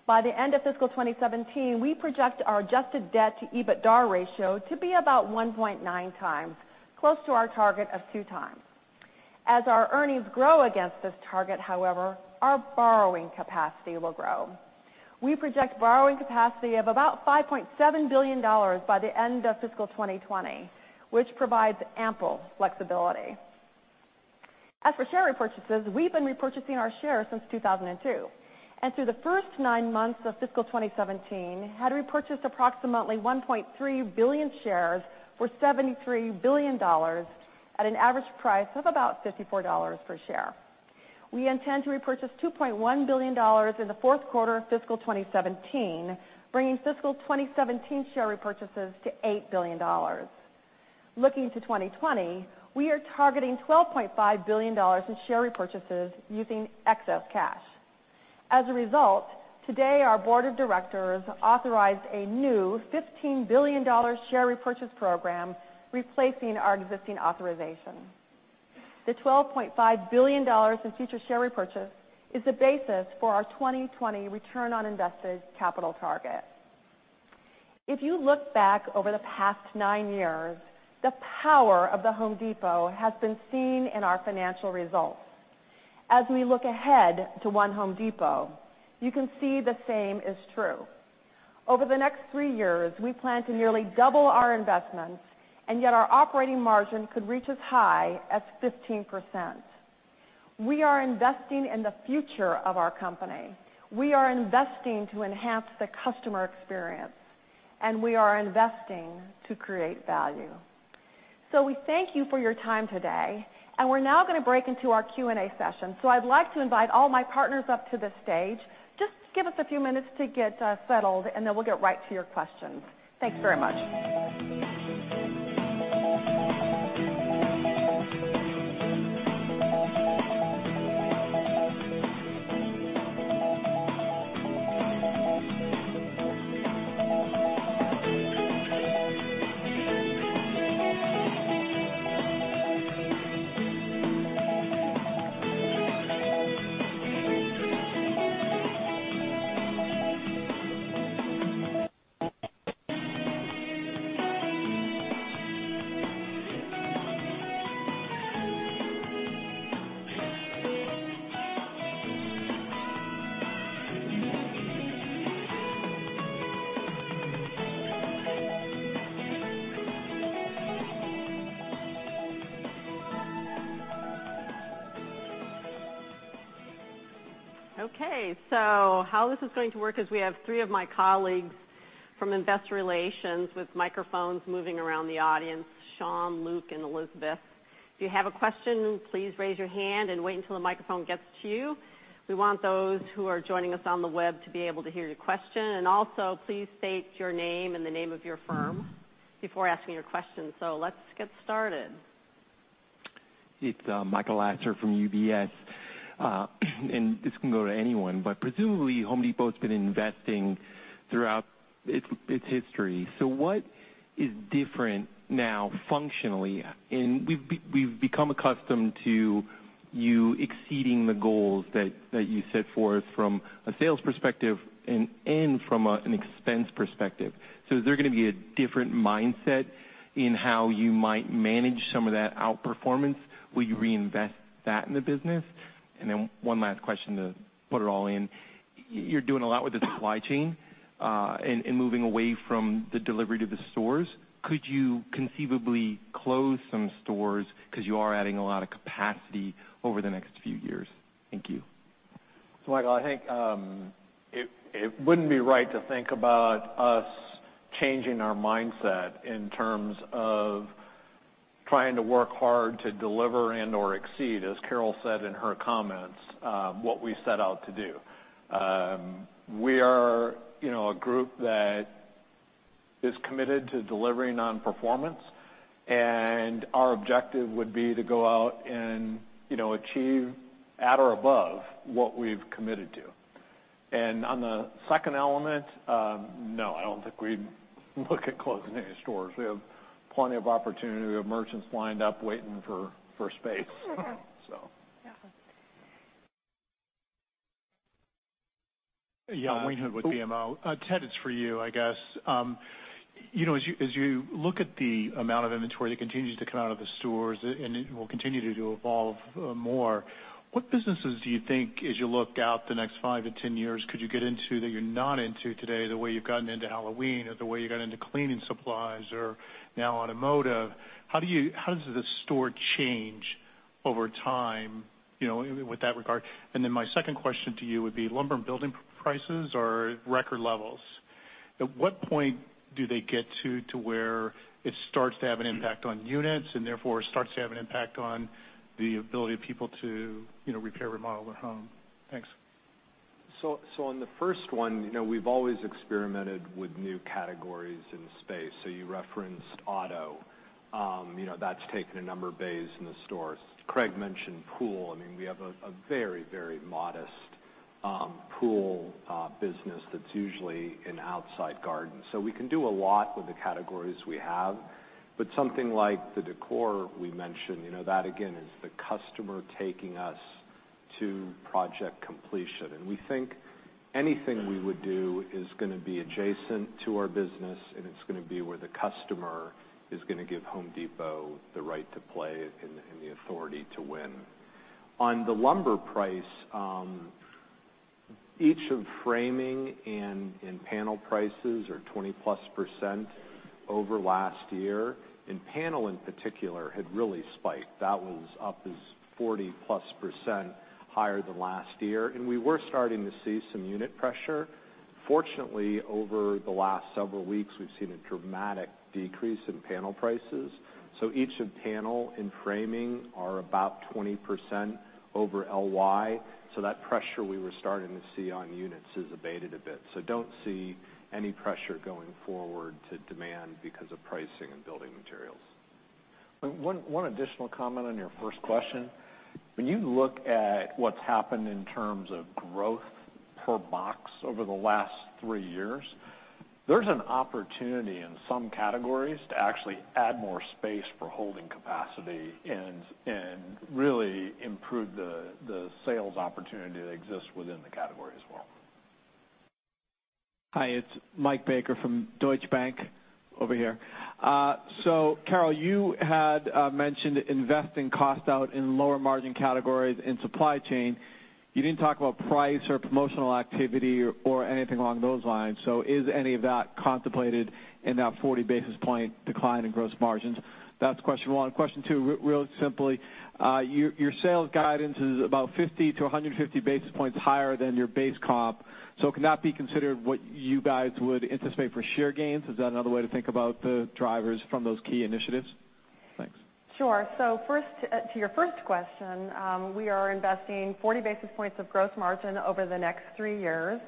By the end of fiscal 2017, we project our adjusted debt to EBITDA ratio to be about 1.9 times, close to our target of two times. As our earnings grow against this target, however, our borrowing capacity will grow. We project borrowing capacity of about $5.7 billion by the end of fiscal 2020, which provides ample flexibility. As for share repurchases, we've been repurchasing our shares since 2002. Through the first nine months of fiscal 2017, had repurchased approximately 1.3 billion shares for $73 billion at an average price of about $54 per share. We intend to repurchase $2.1 billion in the fourth quarter of fiscal 2017, bringing fiscal 2017 share repurchases to $8 billion. Looking to 2020, we are targeting $12.5 billion in share repurchases using excess cash. As a result, today our board of directors authorized a new $15 billion share repurchase program, replacing our existing authorization. The $12.5 billion in future share repurchase is the basis for our 2020 return on invested capital target. If you look back over the past nine years, the power of The Home Depot has been seen in our financial results. As we look ahead to One Home Depot, you can see the same is true. Over the next three years, we plan to nearly double our investments, and yet our operating margin could reach as high as 15%. We are investing in the future of our company. We are investing to enhance the customer experience, and we are investing to create value. We thank you for your time today, and we're now going to break into our Q&A session. I'd like to invite all my partners up to the stage. Just give us a few minutes to get settled, and then we'll get right to your questions. Thanks very much. Okay, how this is going to work is we have three of my colleagues from investor relations with microphones moving around the audience, Sean, Luke, and Elizabeth. If you have a question, please raise your hand and wait until the microphone gets to you. We want those who are joining us on the web to be able to hear your question, and also please state your name and the name of your firm. Before asking your question. Let's get started. It's Michael Lasser from UBS, and this can go to anyone, but presumably The Home Depot's been investing throughout its history. What is different now functionally? We've become accustomed to you exceeding the goals that you set forth from a sales perspective and from an expense perspective. Is there going to be a different mindset in how you might manage some of that outperformance? Will you reinvest that in the business? One last question to put it all in. You're doing a lot with the supply chain, and moving away from the delivery to the stores. Could you conceivably close some stores because you are adding a lot of capacity over the next few years? Thank you. Michael, I think it wouldn't be right to think about us changing our mindset in terms of trying to work hard to deliver and/or exceed, as Carol said in her comments, what we set out to do. We are a group that is committed to delivering on performance, and our objective would be to go out and achieve at or above what we've committed to. On the second element, no, I don't think we'd look at closing any stores. We have plenty of opportunity. We have merchants lined up waiting for space. Yeah. Yeah. Wayne Hood with BMO. Ted, it's for you, I guess. As you look at the amount of inventory that continues to come out of the stores and it will continue to evolve more, what businesses do you think, as you look out the next 5 to 10 years, could you get into that you're not into today, the way you've gotten into Halloween or the way you got into cleaning supplies are now automotive? How does the store change over time, with that regard? My second question to you would be lumber and building prices are record levels. At what point do they get to where it starts to have an impact on units and therefore starts to have an impact on the ability of people to repair, remodel their home? Thanks. On the first one, we've always experimented with new categories in the space. You referenced auto. That's taken a number of bays in the stores. Craig mentioned pool. We have a very modest pool business that's usually in outside garden. We can do a lot with the categories we have. Something like the decor we mentioned, that again, is the customer taking us to project completion. We think anything we would do is going to be adjacent to our business, and it's going to be where the customer is going to give Home Depot the right to play and the authority to win. On the lumber price, each of framing and in panel prices are 20-plus % over last year, and panel in particular had really spiked. That was up as 40-plus % higher than last year, and we were starting to see some unit pressure. Fortunately, over the last several weeks, we've seen a dramatic decrease in panel prices. Each of panel and framing are about 20% over LY. That pressure we were starting to see on units has abated a bit. Don't see any pressure going forward to demand because of pricing and building materials. One additional comment on your first question. When you look at what's happened in terms of growth per box over the last three years, there's an opportunity in some categories to actually add more space for holding capacity and really improve the sales opportunity that exists within the category as well. Hi, it's Michael Baker from Deutsche Bank, over here. Carol, you had mentioned investing cost out in lower margin categories in supply chain. You didn't talk about price or promotional activity or anything along those lines. Is any of that contemplated in that 40 basis point decline in gross margins? That's question one. Question two, real simply, your sales guidance is about 50 to 150 basis points higher than your base comp, can that be considered what you guys would anticipate for share gains? Is that another way to think about the drivers from those key initiatives? Thanks. Sure. To your first question, we are investing 40 basis points of gross margin over the next 3 years.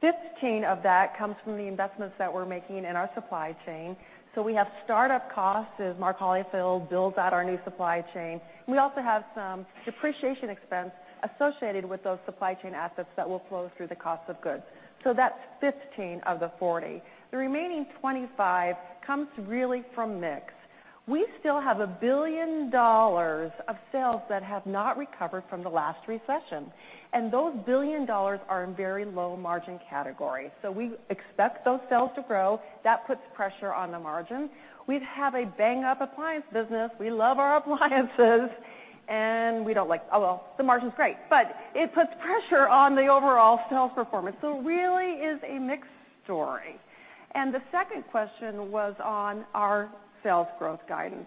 15 of that comes from the investments that we're making in our supply chain. We have start-up costs as Mark Holifield builds out our new supply chain. We also have some depreciation expense associated with those supply chain assets that will flow through the cost of goods. That's 15 of the 40. The remaining 25 comes really from mix. We still have $1 billion of sales that have not recovered from the last recession, and those billion dollars are in very low margin categories. We expect those sales to grow. That puts pressure on the margins. We have a bang-up appliance business. We love our appliances and we don't like, oh, well, the margin's great, but it puts pressure on the overall sales performance. It really is a mixed story. The second question was on our sales growth guidance.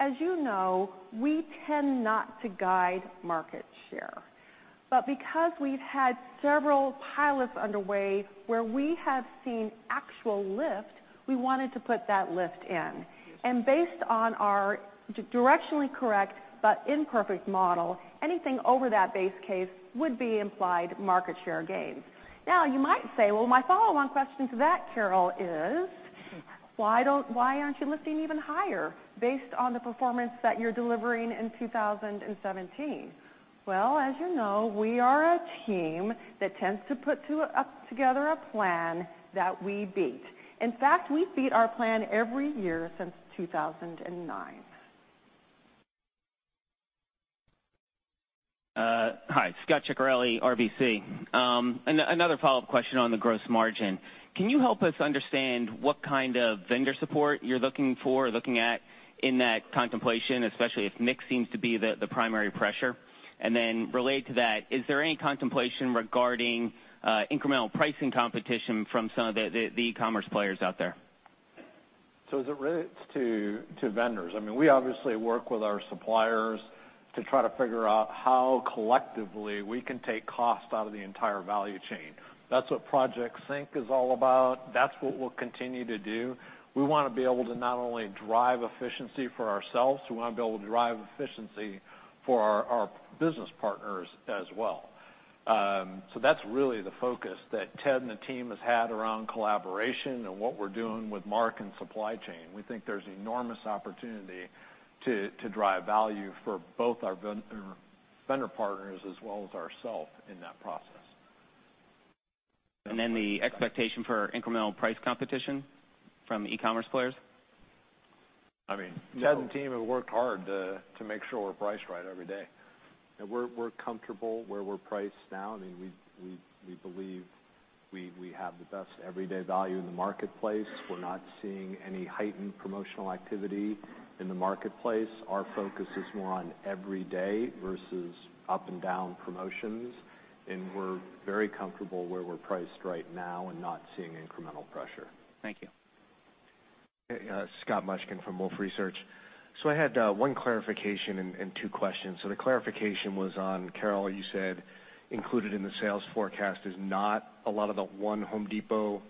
As you know, we tend not to guide market share. Because we've had several pilots underway where we have seen actual lift, we wanted to put that lift in. Based on our directionally correct, but imperfect model, anything over that base case would be implied market share gains. Now, you might say, "Well, my follow-on question to that, Carol, is why aren't you lifting even higher based on the performance that you're delivering in 2017?" Well, as you know, we are a team that tends to put up together a plan that we beat. In fact, we beat our plan every year since 2009. Hi, Scot Ciccarelli, RBC. Another follow-up question on the gross margin. Can you help us understand what kind of vendor support you're looking for, looking at in that contemplation, especially if mix seems to be the primary pressure? Related to that, is there any contemplation regarding incremental pricing competition from some of the e-commerce players out there? As it relates to vendors, we obviously work with our suppliers to try to figure out how collectively we can take cost out of the entire value chain. That's what Project Sync is all about. That's what we'll continue to do. We want to be able to not only drive efficiency for ourselves, we want to be able to drive efficiency for our business partners as well. That's really the focus that Ted and the team has had around collaboration and what we're doing with Mark and supply chain. We think there's enormous opportunity to drive value for both our vendor partners as well as ourself in that process. The expectation for incremental price competition from e-commerce players? Ted and team have worked hard to make sure we're priced right every day. We're comfortable where we're priced now, and we believe we have the best everyday value in the marketplace. We're not seeing any heightened promotional activity in the marketplace. Our focus is more on every day versus up and down promotions, and we're very comfortable where we're priced right now and not seeing incremental pressure. Thank you. Scott Mushkin from Wolfe Research. I had one clarification and two questions. The clarification was on, Carol, you said included in the sales forecast is not a lot of the One Home Depot.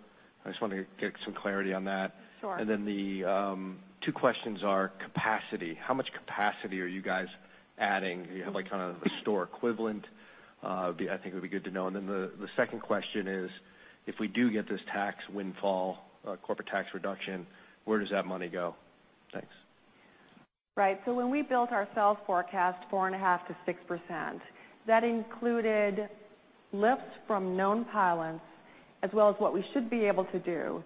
I just wanted to get some clarity on that. Sure. The two questions are capacity. How much capacity are you guys adding? Do you have a store equivalent? I think it would be good to know. The second question is, if we do get this tax windfall, corporate tax reduction, where does that money go? Thanks. Right. When we built our sales forecast 4.5% to 6%, that included lifts from known pilots as well as what we should be able to do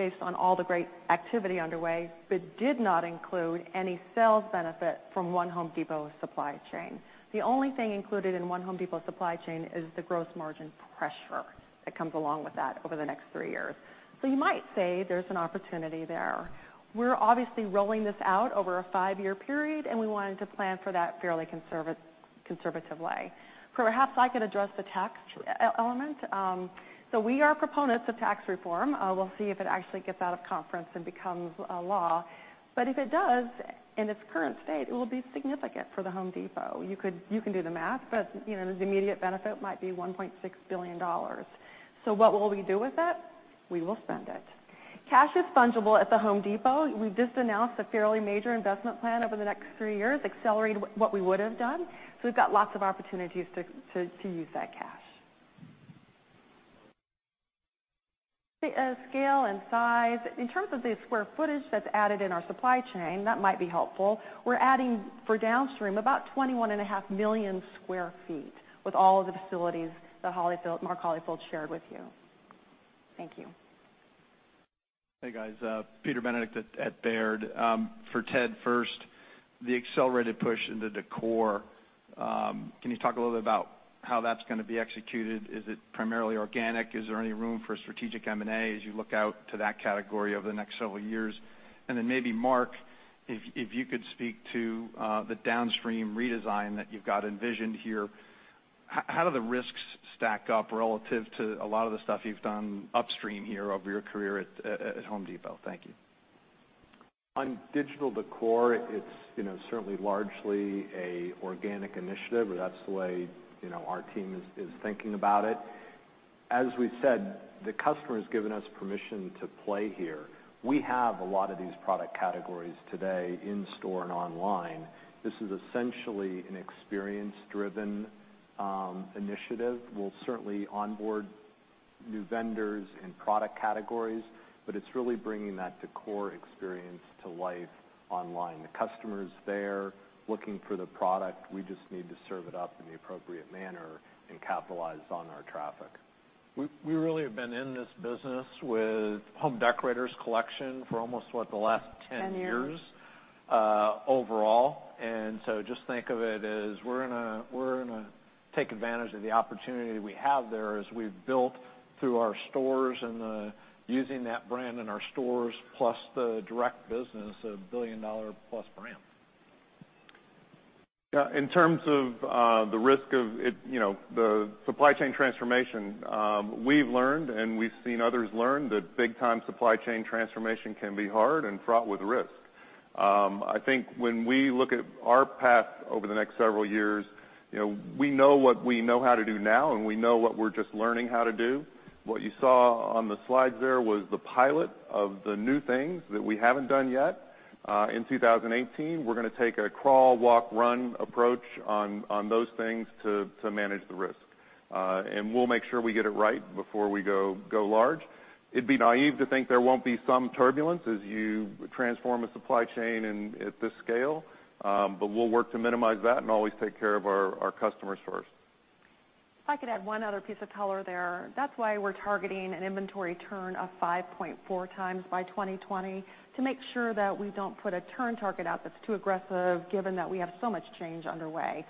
based on all the great activity underway, but did not include any sales benefit from One Home Depot supply chain. The only thing included in One Home Depot supply chain is the gross margin pressure that comes along with that over the next three years. You might say there's an opportunity there. We're obviously rolling this out over a five-year period, and we wanted to plan for that fairly conservative way. Perhaps I could address the tax element. We are proponents of tax reform. We'll see if it actually gets out of conference and becomes a law. If it does, in its current state, it will be significant for The Home Depot. You can do the math, the immediate benefit might be $1.6 billion. What will we do with it? We will spend it. Cash is fungible at The Home Depot. We've just announced a fairly major investment plan over the next three years, accelerated what we would have done. We've got lots of opportunities to use that cash. The scale and size, in terms of the square footage that's added in our supply chain, that might be helpful. We're adding for downstream about 21.5 million square feet with all of the facilities that Mark Holifield shared with you. Thank you. Hey, guys. Peter Benedict at Baird. For Ted first, the accelerated push into decor. Can you talk a little bit about how that's going to be executed? Is it primarily organic? Is there any room for strategic M&A as you look out to that category over the next several years? Then maybe Mark, if you could speak to the downstream redesign that you've got envisioned here. How do the risks stack up relative to a lot of the stuff you've done upstream here over your career at Home Depot? Thank you. On digital decor, it's certainly largely a organic initiative, or that's the way our team is thinking about it. As we said, the customer has given us permission to play here. We have a lot of these product categories today in store and online. This is essentially an experience-driven initiative. We'll certainly onboard new vendors and product categories, but it's really bringing that decor experience to life online. The customer's there looking for the product. We just need to serve it up in the appropriate manner and capitalize on our traffic. We really have been in this business with Home Decorators Collection for almost, what, the last 10 years. 10 years overall. Just think of it as we're going to take advantage of the opportunity we have there as we've built through our stores and using that brand in our stores plus the direct business, a billion-dollar-plus brand. In `terms of the risk of the supply chain transformation, we've learned and we've seen others learn that big time supply chain transformation can be hard and fraught with risk. I think when we look at our path over the next several years, we know what we know how to do now, and we know what we're just learning how to do. What you saw on the slides there was the pilot of the new things that we haven't done yet. In 2018, we're going to take a crawl, walk, run approach on those things to manage the risk. We'll make sure we get it right before we go large. It'd be naive to think there won't be some turbulence as you transform a supply chain at this scale, but we'll work to minimize that and always take care of our customers first. If I could add one other piece of color there. That's why we're targeting an inventory turn of 5.4 times by 2020, to make sure that we don't put a turn target out that's too aggressive, given that we have so much change underway.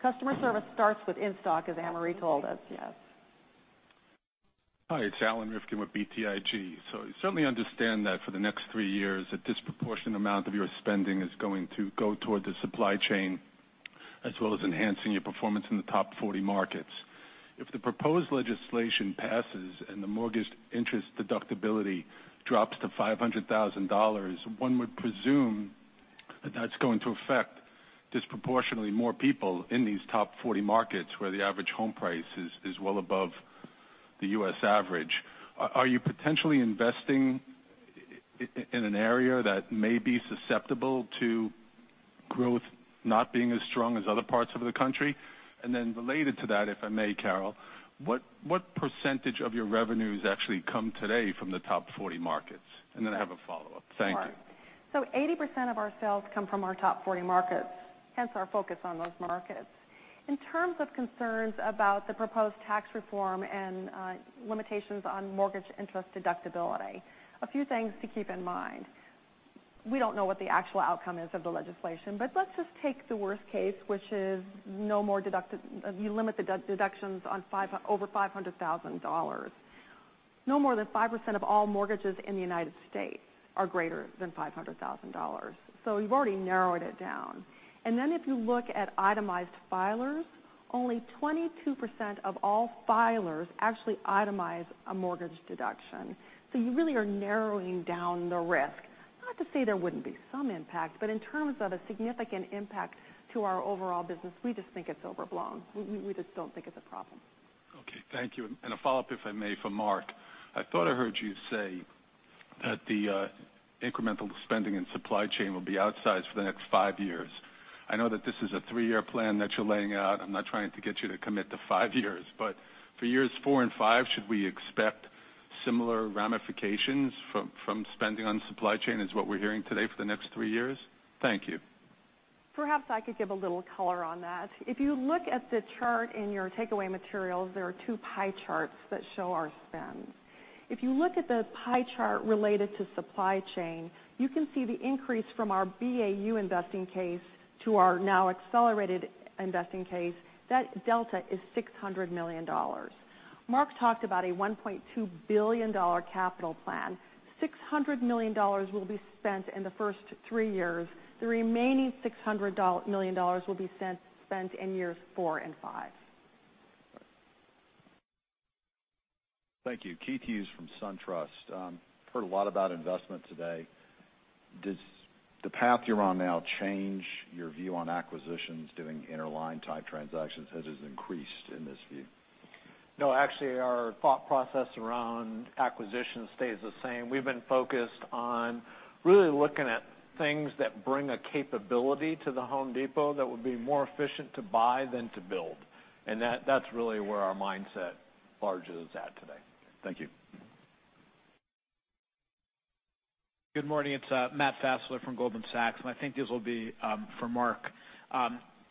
Customer service starts with in-stock, as Ann-Marie told us. Yes. Hi, it's Alan Rifkin with BTIG. I certainly understand that for the next three years, a disproportionate amount of your spending is going to go toward the supply chain, as well as enhancing your performance in the top 40 markets. If the proposed legislation passes and the mortgage interest deductibility drops to $500,000, one would presume that that's going to affect disproportionately more people in these top 40 markets where the average home price is well above the U.S. average. Related to that, if I may, Carol, what percentage of your revenues actually come today from the top 40 markets? I have a follow-up. Thank you. 80% of our sales come from our top 40 markets, hence our focus on those markets. In terms of concerns about the proposed tax reform and limitations on mortgage interest deductibility, a few things to keep in mind. We don't know what the actual outcome is of the legislation, but let's just take the worst case, which is you limit the deductions on over $500,000. No more than 5% of all mortgages in the United States are greater than $500,000. You've already narrowed it down. If you look at itemized filers, only 22% of all filers actually itemize a mortgage deduction. You really are narrowing down the risk. Not to say there wouldn't be some impact, but in terms of a significant impact to our overall business, we just think it's overblown. We just don't think it's a problem. Okay. Thank you. A follow-up, if I may, for Mark. I thought I heard you say that the incremental spending and supply chain will be outsized for the next five years. I know that this is a three-year plan that you're laying out. I'm not trying to get you to commit to five years, but for years four and five, should we expect similar ramifications from spending on supply chain as what we're hearing today for the next three years? Thank you. Perhaps I could give a little color on that. If you look at the chart in your takeaway materials, there are two pie charts that show our spend. If you look at the pie chart related to supply chain, you can see the increase from our BAU investing case to our now accelerated investing case. That delta is $600 million. Mark talked about a $1.2 billion capital plan. $600 million will be spent in the first three years. The remaining $600 million will be spent in years four and five. Thank you. Keith Hughes from SunTrust. Heard a lot about investment today. Does the path you're on now change your view on acquisitions doing Interline-type transactions? Has it increased in this view? No, actually, our thought process around acquisition stays the same. We've been focused on really looking at things that bring a capability to The Home Depot that would be more efficient to buy than to build. That's really where our mindset largely is at today. Thank you. Good morning. It is Matthew Fassler from Goldman Sachs, and I think this will be for Mark.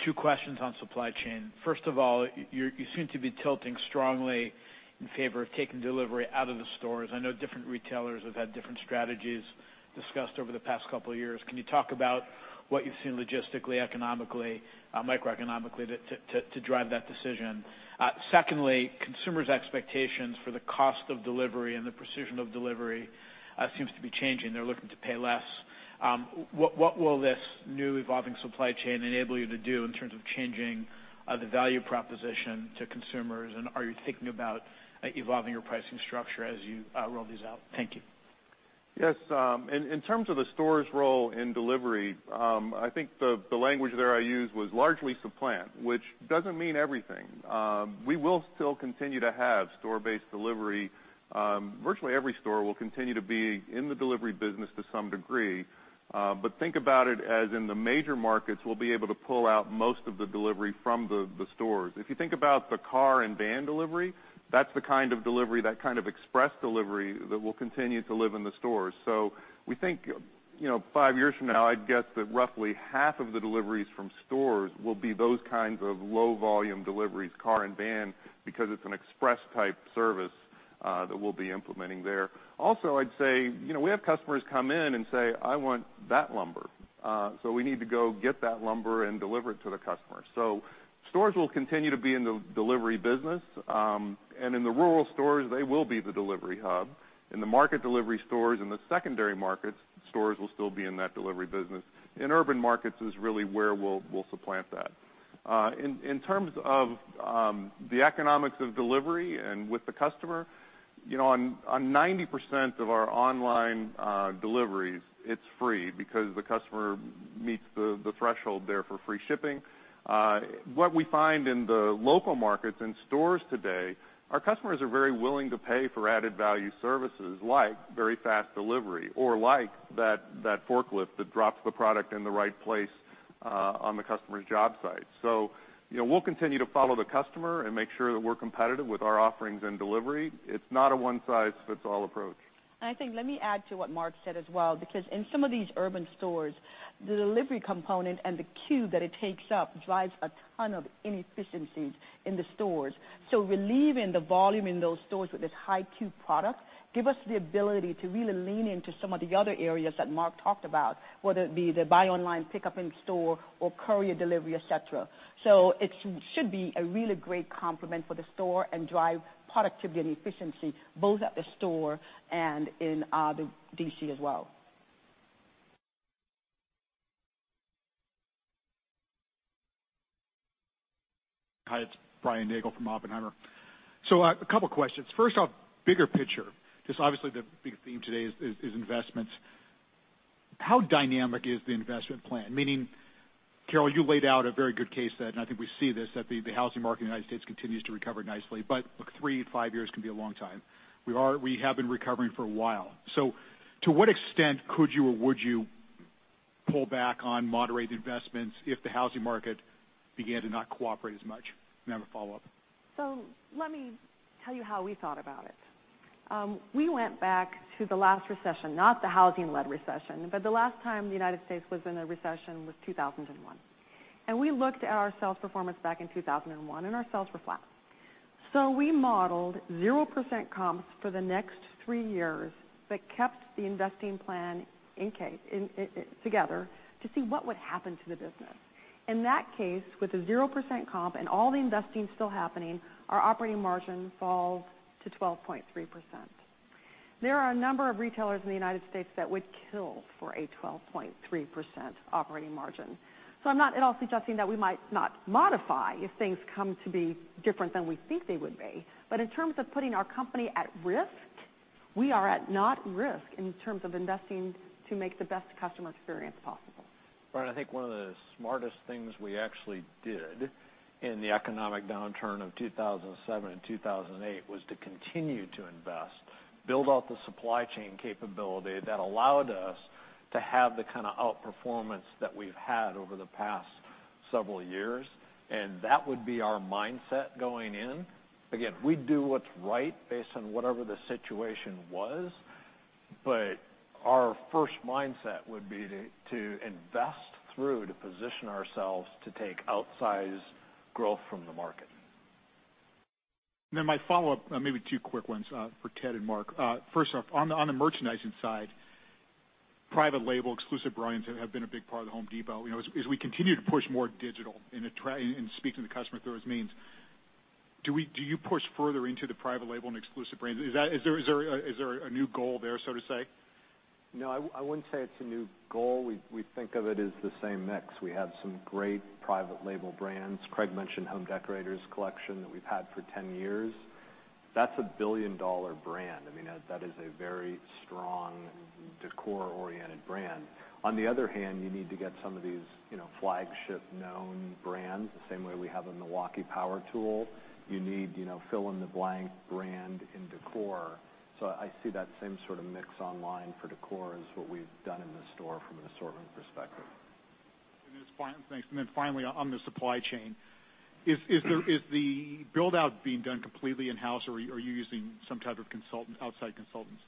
Two questions on supply chain. First of all, you seem to be tilting strongly in favor of taking delivery out of the stores. I know different retailers have had different strategies discussed over the past couple of years. Can you talk about what you have seen logistically, economically, microeconomically, to drive that decision? Secondly, consumers' expectations for the cost of delivery and the precision of delivery seems to be changing. They are looking to pay less. What will this new evolving supply chain enable you to do in terms of changing the value proposition to consumers, and are you thinking about evolving your pricing structure as you roll these out? Thank you. Yes. In terms of the store's role in delivery, I think the language there I used was largely supplant, which does not mean everything. We will still continue to have store-based delivery. Virtually every store will continue to be in the delivery business to some degree. Think about it as in the major markets, we will be able to pull out most of the delivery from the stores. If you think about the car and van delivery, that is the kind of delivery, that kind of express delivery that will continue to live in the stores. We think 5 years from now, I would guess that roughly half of the deliveries from stores will be those kinds of low-volume deliveries, car and van, because it is an express type service that we will be implementing there. Also, I would say we have customers come in and say, "I want that lumber." We need to go get that lumber and deliver it to the customer. Stores will continue to be in the delivery business. In the rural stores, they will be the delivery hub. In the market delivery stores in the secondary markets, stores will still be in that delivery business. In urban markets is really where we will supplant that. In terms of the economics of delivery and with the customer, on 90% of our online deliveries, it is free because the customer meets the threshold there for free shipping. What we find in the local markets in stores today, our customers are very willing to pay for added value services like very fast delivery or like that forklift that drops the product in the right place on the customer's job site. We will continue to follow the customer and make sure that we are competitive with our offerings and delivery. It is not a one-size-fits-all approach. I think, let me add to what Mark said as well, because in some of these urban stores, the delivery component and the queue that it takes up drives a ton of inefficiencies in the stores. Relieving the volume in those stores with this high-queue product give us the ability to really lean into some of the other areas that Mark talked about, whether it be the buy online, pick up in store, or courier delivery, et cetera. It should be a really great complement for the store and drive productivity and efficiency both at the store and in the DC as well. Hi, it's Brian Nagel from Oppenheimer. A couple questions. First off, bigger picture, because obviously the big theme today is investments. How dynamic is the investment plan? Meaning, Carol, you laid out a very good case that, I think we see this, that the housing market in the U.S. continues to recover nicely. Look, three to five years can be a long time. We have been recovering for a while. To what extent could you or would you pull back on moderate investments if the housing market began to not cooperate as much? I have a follow-up. Let me tell you how we thought about it. We went back to the last recession, not the housing-led recession, but the last time the U.S. was in a recession was 2001. We looked at our sales performance back in 2001, and our sales were flat. We modeled 0% comps for the next three years, but kept the investing plan together to see what would happen to the business. In that case, with a 0% comp and all the investing still happening, our operating margin falls to 12.3%. There are a number of retailers in the U.S. that would kill for a 12.3% operating margin. I'm not at all suggesting that we might not modify if things come to be different than we think they would be. In terms of putting our company at risk, we are at not risk in terms of investing to make the best customer experience possible. Brian, I think one of the smartest things we actually did in the economic downturn of 2007 and 2008 was to continue to invest, build out the supply chain capability that allowed us to have the kind of outperformance that we've had over the past several years. That would be our mindset going in. Again, we'd do what's right based on whatever the situation was, but our first mindset would be to invest through, to position ourselves to take outsized growth from the market. My follow-up, maybe two quick ones for Ted and Mark. First off, on the merchandising side, private label exclusive brands have been a big part of The Home Depot. As we continue to push more digital and speak to the customer through those means, do you push further into the private label and exclusive brands? Is there a new goal there, so to say? No, I wouldn't say it's a new goal. We think of it as the same mix. We have some great private label brands. Craig mentioned Home Decorators Collection that we've had for 10 years. That's a billion-dollar brand. That is a very strong decor-oriented brand. On the other hand, you need to get some of these flagship known brands, the same way we have a Milwaukee power tool. You need fill-in-the-blank brand in decor. I see that same sort of mix online for decor as what we've done in the store from an assortment perspective. Thanks. Finally, on the supply chain, is the build-out being done completely in-house, or are you using some type of outside consultants?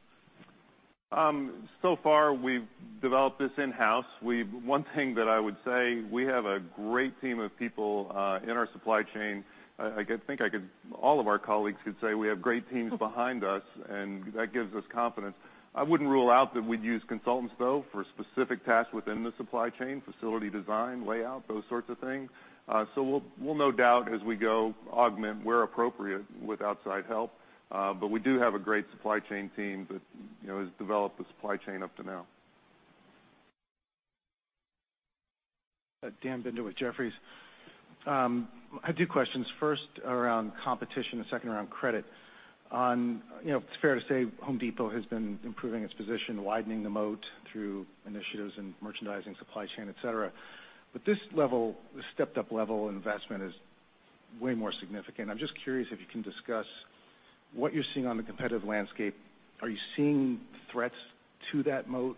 So far, we've developed this in-house. One thing that I would say, we have a great team of people in our supply chain. I think all of our colleagues could say we have great teams behind us, and that gives us confidence. I wouldn't rule out that we'd use consultants, though, for specific tasks within the supply chain, facility design, layout, those sorts of things. We'll no doubt, as we go, augment where appropriate with outside help. We do have a great supply chain team that has developed the supply chain up to now. Daniel Binder with Jefferies. I have two questions. First, around competition, and second, around credit. It's fair to say The Home Depot has been improving its position, widening the moat through initiatives in merchandising, supply chain, et cetera. This stepped-up level investment is way more significant. I'm just curious if you can discuss what you're seeing on the competitive landscape. Are you seeing threats to that moat,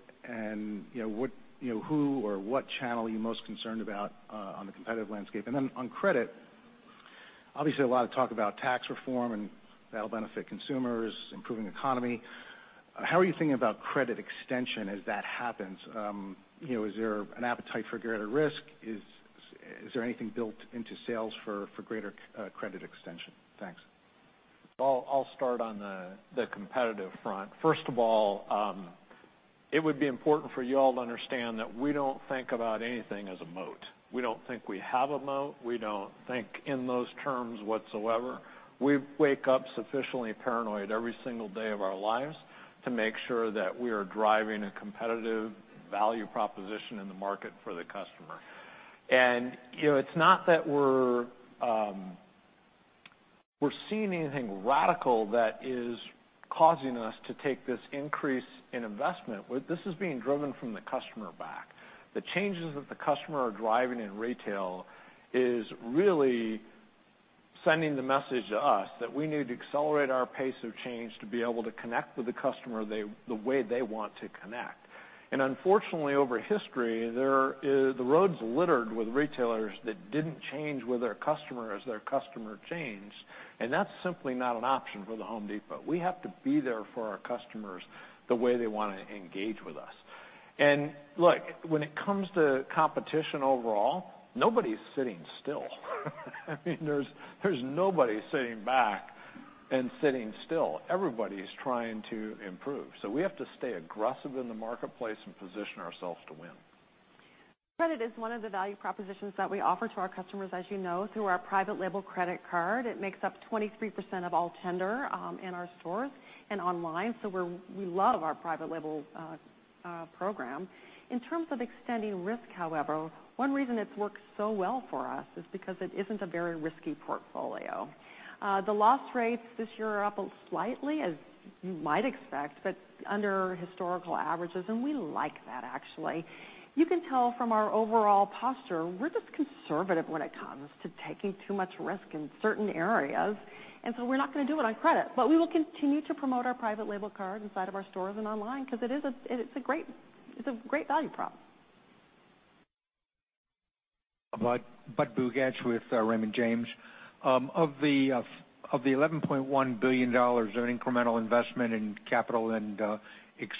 and who or what channel are you most concerned about on the competitive landscape? Then on credit, obviously a lot of talk about tax reform and that'll benefit consumers, improving the economy. How are you thinking about credit extension as that happens? Is there an appetite for greater risk? Is there anything built into sales for greater credit extension? Thanks. I'll start on the competitive front. First of all, it would be important for you all to understand that we don't think about anything as a moat. We don't think we have a moat. We don't think in those terms whatsoever. We wake up sufficiently paranoid every single day of our lives to make sure that we are driving a competitive value proposition in the market for the customer. It's not that we're seeing anything radical that is causing us to take this increase in investment. This is being driven from the customer back. The changes that the customer are driving in retail is really sending the message to us that we need to accelerate our pace of change to be able to connect with the customer the way they want to connect. Unfortunately, over history, the road's littered with retailers that didn't change with their customer as their customer changed, and that's simply not an option for The Home Depot. We have to be there for our customers the way they want to engage with us. Look, when it comes to competition overall, nobody's sitting still. There's nobody sitting back and sitting still. Everybody's trying to improve. We have to stay aggressive in the marketplace and position ourselves to win. Credit is one of the value propositions that we offer to our customers, as you know, through our private label credit card. It makes up 23% of all tender in our stores and online. We love our private label program. In terms of extending risk, however, one reason it's worked so well for us is because it isn't a very risky portfolio. The loss rates this year are up slightly, as you might expect, but under historical averages. We like that, actually. You can tell from our overall posture, we're just conservative when it comes to taking too much risk in certain areas. We're not going to do it on credit. We will continue to promote our private label card inside of our stores and online because it's a great value prop. Budd Bugatch with Raymond James. Of the $11.1 billion of incremental investment in capital and expense,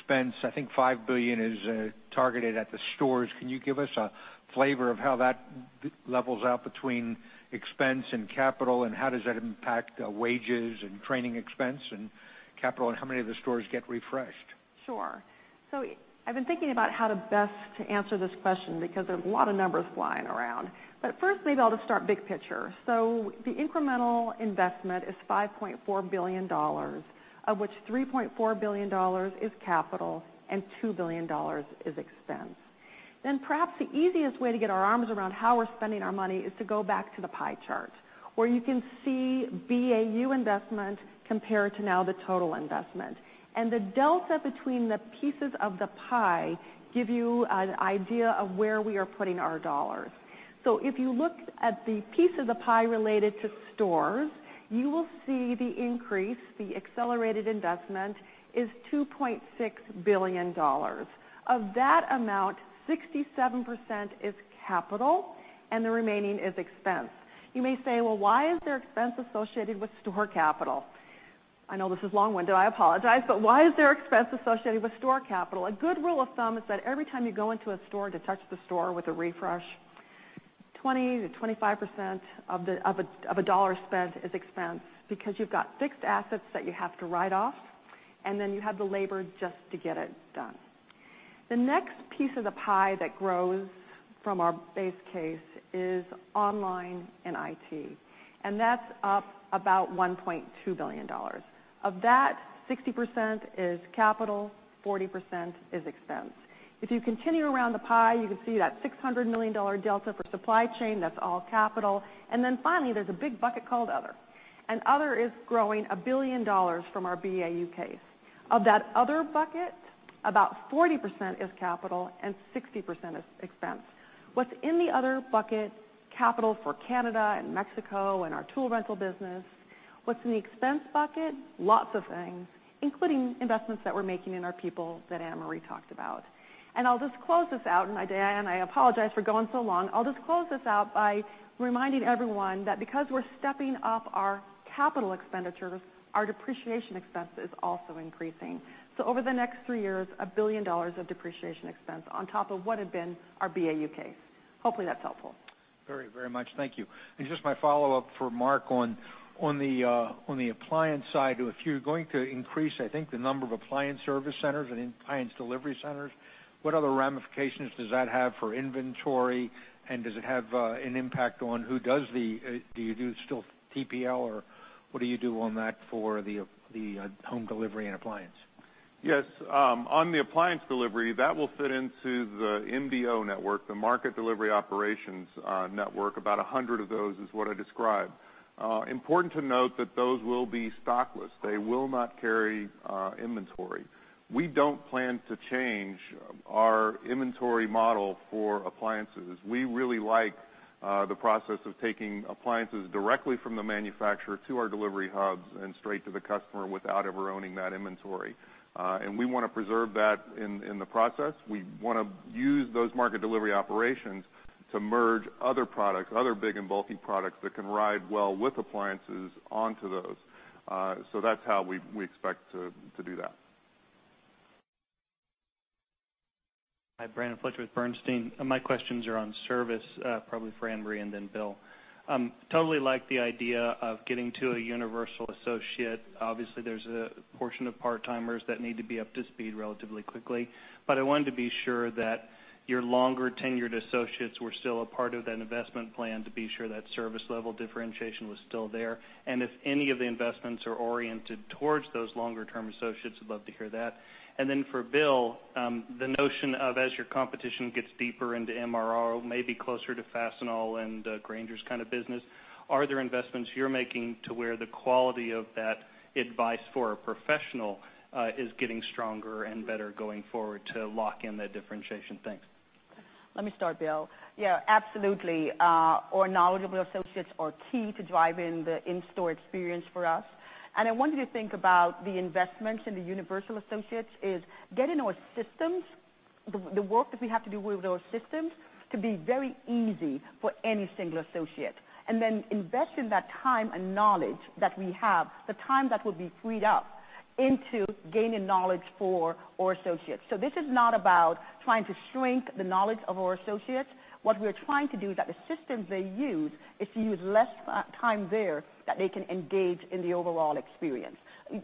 I think $5 billion is targeted at the stores. Can you give us a flavor of how that levels out between expense and capital, how does that impact wages and training expense and capital, and how many of the stores get refreshed? Sure. I've been thinking about how to best answer this question because there's a lot of numbers flying around. Firstly, I'll just start big picture. The incremental investment is $5.4 billion, of which $3.4 billion is capital and $2 billion is expense. Perhaps the easiest way to get our arms around how we're spending our money is to go back to the pie chart, where you can see BAU investment compared to now the total investment. The delta between the pieces of the pie give you an idea of where we are putting our dollars. If you look at the piece of the pie related to stores, you will see the increase, the accelerated investment is $2.6 billion. Of that amount, 67% is capital and the remaining is expense. You may say, "Well, why is there expense associated with store capital?" I know this is a long-winded, I apologize, why is there expense associated with store capital? A good rule of thumb is that every time you go into a store to touch the store with a refresh, 20%-25% of a dollar spent is expense because you've got fixed assets that you have to write off, you have the labor just to get it done. The next piece of the pie that grows from our base case is online and IT, that's up about $1.2 billion. Of that, 60% is capital, 40% is expense. If you continue around the pie, you can see that $600 million delta for supply chain, that's all capital. Finally, there's a big bucket called other is growing $1 billion from our BAU case. Of that other bucket, about 40% is capital and 60% is expense. What's in the other bucket? Capital for Canada and Mexico and our tool rental business. What's in the expense bucket? Lots of things, including investments that we're making in our people that Ann-Marie talked about. I'll just close this out, and I apologize for going so long. I'll just close this out by reminding everyone that because we're stepping up our capital expenditures, our depreciation expense is also increasing. Over the next three years, $1 billion of depreciation expense on top of what had been our BAU case. Hopefully that's helpful. Very much. Thank you. Just my follow-up for Mark on the appliance side, if you're going to increase, I think, the number of appliance service centers and appliance delivery centers, what other ramifications does that have for inventory, and does it have an impact on who does the Do you do still 3PL, or what do you do on that for the home delivery and appliance? Yes. On the appliance delivery, that will fit into the MDO network, the Market Delivery Operations network. About 100 of those is what I described. Important to note that those will be stockless. They will not carry inventory. We don't plan to change our inventory model for appliances. We really like the process of taking appliances directly from the manufacturer to our delivery hubs and straight to the customer without ever owning that inventory. We want to preserve that in the process. We want to use those Market Delivery Operations to merge other products, other big and bulky products that can ride well with appliances onto those. That's how we expect to do that. Hi, Brandon Fletcher with Bernstein. My questions are on service, probably for Ann-Marie and then Bill. Totally like the idea of getting to a universal associate. Obviously, there's a portion of part-timers that need to be up to speed relatively quickly. I wanted to be sure that your longer-tenured associates were still a part of that investment plan to be sure that service level differentiation was still there. If any of the investments are oriented towards those longer-term associates, I'd love to hear that. Then for Bill, the notion of as your competition gets deeper into MRO, maybe closer to Fastenal and Grainger's kind of business, are there investments you're making to where the quality of that advice for a professional is getting stronger and better going forward to lock in that differentiation? Thanks. Let me start, Bill. Yeah, absolutely. Our knowledgeable associates are key to driving the in-store experience for us. I want you to think about the investments in the universal associates is getting our systems, the work that we have to do with our systems, to be very easy for any single associate, then invest in that time and knowledge that we have, the time that will be freed up, into gaining knowledge for our associates. This is not about trying to shrink the knowledge of our associates. What we're trying to do is that the systems they use, is to use less time there that they can engage in the overall experience.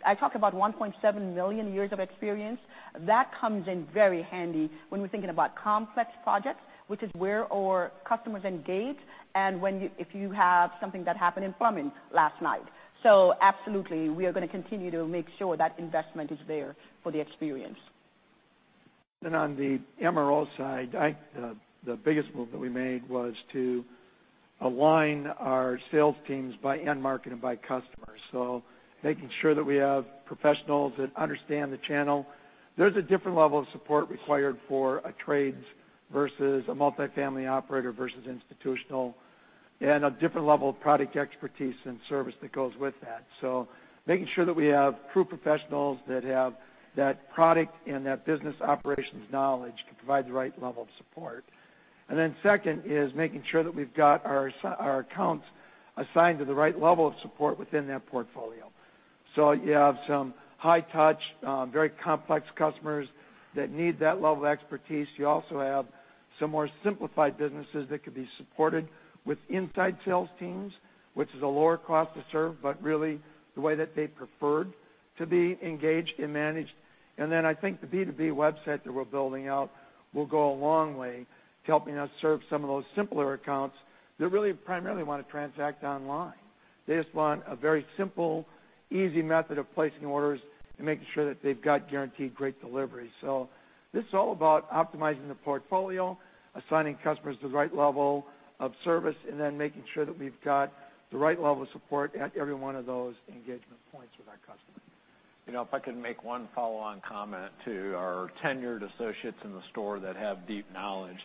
I talk about 1.7 million years of experience. That comes in very handy when we're thinking about complex projects, which is where our customers engage, and if you have something that happened in plumbing last night. Absolutely, we are going to continue to make sure that investment is there for the experience. On the MRO side, I think the biggest move that we made was to align our sales teams by end market and by customers. Making sure that we have professionals that understand the channel. There's a different level of support required for a trades versus a multifamily operator versus institutional, and a different level of product expertise and service that goes with that. Making sure that we have true professionals that have that product and that business operations knowledge to provide the right level of support. Then second is making sure that we've got our accounts assigned to the right level of support within that portfolio. You have some high-touch, very complex customers that need that level of expertise. You also have some more simplified businesses that could be supported with inside sales teams, which is a lower cost to serve, but really the way that they preferred to be engaged and managed. Then I think the B2B website that we're building out will go a long way to helping us serve some of those simpler accounts that really primarily want to transact online. They just want a very simple, easy method of placing orders and making sure that they've got guaranteed great delivery. This is all about optimizing the portfolio, assigning customers the right level of service, then making sure that we've got the right level of support at every one of those engagement points with our customers. If I could make one follow-on comment to our tenured associates in the store that have deep knowledge.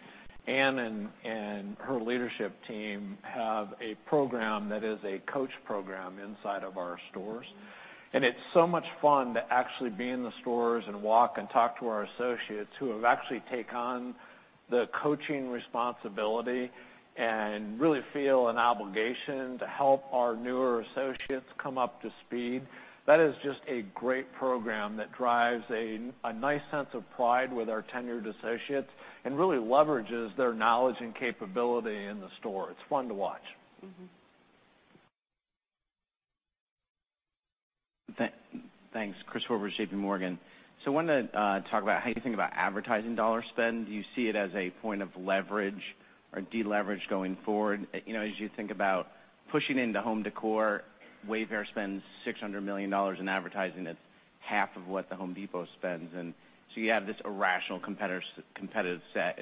Ann-Marie and her leadership team have a program that is a coach program inside of our stores, and it's so much fun to actually be in the stores and walk and talk to our associates who have actually take on the coaching responsibility and really feel an obligation to help our newer associates come up to speed. That is just a great program that drives a nice sense of pride with our tenured associates and really leverages their knowledge and capability in the store. It's fun to watch. Thanks. Christopher Horvers, JPMorgan. I wanted to talk about how you think about advertising dollar spend. Do you see it as a point of leverage or de-leverage going forward? As you think about pushing into home decor, Wayfair spends $600 million in advertising. That's half of what The Home Depot spends. You have this irrational competitive set,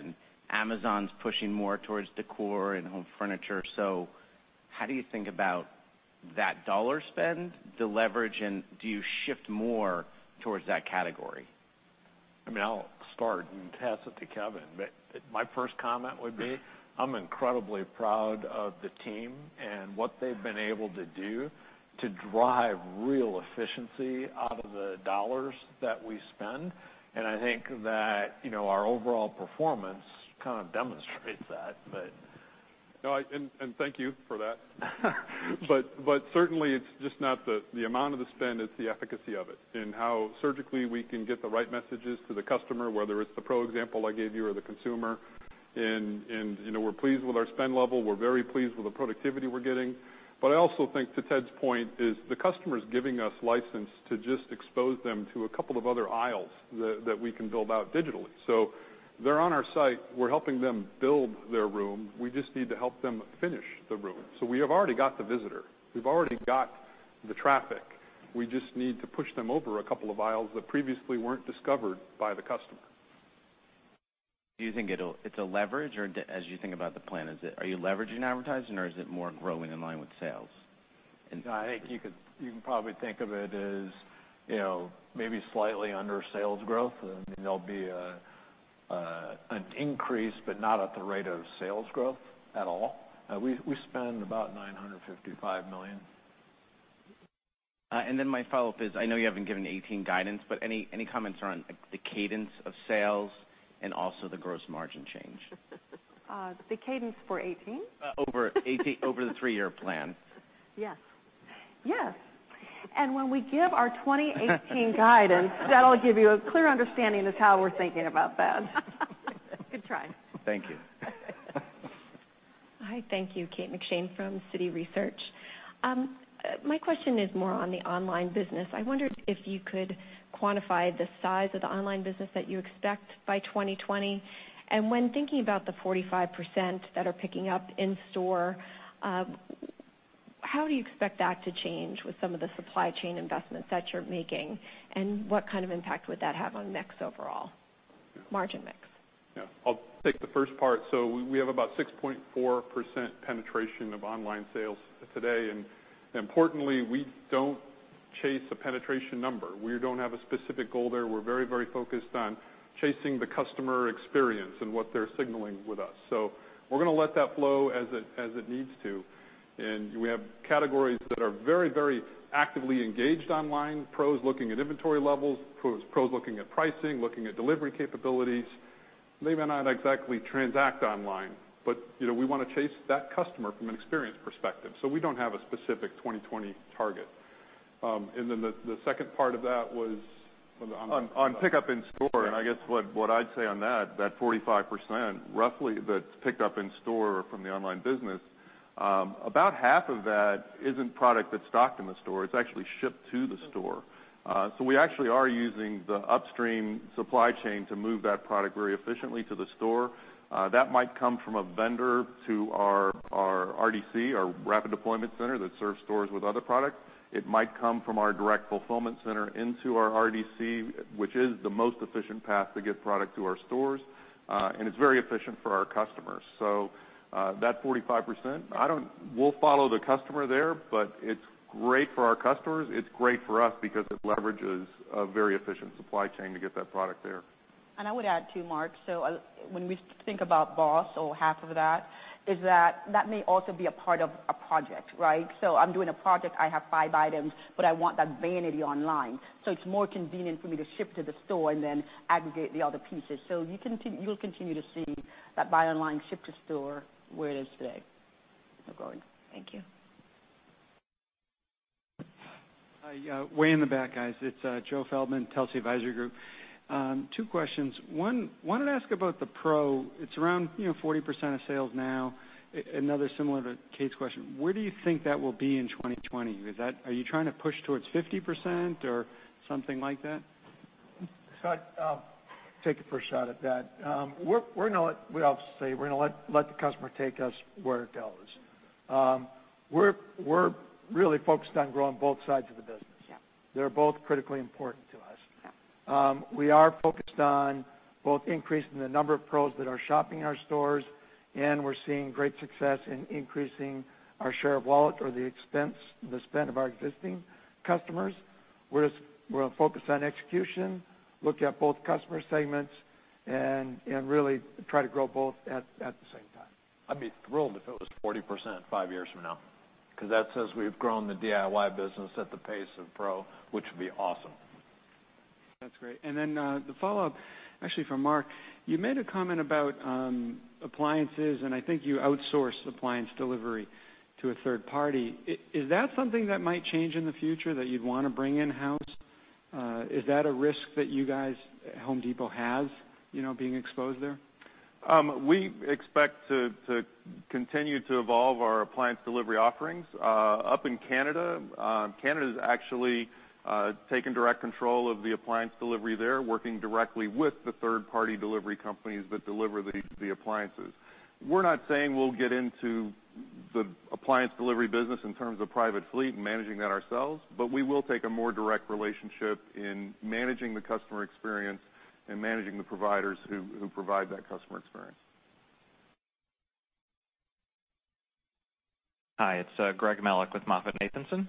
Amazon's pushing more towards decor and home furniture. How do you think about that dollar spend, the leverage, and do you shift more towards that category? I mean, I'll start and pass it to Kevin, but my first comment would be, I'm incredibly proud of the team and what they've been able to do to drive real efficiency out of the dollars that we spend. I think that our overall performance kind of demonstrates that. No, thank you for that. Certainly it's just not the amount of the spend, it's the efficacy of it, how surgically we can get the right messages to the customer, whether it's the pro example I gave you or the consumer. We're pleased with our spend level. We're very pleased with the productivity we're getting. I also think to Ted's point is the customer's giving us license to just expose them to a couple of other aisles that we can build out digitally. They're on our site. We're helping them build their room. We just need to help them finish the room. We have already got the visitor. We've already got the traffic. We just need to push them over a couple of aisles that previously weren't discovered by the customer. Do you think it's a leverage or as you think about the plan, are you leveraging advertising or is it more growing in line with sales? No, I think you can probably think of it as maybe slightly under sales growth. There'll be an increase, but not at the rate of sales growth at all. We spend about $955 million. My follow-up is, I know you haven't given 2018 guidance, but any comments around the cadence of sales and also the gross margin change? The cadence for 2018? Over the three-year plan. Yes. Yes. When we give our 2018 guidance, that'll give you a clear understanding as to how we're thinking about that. Good try. Thank you. Hi, thank you. Kate McShane from Citi Research. My question is more on the online business. I wondered if you could quantify the size of the online business that you expect by 2020. When thinking about the 45% that are picking up in store, how do you expect that to change with some of the supply chain investments that you're making, and what kind of impact would that have on mix overall? Margin mix. I'll take the first part. We have about 6.4% penetration of online sales today, importantly, we don't chase a penetration number. We don't have a specific goal there. We're very focused on chasing the customer experience and what they're signaling with us. We're going to let that flow as it needs to. We have categories that are very actively engaged online, pros looking at inventory levels, pros looking at pricing, looking at delivery capabilities. They may not exactly transact online, but we want to chase that customer from an experience perspective. We don't have a specific 2020 target. Then the second part of that was on- On pickup in store. Yeah. I guess what I'd say on that 45%, roughly that's picked up in store from the online business, about half of that isn't product that's stocked in the store. It's actually shipped to the store. We actually are using the upstream supply chain to move that product very efficiently to the store. That might come from a vendor to our RDC, our rapid deployment center, that serves stores with other products. It might come from our direct fulfillment center into our RDC, which is the most efficient path to get product to our stores. It's very efficient for our customers. That 45%, we'll follow the customer there, but it's great for our customers. It's great for us because it leverages a very efficient supply chain to get that product there. I would add too, Mark, when we think about BOSS or half of that, is that that may also be a part of a project. I'm doing a project, I have five items, but I want that vanity online. It's more convenient for me to ship to the store and then aggregate the other pieces. You'll continue to see that buy online, ship to store where it is today. Go ahead. Thank you. Hi. Way in the back, guys. It's Joe Feldman, Telsey Advisory Group. Two questions. One, wanted to ask about the pro. It's around 40% of sales now. Another similar to Kate's question, where do you think that will be in 2020? Are you trying to push towards 50% or something like that? I'll take a first shot at that. We're going to let the customer take us where it tells. We're really focused on growing both sides of the business. Yeah. They're both critically important to us. Yeah. We are focused on both increasing the number of pros that are shopping in our stores, and we're seeing great success in increasing our share of wallet or the spend of our existing customers. We're focused on execution, looking at both customer segments and really try to grow both at the same time. I'd be thrilled if it was 40%, five years from now, because that says we've grown the DIY business at the pace of pro, which would be awesome. That's great. The follow-up, actually for Mark, you made a comment about appliances, and I think you outsource appliance delivery to a third party. Is that something that might change in the future that you'd want to bring in-house? Is that a risk that you guys at Home Depot have, being exposed there? We expect to continue to evolve our appliance delivery offerings. Up in Canada's actually taken direct control of the appliance delivery there, working directly with the third-party delivery companies that deliver the appliances. We're not saying we'll get into the appliance delivery business in terms of private fleet and managing that ourselves, but we will take a more direct relationship in managing the customer experience and managing the providers who provide that customer experience. Hi, it's Greg Melich with MoffettNathanson.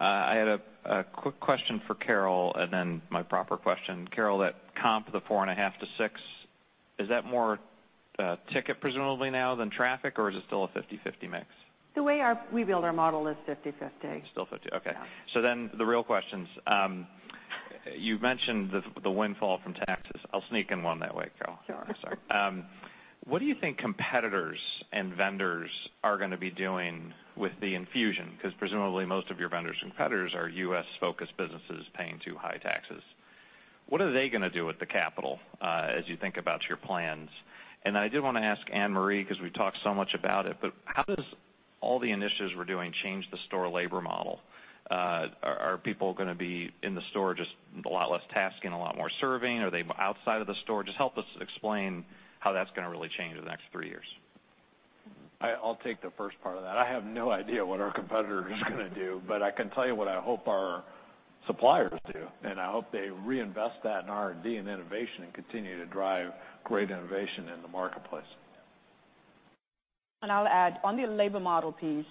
I had a quick question for Carol and then my proper question. Carol, that comp, the 4.5 to six, is that more ticket presumably now than traffic, or is it still a 50/50 mix? The way we build our model is 50/50. Still 50. Okay. Yeah. The real questions. You mentioned the windfall from taxes. I'll sneak in one that way, Carol. Sure. Sorry. What do you think competitors and vendors are going to be doing with the infusion? Presumably, most of your vendors and competitors are U.S.-focused businesses paying too high taxes. What are they going to do with the capital, as you think about your plans? I did want to ask Ann-Marie, because we've talked so much about it, but how does all the initiatives we're doing change the store labor model? Are people going to be in the store just a lot less tasking, a lot more serving? Are they outside of the store? Just help us explain how that's going to really change in the next three years. I'll take the first part of that. I have no idea what our competitor is going to do, but I can tell you what I hope our suppliers do. I hope they reinvest that in R&D and innovation and continue to drive great innovation in the marketplace. I'll add, on the labor model piece,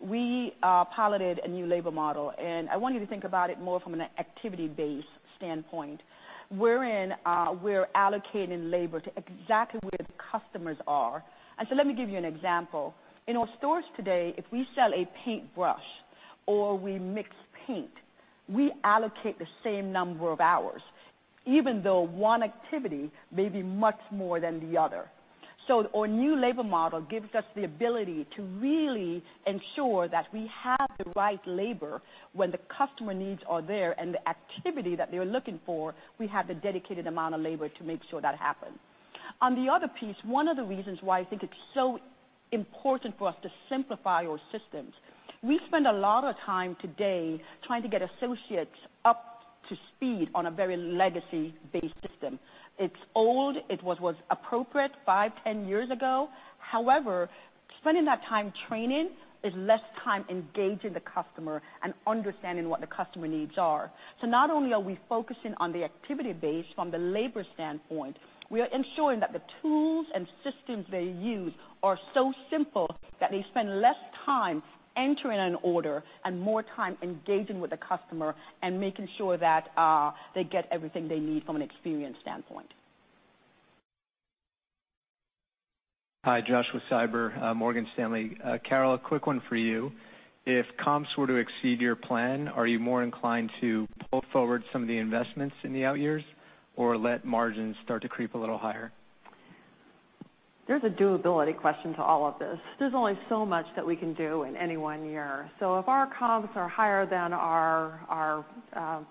we piloted a new labor model, I want you to think about it more from an activity-based standpoint, wherein we're allocating labor to exactly where the customers are. Let me give you an example. In our stores today, if we sell a paintbrush or we mix paint, we allocate the same number of hours, even though one activity may be much more than the other. Our new labor model gives us the ability to really ensure that we have the right labor when the customer needs are there, and the activity that they're looking for, we have the dedicated amount of labor to make sure that happens. On the other piece, one of the reasons why I think it's so important for us to simplify our systems, we spend a lot of time today trying to get associates up to speed on a very legacy-based system. It's old. It was appropriate five, 10 years ago. However, spending that time training is less time engaging the customer and understanding what the customer needs are. Not only are we focusing on the activity base from the labor standpoint, we are ensuring that the tools and systems they use are so simple that they spend less time entering an order and more time engaging with the customer and making sure that they get everything they need from an experience standpoint. Hi, Josh with Morgan Stanley. Carol, a quick one for you. If comps were to exceed your plan, are you more inclined to pull forward some of the investments in the out years or let margins start to creep a little higher? There's a durability question to all of this. There's only so much that we can do in any one year. If our comps are higher than our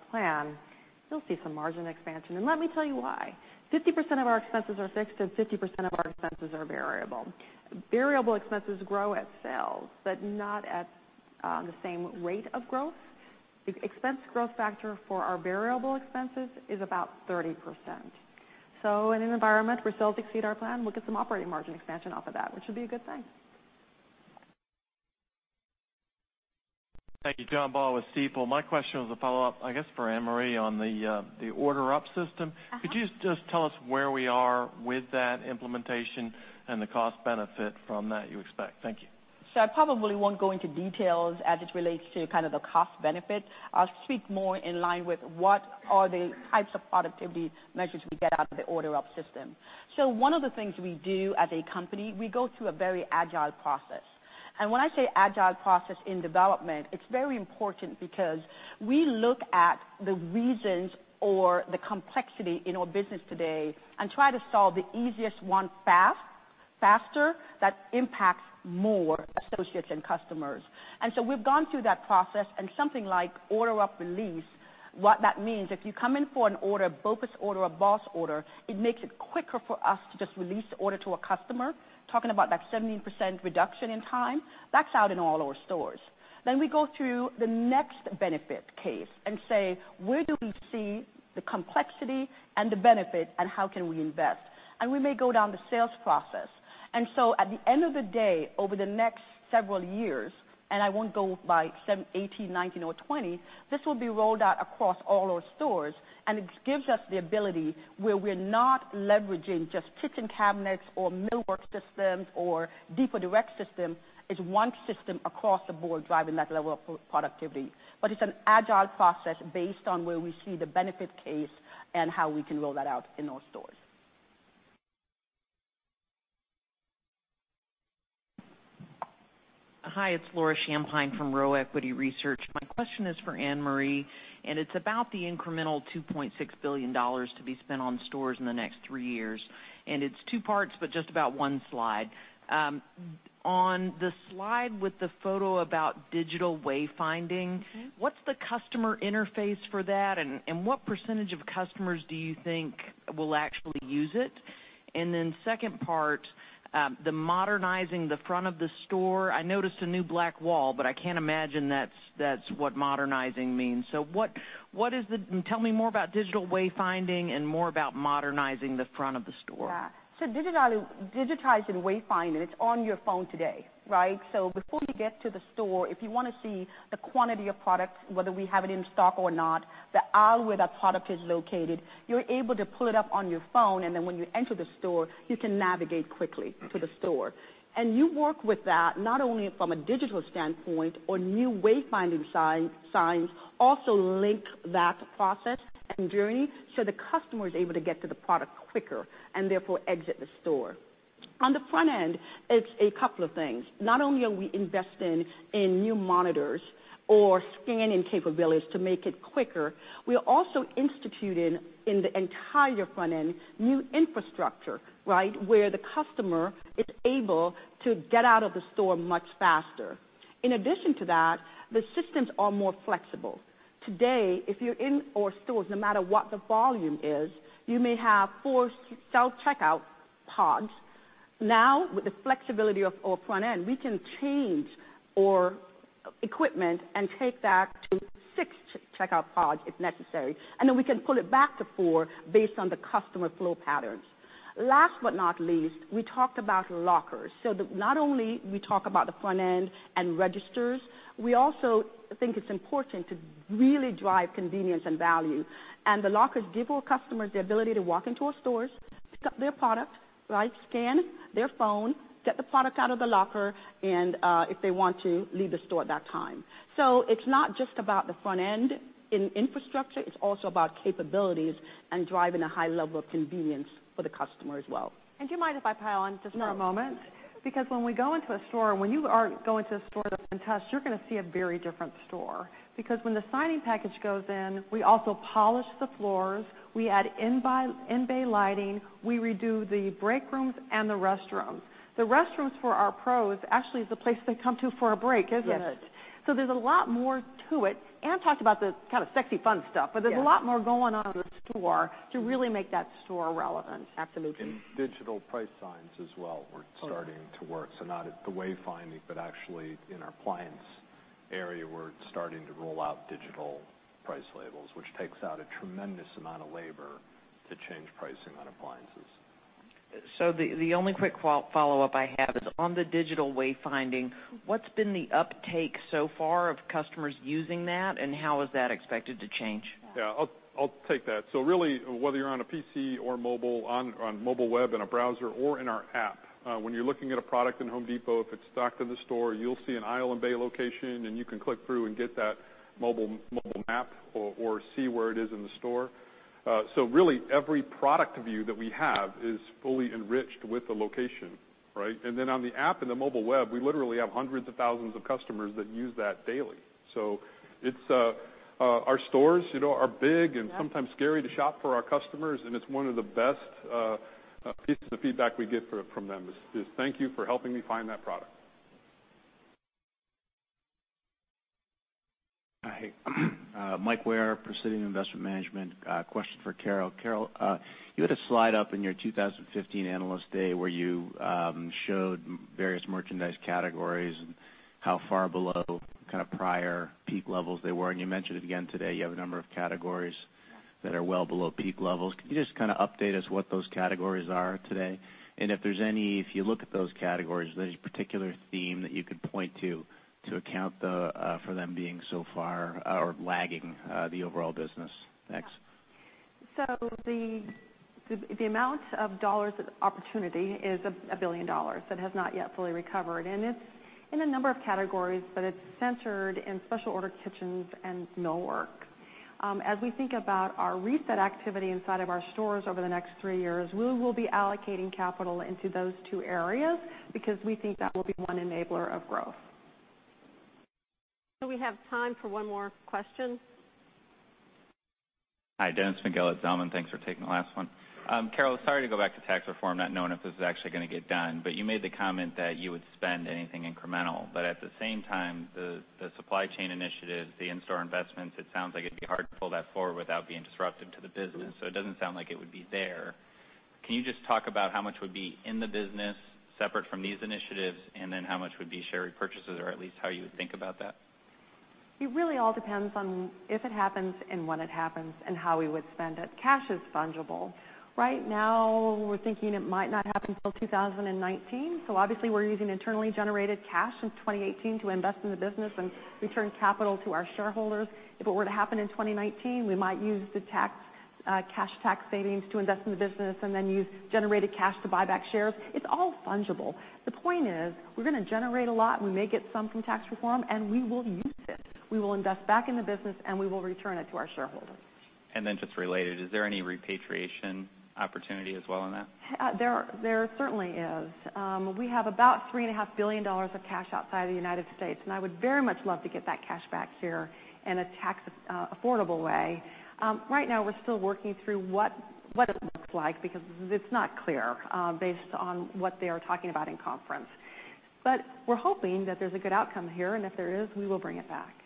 plan, you'll see some margin expansion, and let me tell you why. 50% of our expenses are fixed and 50% of our expenses are variable. Variable expenses grow at sales, but not at the same rate of growth. The expense growth factor for our variable expenses is about 30%. In an environment where sales exceed our plan, we'll get some operating margin expansion off of that, which would be a good thing. Thank you. John Baugh with Stifel. My question was a follow-up, I guess, for Ann-Marie on the Order Up system. Could you just tell us where we are with that implementation and the cost benefit from that you expect? Thank you. I probably won't go into details as it relates to the cost benefit. I'll speak more in line with what are the types of productivity measures we get out of the Order Up system. One of the things we do as a company, we go through a very agile process. When I say agile process in development, it's very important because we look at the reasons or the complexity in our business today and try to solve the easiest one fast, faster, that impacts more associates and customers. We've gone through that process and something like Order Up release, what that means, if you come in for an order, a BOPUS order, a BOSS order, it makes it quicker for us to just release the order to a customer. Talking about that 17% reduction in time, that's out in all our stores. We go through the next benefit case and say, "Where do we see the complexity and the benefit, and how can we invest?" We may go down the sales process. At the end of the day, over the next several years, I won't go by 2018, 2019, or 2020, this will be rolled out across all our stores, and it gives us the ability where we're not leveraging just kitchen cabinets or millwork systems or Depot Direct system. It's one system across the board driving that level of productivity. It's an agile process based on where we see the benefit case and how we can roll that out in our stores. Hi, it's Laura Champine from Loop Capital Markets. My question is for Ann-Marie, and it's about the incremental $2.6 billion to be spent on stores in the next three years. It's two parts, but just about one slide. On the slide with the photo about digital wayfinding- what's the customer interface for that, what % of customers do you think will actually use it? Then second part, the modernizing the front of the store. I noticed a new black wall, but I can't imagine that's what modernizing means. Tell me more about digital wayfinding and more about modernizing the front of the store. Yeah. Digitizing wayfinding, it's on your phone today, right? Before you get to the store, if you want to see the quantity of product, whether we have it in stock or not, the aisle where that product is located, you're able to pull it up on your phone, then when you enter the store, you can navigate quickly to the store. You work with that not only from a digital standpoint or new wayfinding signs also link that process and journey so the customer is able to get to the product quicker and therefore exit the store. On the front end, it's a couple of things. Not only are we investing in new monitors or scanning capabilities to make it quicker, we are also instituting in the entire front end new infrastructure, right? Where the customer is able to get out of the store much faster. In addition to that, the systems are more flexible. Today, if you're in our stores, no matter what the volume is, you may have four self-checkout pods. With the flexibility of our front end, we can change our equipment and take that to six checkout pods if necessary, and then we can pull it back to four based on the customer flow patterns. Last but not least, we talked about lockers. Not only we talk about the front end and registers, we also think it's important to really drive convenience and value. The lockers give our customers the ability to walk into our stores, pick up their product, right, scan their phone, get the product out of the locker, and if they want to leave the store at that time. It's not just about the front end in infrastructure, it's also about capabilities and driving a high level of convenience for the customer as well. Do you mind if I pile on just for a moment? No. When we go into a store, when you are going to a store that's been touched, you're going to see a very different store. When the signing package goes in, we also polish the floors, we add in-bay lighting, we redo the break rooms and the restrooms. The restrooms for our pros actually is the place they come to for a break, isn't it? Yes. There's a lot more to it. Ann-Marie talked about the sexy fun stuff. Yes There's a lot more going on in the store to really make that store relevant. Absolutely. Digital price signs as well. Totally Are starting to work. Not at the wayfinding, but actually in our appliance area where it's starting to roll out digital price labels, which takes out a tremendous amount of labor to change pricing on appliances. The only quick follow-up I have is on the digital wayfinding, what's been the uptake so far of customers using that, and how is that expected to change? Yeah, I'll take that. Really whether you're on a PC or mobile, on mobile web, in a browser or in our app, when you're looking at a product in The Home Depot, if it's stocked in the store, you'll see an aisle and bay location, and you can click through and get that mobile map or see where it is in the store. Really every product view that we have is fully enriched with the location, right? Then on the app and the mobile web, we literally have hundreds of thousands of customers that use that daily. Our stores are big and sometimes scary to shop for our customers, and it's one of the best pieces of feedback we get from them is, "Thank you for helping me find that product. Hi. Mike Ware, Praesidium Investment Management. A question for Carol. Carol, you had a slide up in your 2015 Analyst Day where you showed various merchandise categories and how far below prior peak levels they were, and you mentioned it again today, you have a number of categories that are well below peak levels. Can you just update us what those categories are today? If you look at those categories, are there any particular theme that you could point to account for them being so far or lagging the overall business? Thanks. The amount of dollars of opportunity is $1 billion that has not yet fully recovered, and it's in a number of categories, but it's centered in special order kitchens and millwork. As we think about our reset activity inside of our stores over the next three years, we will be allocating capital into those two areas because we think that will be one enabler of growth. We have time for one more question. Hi, Dennis McGill at Zelman. Thanks for taking the last one. Carol, sorry to go back to tax reform, not knowing if this is actually going to get done, you made the comment that you would spend anything incremental. At the same time, the supply chain initiatives, the in-store investments, it sounds like it'd be hard to pull that forward without being disruptive to the business, it doesn't sound like it would be there. Can you just talk about how much would be in the business separate from these initiatives, and then how much would be share repurchases, or at least how you would think about that? It really all depends on if it happens and when it happens, and how we would spend it. Cash is fungible. Right now, we're thinking it might not happen until 2019, obviously we're using internally generated cash since 2018 to invest in the business and return capital to our shareholders. If it were to happen in 2019, we might use the cash tax savings to invest in the business use generated cash to buy back shares. It's all fungible. The point is, we're going to generate a lot we may get some from tax reform, we will use it. We will invest back in the business, we will return it to our shareholders. Just related, is there any repatriation opportunity as well in that? There certainly is. We have about $3.5 billion of cash outside of the United States, I would very much love to get that cash back here in a tax affordable way. Right now, we're still working through what it looks like because it's not clear based on what they are talking about in conference. We're hoping that there's a good outcome here, and if there is, we will bring it back.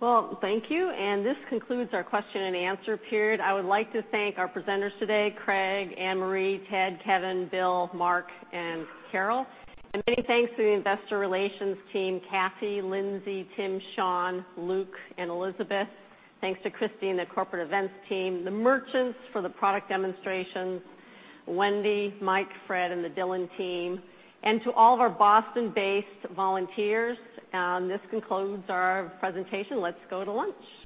Well, thank you. This concludes our question and answer period. I would like to thank our presenters today, Craig, Ann-Marie, Ted, Kevin, Bill, Mark, and Carol. Many thanks to the investor relations team, Cathy, Lindsay, Tim, Sean, Luke, and Elizabeth. Thanks to Christine and the corporate events team, the merchants for the product demonstrations, Wendy, Mike, Fred, and the Dillon team, and to all of our Boston-based volunteers. This concludes our presentation. Let's go to lunch